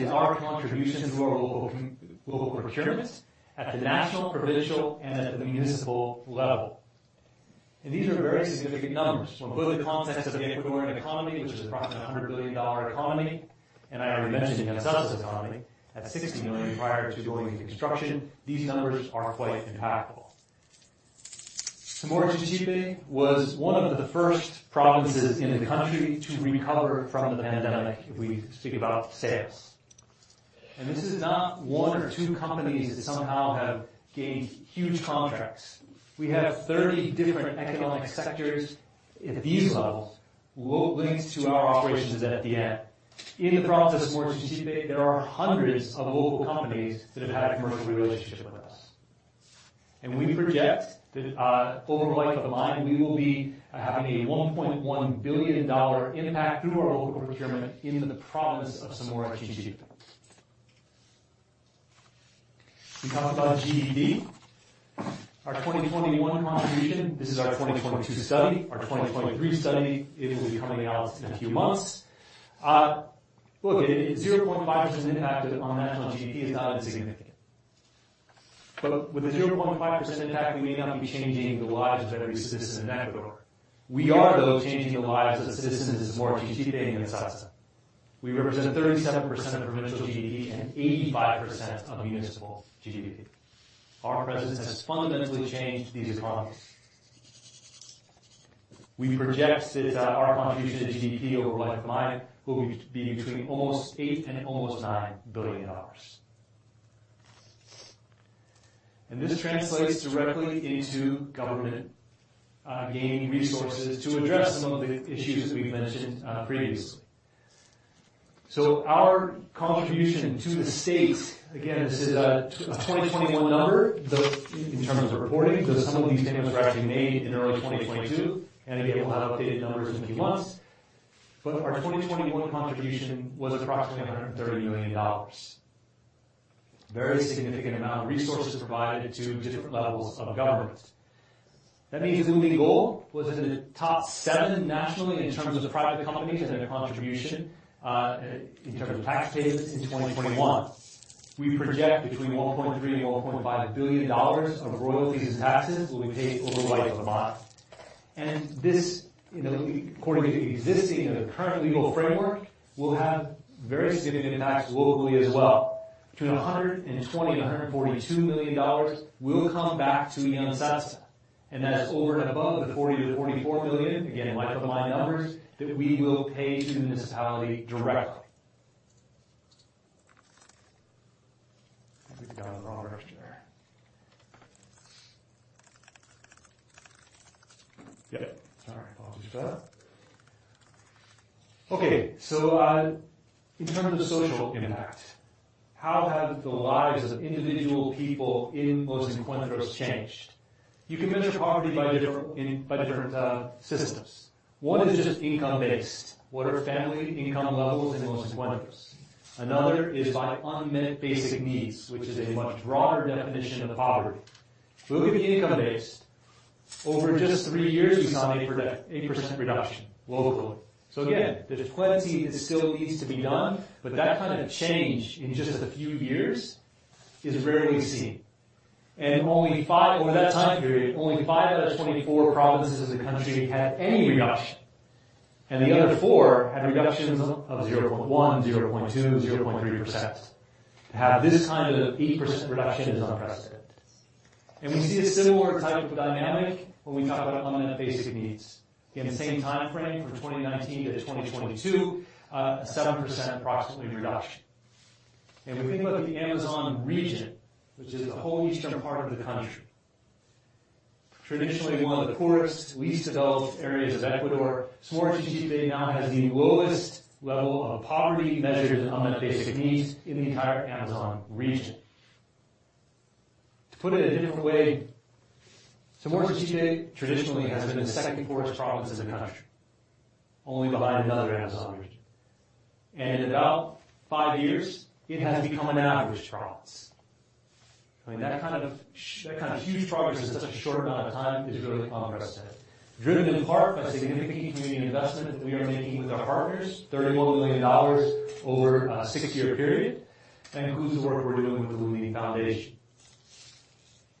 Speaker 8: is our contributions to our local procurements at the national, provincial, and at the municipal level. These are very significant numbers from both the context of the Ecuadorian economy, which is approximately a $100 billion economy, and I already mentioned the Yantzaza's economy at $60 million prior to going into construction. These numbers are quite impactful. Zamora Chinchipe was one of the first provinces in the country to recover from the pandemic, if we speak about sales. This is not one or two companies that somehow have gained huge contracts. We have 30 different economic sectors at these levels, linked to our operations at the end. In the province of Zamora Chinchipe, there are hundreds of local companies that have had a commercial relationship with us. We project that over the life of the mine, we will be having a $1.1 billion impact through our local procurement in the province of Zamora Chinchipe. We talked about GDP, our 2021 contribution. This is our 2022 study. Our 2023 study, it will be coming out in a few months. Look, a 0.5% impact on national GDP is not insignificant. With a 0.5% impact, we may not be changing the lives of every citizen in Ecuador. We are, though, changing the lives of citizens in Zamora Chinchipe and Yantzaza. We represent 37% of provincial GDP and 85% of municipal GDP. Our presence has fundamentally changed these economies. We project that our contribution to GDP over the life of mine will be between almost $8 billion and almost $9 billion. This translates directly into government gaining resources to address some of the issues that we've mentioned previously. Our contribution to the state, again, this is a 2021 number, though, in terms of reporting, because some of these payments were actually made in early 2022, and again, we'll have updated numbers in a few months. Our 2021 contribution was approximately $130 million. Very significant amount of resources provided to different levels of government. That means Lundin Gold was in the top seven nationally in terms of private companies and their contribution in terms of tax payments in 2021. We project between $1.3 billion and $1.5 billion of royalties and taxes will be paid over the life of the mine. This, you know, according to existing and current legal framework, will have very significant impacts locally as well. Between $120 million and $142 million will come back to Yantzaza. That's over and above the $40 million-$44 million, again, life of mine numbers, that we will pay to the municipality directly. I think we've got the wrong direction there. Yep, sorry, apologies for that. Okay, in terms of social impact, how have the lives of individual people in Los Encuentros changed? You can measure poverty by different, by different systems. One is just income-based. What are family income levels in Los Encuentros? Another is by unmet basic needs, which is a much broader definition of poverty. Looking at income-based, over just three years, we saw an 8% reduction locally. Again, there's plenty that still needs to be done, but that kind of change in just a few years is rarely seen. Over that time period, only 5 out of 24 provinces in the country had any reduction, and the other 4 had reductions of 0.1%, 0.2%, 0.3%. To have this kind of 8% reduction is unprecedented. We see a similar type of dynamic when we talk about unmet basic needs. Again, the same time frame from 2019 to 2022, 7%, approximately, reduction. We think about the Amazon region, which is the whole eastern part of the country. Traditionally, one of the poorest, least developed areas of Ecuador, Zamora Chinchipe now has the lowest level of poverty measured in unmet basic needs in the entire Amazon region. To put it a different way, Zamora Chinchipe traditionally has been the second poorest province in the country, only behind another Amazon region. In about five years, it has become an average province. I mean, that kind of huge progress in such a short amount of time is really unprecedented. Driven in part by significant community investment that we are making with our partners, $31 million over a six-year period, and includes the work we're doing with the Lundin Foundation.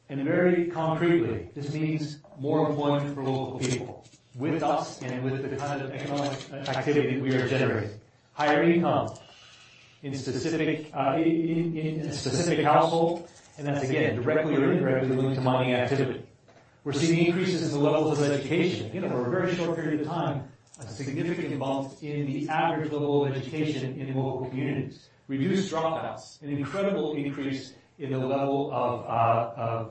Speaker 8: Very concretely, this means more employment for local people with us and with the kind of economic activity we are generating. Higher income in specific households, and that's again, directly or indirectly linked to mining activity. We're seeing increases in the levels of education. Again, over a very short period of time, a significant bump in the average level of education in local communities. Reduced dropouts, an incredible increase in the level of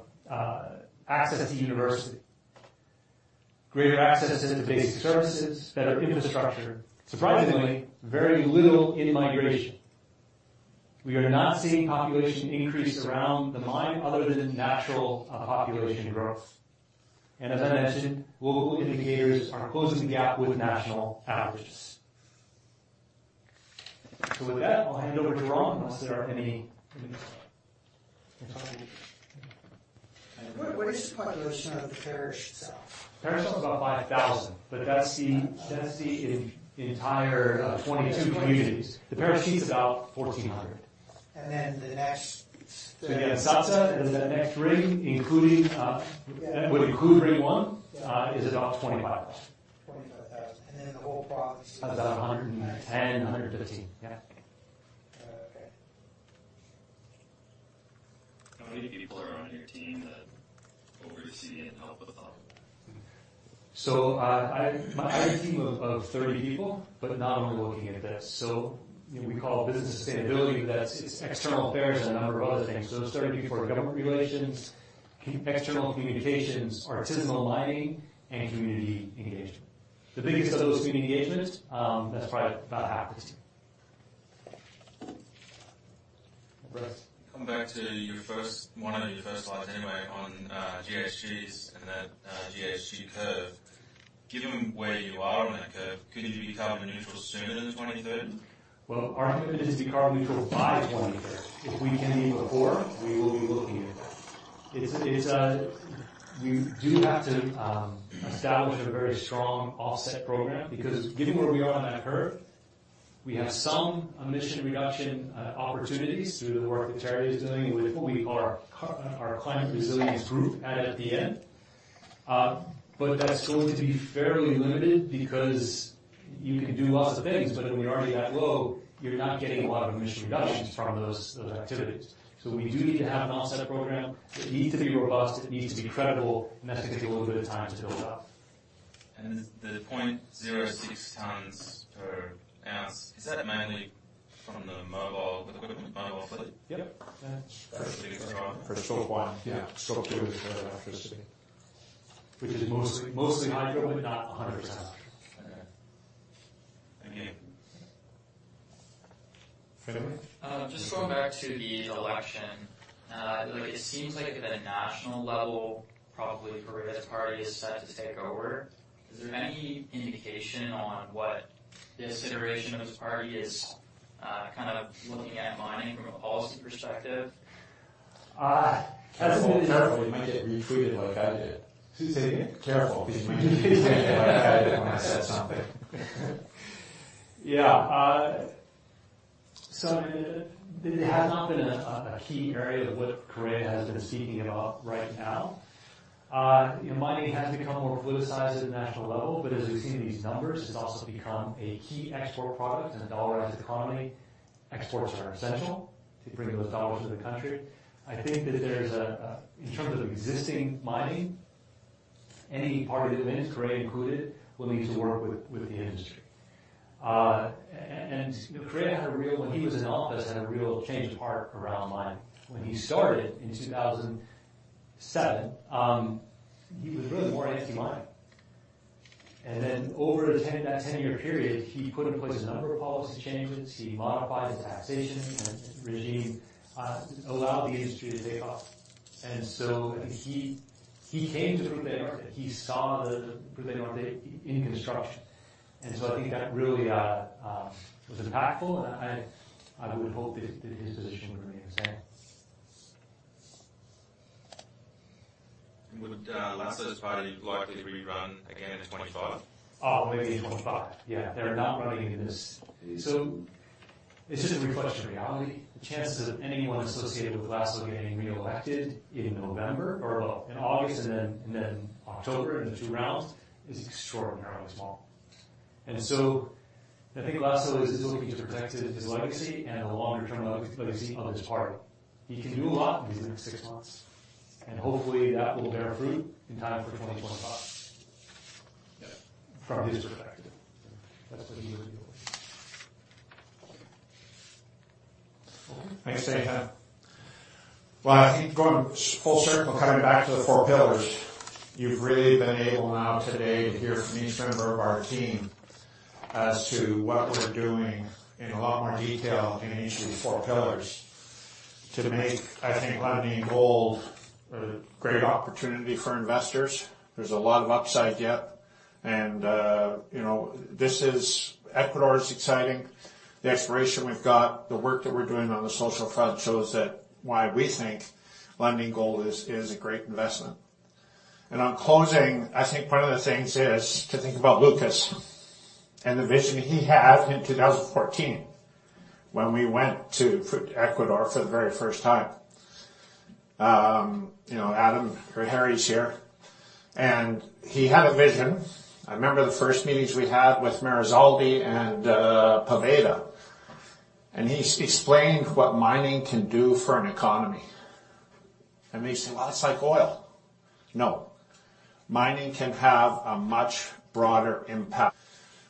Speaker 8: access to university. Greater access to the basic services, better infrastructure. Surprisingly, very little in-migration. We are not seeing population increase around the mine other than natural, population growth. As I mentioned, global indicators are closing the gap with national averages. With that, I'll hand over to Ron, unless there are any questions.
Speaker 5: What is the population of the parish itself?
Speaker 8: Parish itself is about 5,000, but that's the, that's the entire 22 communities. The parish seat is about 1,400.
Speaker 5: And then the next-
Speaker 8: You have Saza, and then the next ring, including, would include ring one, is about 25,000.
Speaker 5: 25,000. Then the whole province.
Speaker 8: Is about 110, 115. Yeah.
Speaker 5: Okay.
Speaker 6: How many people are on your team that oversee and help with all of that?
Speaker 8: I have a team of 30 people, but not only looking at this. We call business sustainability, it's external affairs and a number of other things. 30 people are government relations, external communications, artisanal mining, and community engagement. The biggest of those, community engagement, that's probably about half the team. Bryce?
Speaker 6: Coming back to your first, one of your first slides anyway, on, GHGs, and then, GHG curve. Given where you are on that curve, could you be carbon neutral sooner than 2030?
Speaker 8: Well, our commitment is to be carbon neutral by 2030. If we can be before, we will be looking at that. It's, it's... We do have to establish a very strong offset program, because given where we are on that curve, we have some emission reduction opportunities through the work that Terry is doing with our climate resilience group at the end. But that's going to be fairly limited because you can do lots of things, but when you're already that low, you're not getting a lot of emission reductions from those activities. We do need to have an offset program. It needs to be robust, it needs to be credible, and that's gonna take a little bit of time to build up.
Speaker 5: The 0.06 tons per ounce, is that mainly from the mobile, the equipment mobile fleet?
Speaker 8: Yep.
Speaker 2: Yeah. For stroke one. Yeah, stroke two is for electricity.
Speaker 8: Is mostly hydro, but not 100% hydro.
Speaker 5: Okay. You.
Speaker 2: Frederick?
Speaker 5: Just going back to the election, like, it seems like at a national level, probably Correa's party is set to take over. Is there any indication on what the consideration of his party is looking at mining from a policy perspective?
Speaker 8: that's a good-
Speaker 5: Careful, you might get retweeted like I did.
Speaker 8: Say it again?
Speaker 5: Careful, because you might get retweeted like I did when I said something.
Speaker 8: It has not been a key area of what Correa has been speaking about right now. You know, mining has become more politicized at the national level, but as we've seen in these numbers, it's also become a key export product. In a dollarized economy, exports are essential to bring those dollars to the country. I think that there's in terms of existing mining, any party that wins, Correa included, will need to work with the industry. Correa when he was in office, had a real change of heart around mining. When he started in 2007, he was really more anti-mining. Then, over that 10-year period, he put in place a number of policy changes. He modified the taxation and regime, allowed the industry to take off. I think he came to Fruta del Norte. He saw the Fruta del Norte in construction, I think that really was impactful, and I would hope that his position would remain the same.
Speaker 5: Would Lasso's party likely to rerun again in 25?
Speaker 8: Maybe in 25. Yeah, they're not running in this. It's just a reflection of reality. The chances of anyone associated with Lasso getting reelected in November or, well, in August, and then October, in the two rounds, is extraordinarily small. I think Lasso is looking to protect his legacy and the longer-term legacy of his party. He can do a lot in these next six months, and hopefully, that will bear fruit in time for 2025. Yeah, from his perspective, that's what he would do.
Speaker 2: Thanks, Nathan. Well, I think going full circle, coming back to the four pillars, you've really been able now today to hear from each member of our team as to what we're doing in a lot more detail in each of the four pillars. To make, I think, Lundin Gold a great opportunity for investors, there's a lot of upside yet. You know, Ecuador is exciting. The exploration we've got, the work that we're doing on the social front shows that why we think Lundin Gold is a great investment. On closing, I think one of the things is to think about Lukas and the vision he had in 2014 when we went to Fruta Ecuador for the very first time. You know, Adam, Harry's here, and he had a vision. I remember the first meetings we had with Marisol and Poveda, and he explained what mining can do for an economy. We said, "Well, it's like oil." No. Mining can have a much broader impact.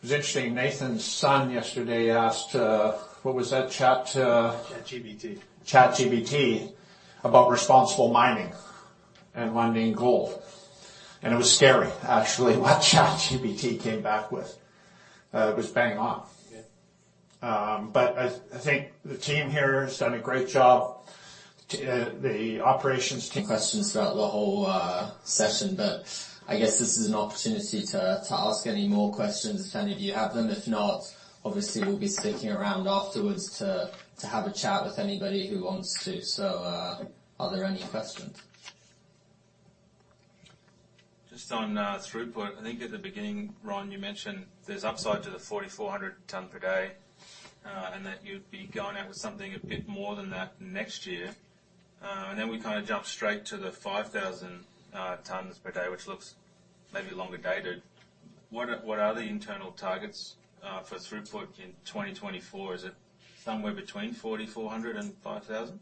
Speaker 2: It was interesting, Nathan's son yesterday asked, what was that chat.
Speaker 8: ChatGPT.
Speaker 2: ChatGPT, about responsible mining and Lundin Gold. It was scary, actually, what ChatGPT came back with. It was bang on.
Speaker 8: Yeah.
Speaker 2: I think the team here has done a great job, to, the operations-.
Speaker 1: questions throughout the whole session, but I guess this is an opportunity to ask any more questions, if any of you have them. If not, obviously, we'll be sticking around afterwards to have a chat with anybody who wants to. Are there any questions?
Speaker 5: Just on throughput, I think at the beginning, Ron, you mentioned there's upside to the 4,400 tons per day, and that you'd be going out with something a bit more than that next year. Then we kind of jumped straight to the 5,000 tons per day, which looks maybe longer dated. What are the internal targets for throughput in 2024? Is it somewhere between 4,400 and 5,000?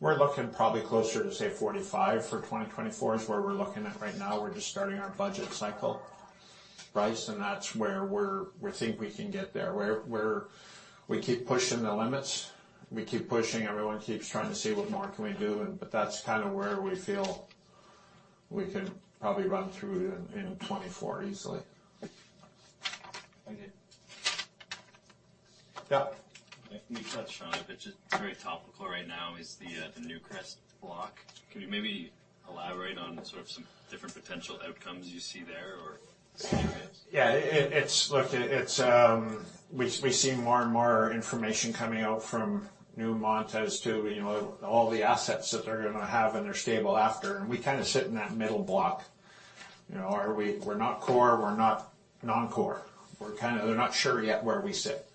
Speaker 2: We're looking probably closer to, say, $45 for 2024, is where we're looking at right now. We're just starting our budget cycle. Price, and that's where we think we can get there, where we keep pushing the limits. We keep pushing, everyone keeps trying to see what more can we do, and but that's kind of where we feel we could probably run through in 2024 easily.
Speaker 7: Thank you.
Speaker 2: Yeah.
Speaker 5: You touched on it, but just very topical right now is the Newcrest block. Can you maybe elaborate on sort of some different potential outcomes you see there, or statements?
Speaker 2: Yeah, it's. Look, it's, we've seen more and more information coming out from Newmont as to, you know, all the assets that they're gonna have in their stable after. We kind of sit in that middle block. You know, are we? We're not core, we're not non-core. We're kind of, they're not sure yet where we sit.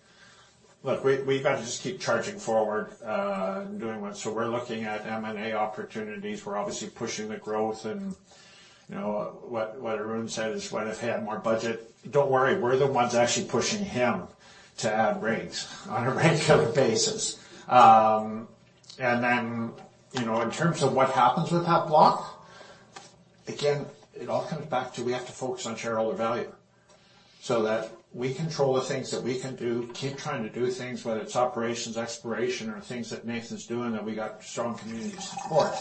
Speaker 2: Look, we've got to just keep charging forward and doing what. We're looking at M&A opportunities. We're obviously pushing the growth. You know, what Arun said is, "What if he had more budget?" Don't worry, we're the ones actually pushing him to add rigs on a regular basis. You know, in terms of what happens with that block, again, it all comes back to we have to focus on shareholder value, that we control the things that we can do, keep trying to do things, whether it's operations, exploration, or things that Nathan's doing, that we got strong community support.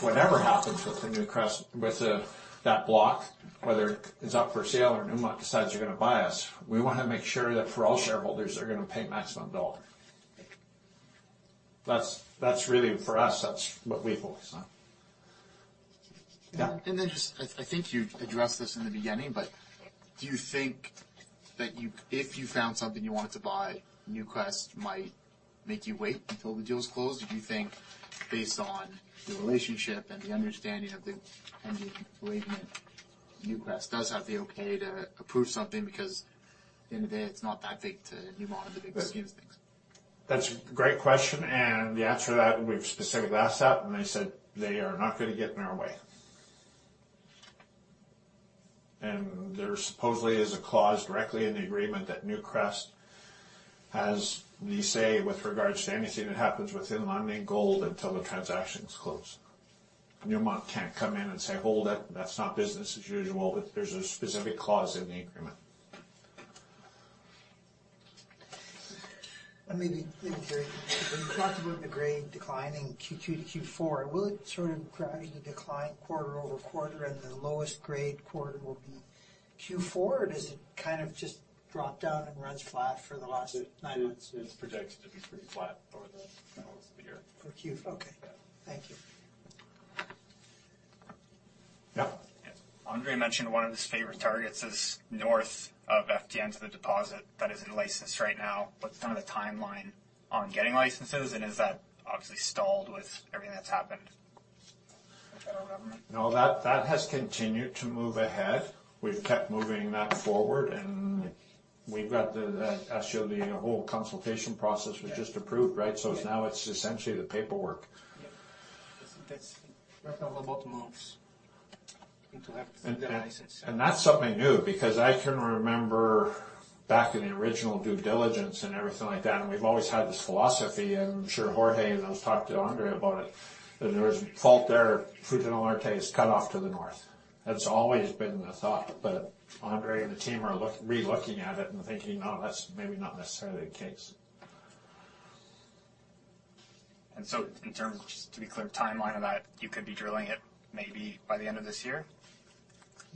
Speaker 2: Whatever happens with the Newcrest, with that block, whether it's up for sale or Newmont decides they're gonna buy us, we want to make sure that for all shareholders, they're gonna pay maximum dollar. That's really, for us, that's what we focus on. Yeah.
Speaker 7: I think you addressed this in the beginning, but do you think that you if you found something you wanted to buy, Newcrest might make you wait until the deal is closed? Do you think, based on the relationship and the understanding of the pending agreement, Newcrest does have the okay to approve something, because the end of the day, it's not that big to Newmont in the big scheme of things?
Speaker 2: That's a great question, and the answer to that, we've specifically asked that, and they said they are not gonna get in our way. There supposedly is a clause directly in the agreement that Newcrest, as we say, with regards to anything that happens within Monument Gold until the transaction is closed. Newmont can't come in and say, "Hold it." That's not business as usual, but there's a specific clause in the agreement.
Speaker 5: Maybe, Terry, when you talked about the grade declining Q2 to Q4, will it sort of gradually decline quarter-over-quarter, and the lowest grade quarter will be Q4, or does it kind of just drop down and runs flat for the last nine months?
Speaker 6: It's projected to be pretty flat over the course of the year.
Speaker 5: Okay.
Speaker 6: Yeah.
Speaker 5: Thank you.
Speaker 2: Yeah.
Speaker 5: Yes. Andre mentioned one of his favorite targets is north of FDN to the deposit that is in license right now. What's kind of the timeline on getting licenses, and is that obviously stalled with everything that's happened with federal government?
Speaker 2: That has continued to move ahead. We've kept moving that forward, and we've got Actually, the whole consultation process was just approved, right?
Speaker 5: Yeah.
Speaker 2: Now it's essentially the paperwork.
Speaker 7: Yeah. That's one of the bottom months into half the license.
Speaker 2: That's something new, because I can remember back in the original due diligence and everything like that, and we've always had this philosophy, and I'm sure Jorge and I've talked to Andre about it, that there was fault there, Fruta del Norte is cut off to the north. That's always been the thought, but Andre and the team are re-looking at it and thinking, "Oh, that's maybe not necessarily the case.
Speaker 5: In terms, just to be clear, timeline of that, you could be drilling it maybe by the end of this year?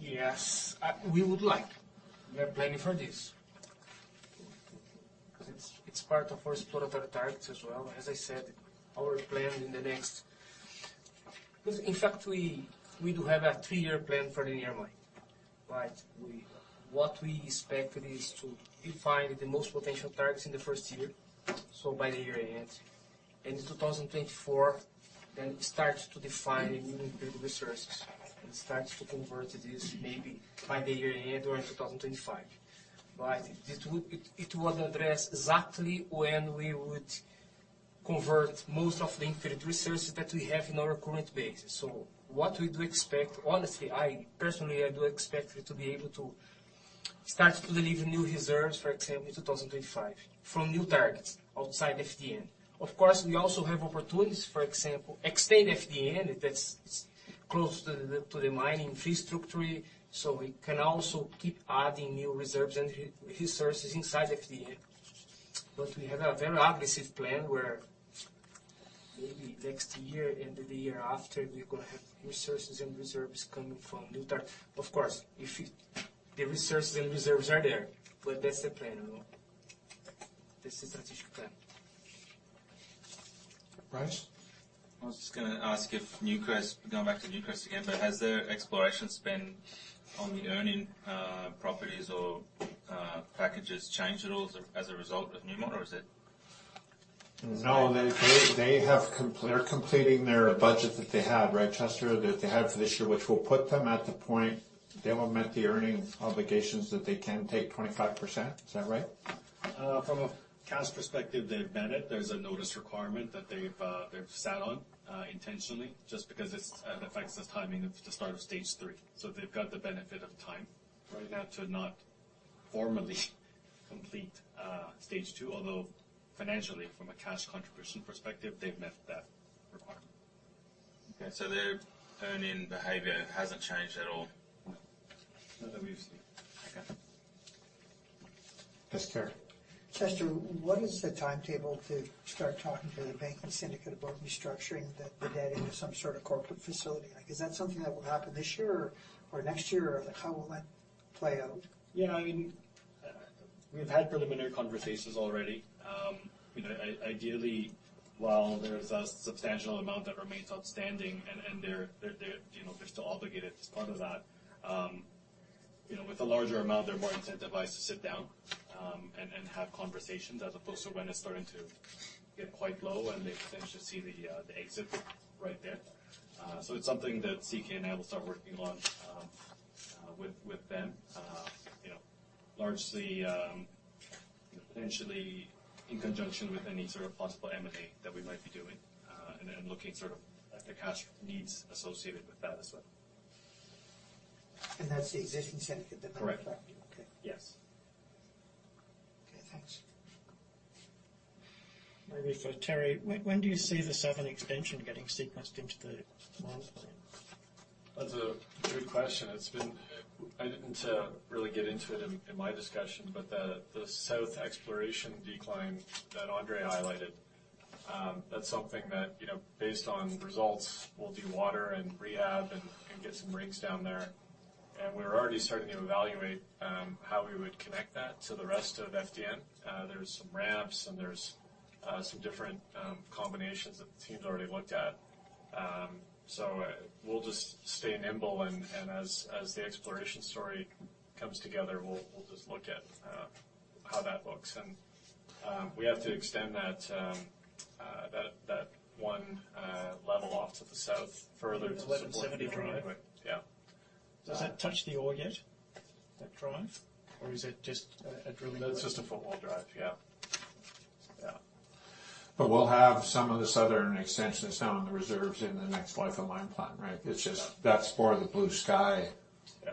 Speaker 7: Yes. We would like. We are planning for this. It's part of our exploratory targets as well. As I said, our plan in the next... we do have a three-year plan for the near mine, right? What we expect is to define the most potential targets in the first year, so by the year end. In 2024, start to define the mineral resources and start to convert this maybe by the year end or in 2025. It would, it will address exactly when we would convert most of the infinite resources that we have in our current base. What we do expect, honestly, I personally, I do expect it to be able to start to deliver new reserves, for example, in 2025, from new targets outside FDN. We also have opportunities, for example, extend FDN, that's close to the, to the mining infrastructure, so we can also keep adding new reserves and resources inside FDN. We have a very aggressive plan, where maybe next year and the year after, we're gonna have resources and reserves coming from new target. If the resources and reserves are there, but that's the plan now. That's the strategic plan.
Speaker 2: Bryce?
Speaker 5: I was just gonna ask if Newcrest, going back to Newcrest again, has their exploration spend on the earning properties or packages changed at all as a result of Newmont, or is it?
Speaker 2: No, they're completing their budget that they had, right, Chester, that they had for this year, which will put them at the point they will meet the earning obligations, that they can take 25%. Is that right?
Speaker 6: From a cash perspective, they've met it. There's a notice requirement that they've sat on, intentionally, just because it affects the timing of the start of stage 3. They've got the benefit of time...
Speaker 2: Right...
Speaker 6: now to not formally complete, stage 2, although financially, from a cash contribution perspective, they've met that requirement.
Speaker 5: Okay, their earning behavior hasn't changed at all?
Speaker 7: Not that we've seen.
Speaker 5: Okay.
Speaker 2: Yes, Terry?
Speaker 5: Chester, what is the timetable to start talking to the banking syndicate about restructuring the debt into some sort of corporate facility? Like, is that something that will happen this year or next year? Or, like, how will that play out?
Speaker 7: I mean, we've had preliminary conversations already. You know, ideally, while there's a substantial amount that remains outstanding and they're, you know, they're still obligated as part of that, you know, with a larger amount, they're more incentivized to sit down, and have conversations as opposed to when it's starting to get quite low and they potentially see the exit right there. It's something that CK and I will start working on with them. You know, largely, potentially in conjunction with any sort of possible M&A that we might be doing, and then looking sort of at the cash needs associated with that as well.
Speaker 5: That's the existing syndicate.
Speaker 7: Correct.
Speaker 5: Okay.
Speaker 7: Yes.
Speaker 5: Okay, thanks. Maybe for Terry, when do you see the southern extension getting sequenced into the mine plan?
Speaker 3: That's a good question. It's been. I didn't really get into it in my discussion. The south exploration decline that Andre highlighted, that's something that, you know, based on results, we'll dewater and rehab and get some rigs down there. We're already starting to evaluate how we would connect that to the rest of FDN. There's some ramps, and there's some different combinations that the team's already looked at. We'll just stay nimble, and as the exploration story comes together, we'll just look at how that looks. We have to extend that one level off to the south further.
Speaker 5: It's 1,170 drive?
Speaker 3: Yeah.
Speaker 5: Does that touch the ore yet, that drive, or is it just a drilling-
Speaker 3: It's just a football drive, yeah. Yeah.
Speaker 2: We'll have some of the southern extensions now in the reserves in the next life of mine plan, right?
Speaker 3: Yeah.
Speaker 2: That's more of the blue sky.
Speaker 3: Yeah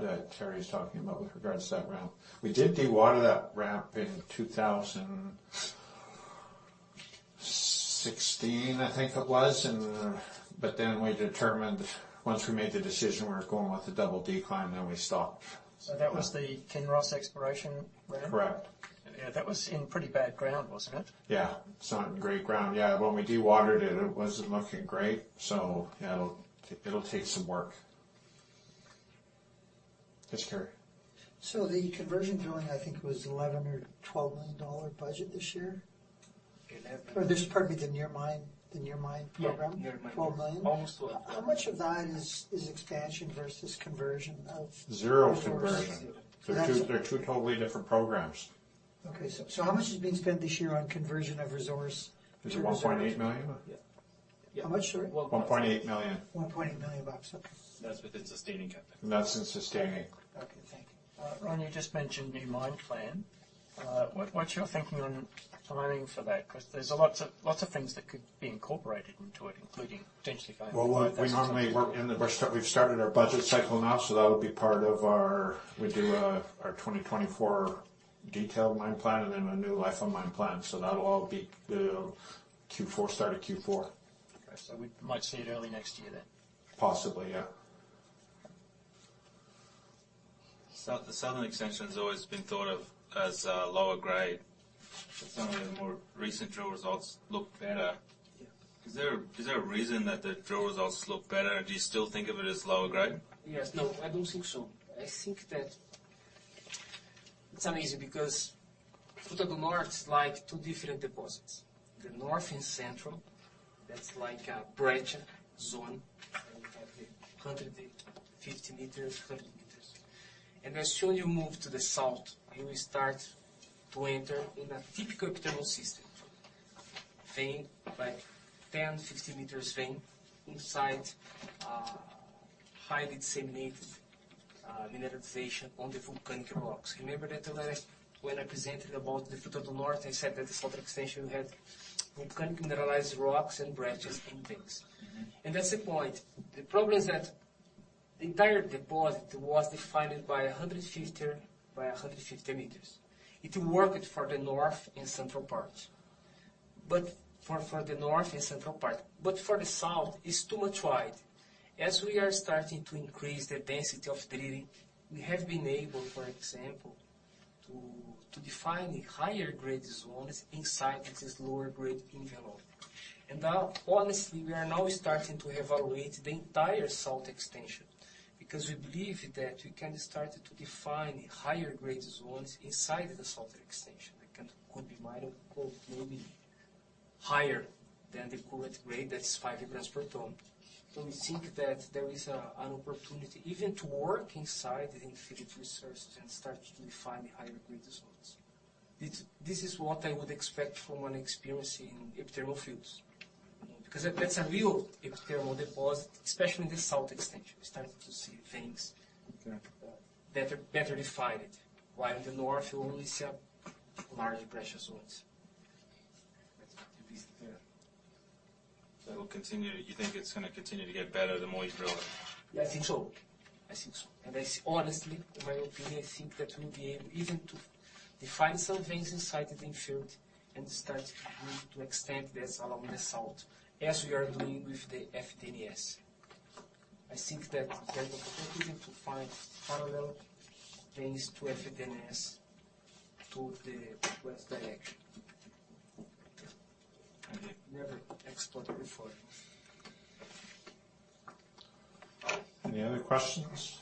Speaker 2: that Terry's talking about with regards to that ramp. We did dewater that ramp in 2016, I think it was. We determined, once we made the decision we were going with the double decline, we stopped.
Speaker 5: That was the Kinross exploration ramp?
Speaker 2: Correct.
Speaker 5: Yeah, that was in pretty bad ground, wasn't it?
Speaker 2: Yeah, it's not in great ground. Yeah, when we dewatered it wasn't looking great, so yeah, it'll take some work. Yes, Terry?
Speaker 5: The conversion drilling, I think, was 11 or 12 million dollar budget this year?
Speaker 2: It has-
Speaker 5: This, pardon me, the near mine, the near mine program.
Speaker 2: Yeah, near mine.
Speaker 5: $12 million?
Speaker 7: Almost 11.
Speaker 5: How much of that is expansion versus conversion of?
Speaker 2: Zero conversion.
Speaker 5: That's-
Speaker 2: They're two totally different programs.
Speaker 5: Okay, how much is being spent this year on conversion of resource-?
Speaker 2: It's $1.8 million?
Speaker 7: Yeah.
Speaker 5: How much, sorry?
Speaker 2: $1.8 million.
Speaker 5: $1.8 million, okay.
Speaker 7: That's within sustaining capital.
Speaker 2: That's in sustaining.
Speaker 5: Okay, thank you. Ron, you just mentioned new mine plan. What's your thinking on timing for that? Because there's lots of things that could be incorporated into it, including potentially.
Speaker 2: We normally work in the, we've started our budget cycle now, so that'll be part of our, we do, our 2024 detailed mine plan and then a new life of mine plan. That'll all be, Q4, start of Q4.
Speaker 5: Okay, we might see it early next year then?
Speaker 2: Possibly, yeah.
Speaker 5: The southern extension's always been thought of as lower grade, but some of the more recent drill results look better.
Speaker 7: Yeah.
Speaker 5: Is there a reason that the drill results look better, or do you still think of it as lower grade?
Speaker 7: Yes. No, I don't think so. I think that it's amazing because Fruta del Norte is like two different deposits. The north and central, that's like a breccia zone, and we have the 150 meters, 100 meters. As soon you move to the south, you will start to enter in a typical epithermal system, vein, like 10, 15 meters vein inside, highly disseminated mineralization on the volcanic rocks. Remember that the last, when I presented about the Fruta del Norte, I said that the southern extension had volcanic mineralized rocks and breccias in veins.
Speaker 5: Mm-hmm.
Speaker 7: That's the point. The problem is that the entire deposit was defined by 150 meters. It worked for the north and central part, but for the south, it's too much wide. As we are starting to increase the density of drilling, we have been able, for example, to define higher-grade zones inside this lower-grade envelope. Now, honestly, we are now starting to evaluate the entire south extension because we believe that we can start to define higher-grade zones inside the southern extension. It could be mine, could maybe higher than the current grade that's 5 grams per ton. We think that there is an opportunity even to work inside the infinite resources and start to define higher-grade results. This is what I would expect from an experience in epithermal fields, you know, because that's a real epithermal deposit, especially in the south extension. We're starting to see things-
Speaker 5: Okay...
Speaker 7: better defined, while in the north, you only see a large breccia zones. That's the reason there.
Speaker 5: That will continue, you think it's gonna continue to get better the more you drill it?
Speaker 7: Yeah, I think so. I think so. I honestly, in my opinion, I think that we'll be able even....
Speaker 5: define some veins inside the infield and start to extend this along the south, as we are doing with the FDNS. I think that there is an opportunity to find parallel veins to FDNS, to the west direction. Never explored before.
Speaker 2: Any other questions?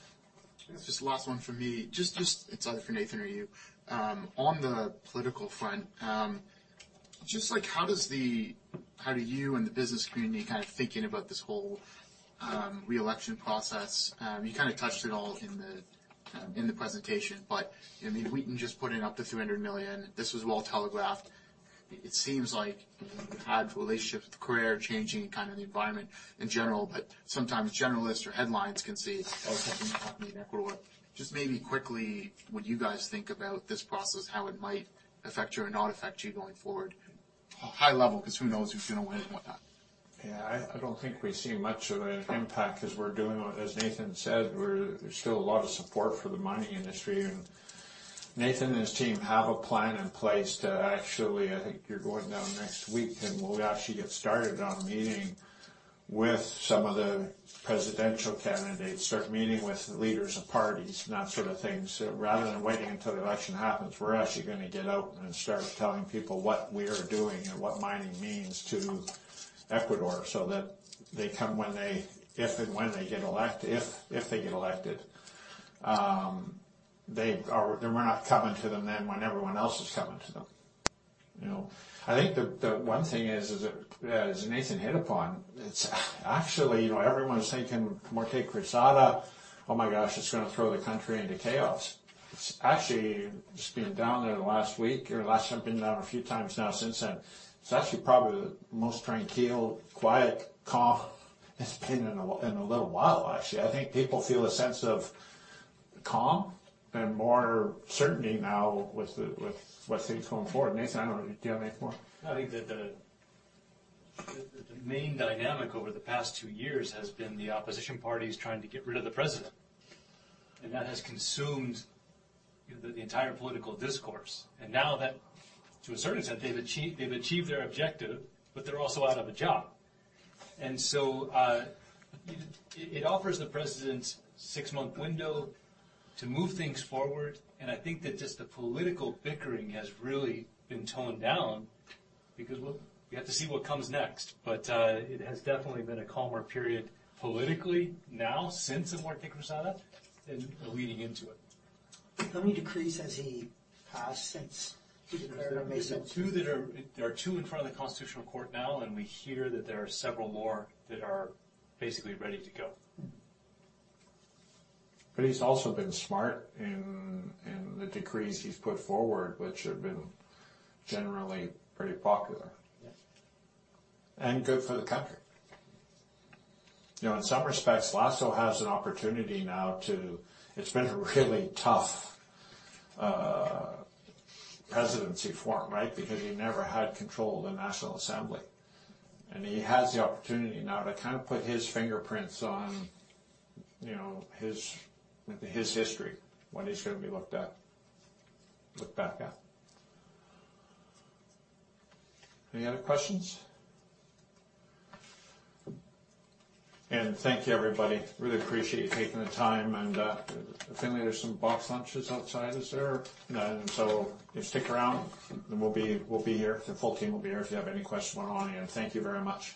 Speaker 5: Just last one for me. Just, it's either for Nathan or you. On the political front, just like how do you and the business community kind of thinking about this whole re-election process? You kind of touched it all in the presentation, but I mean, Wheaton just putting up the $300 million, this was well telegraphed. It seems like you've had relationship with Correa changing, kind of the environment in general, but sometimes generalists or headlines can see Ecuador. Just maybe quickly, what you guys think about this process, how it might affect you or not affect you going forward? High level, 'cause who knows who's gonna win and whatnot.
Speaker 2: Yeah, I don't think we see much of an impact as we're doing. As Nathan said, we're, there's still a lot of support for the mining industry. Nathan and his team have a plan in place to actually, I think you're going down next week, and we'll actually get started on meeting with some of the presidential candidates, start meeting with leaders of parties and that sort of thing. Rather than waiting until the election happens, we're actually gonna get out and start telling people what we are doing and what mining means to Ecuador, so that they come. If and when they get elected, they are, we're not coming to them then when everyone else is coming to them, you know. I think the one thing is that, as Nathan hit upon, it's actually, you know, everyone's thinking, muerte cruzada, oh, my gosh, it's gonna throw the country into chaos. Actually, just being down there the last week or last time, I've been down a few times now since then, it's actually probably the most tranquil, quiet, calm it's been in a little while, actually. I think people feel a sense of calm and more certainty now with things going forward. Nathan, I don't know, do you have any more?
Speaker 8: I think that the main dynamic over the past two years has been the opposition parties trying to get rid of the president, and that has consumed the entire political discourse. Now that, to a certain extent, they've achieved their objective, but they're also out of a job. It offers the president six-month window to move things forward, and I think that just the political bickering has really been toned down, because, well, we have to see what comes next. It has definitely been a calmer period, politically, now, since the Muerte Cruzada than leading into it.
Speaker 5: How many decrees has he passed since he declared muerte?
Speaker 8: There are two in front of the Constitutional Court now, and we hear that there are several more that are basically ready to go.
Speaker 2: He's also been smart in the decrees he's put forward, which have been generally pretty popular.
Speaker 5: Yes.
Speaker 2: Good for the country. You know, in some respects, Lasso has an opportunity now to. It's been a really tough presidency for him, right? Because he never had control of the National Assembly, and he has the opportunity now to kind of put his fingerprints on, you know, his history, when he's going to be looked at, looked back at. Any other questions? Thank you, everybody. Really appreciate you taking the time. I think there's some box lunches outside, is there? None. Just stick around, and we'll be here. The full team will be here if you have any questions online. Thank you very much.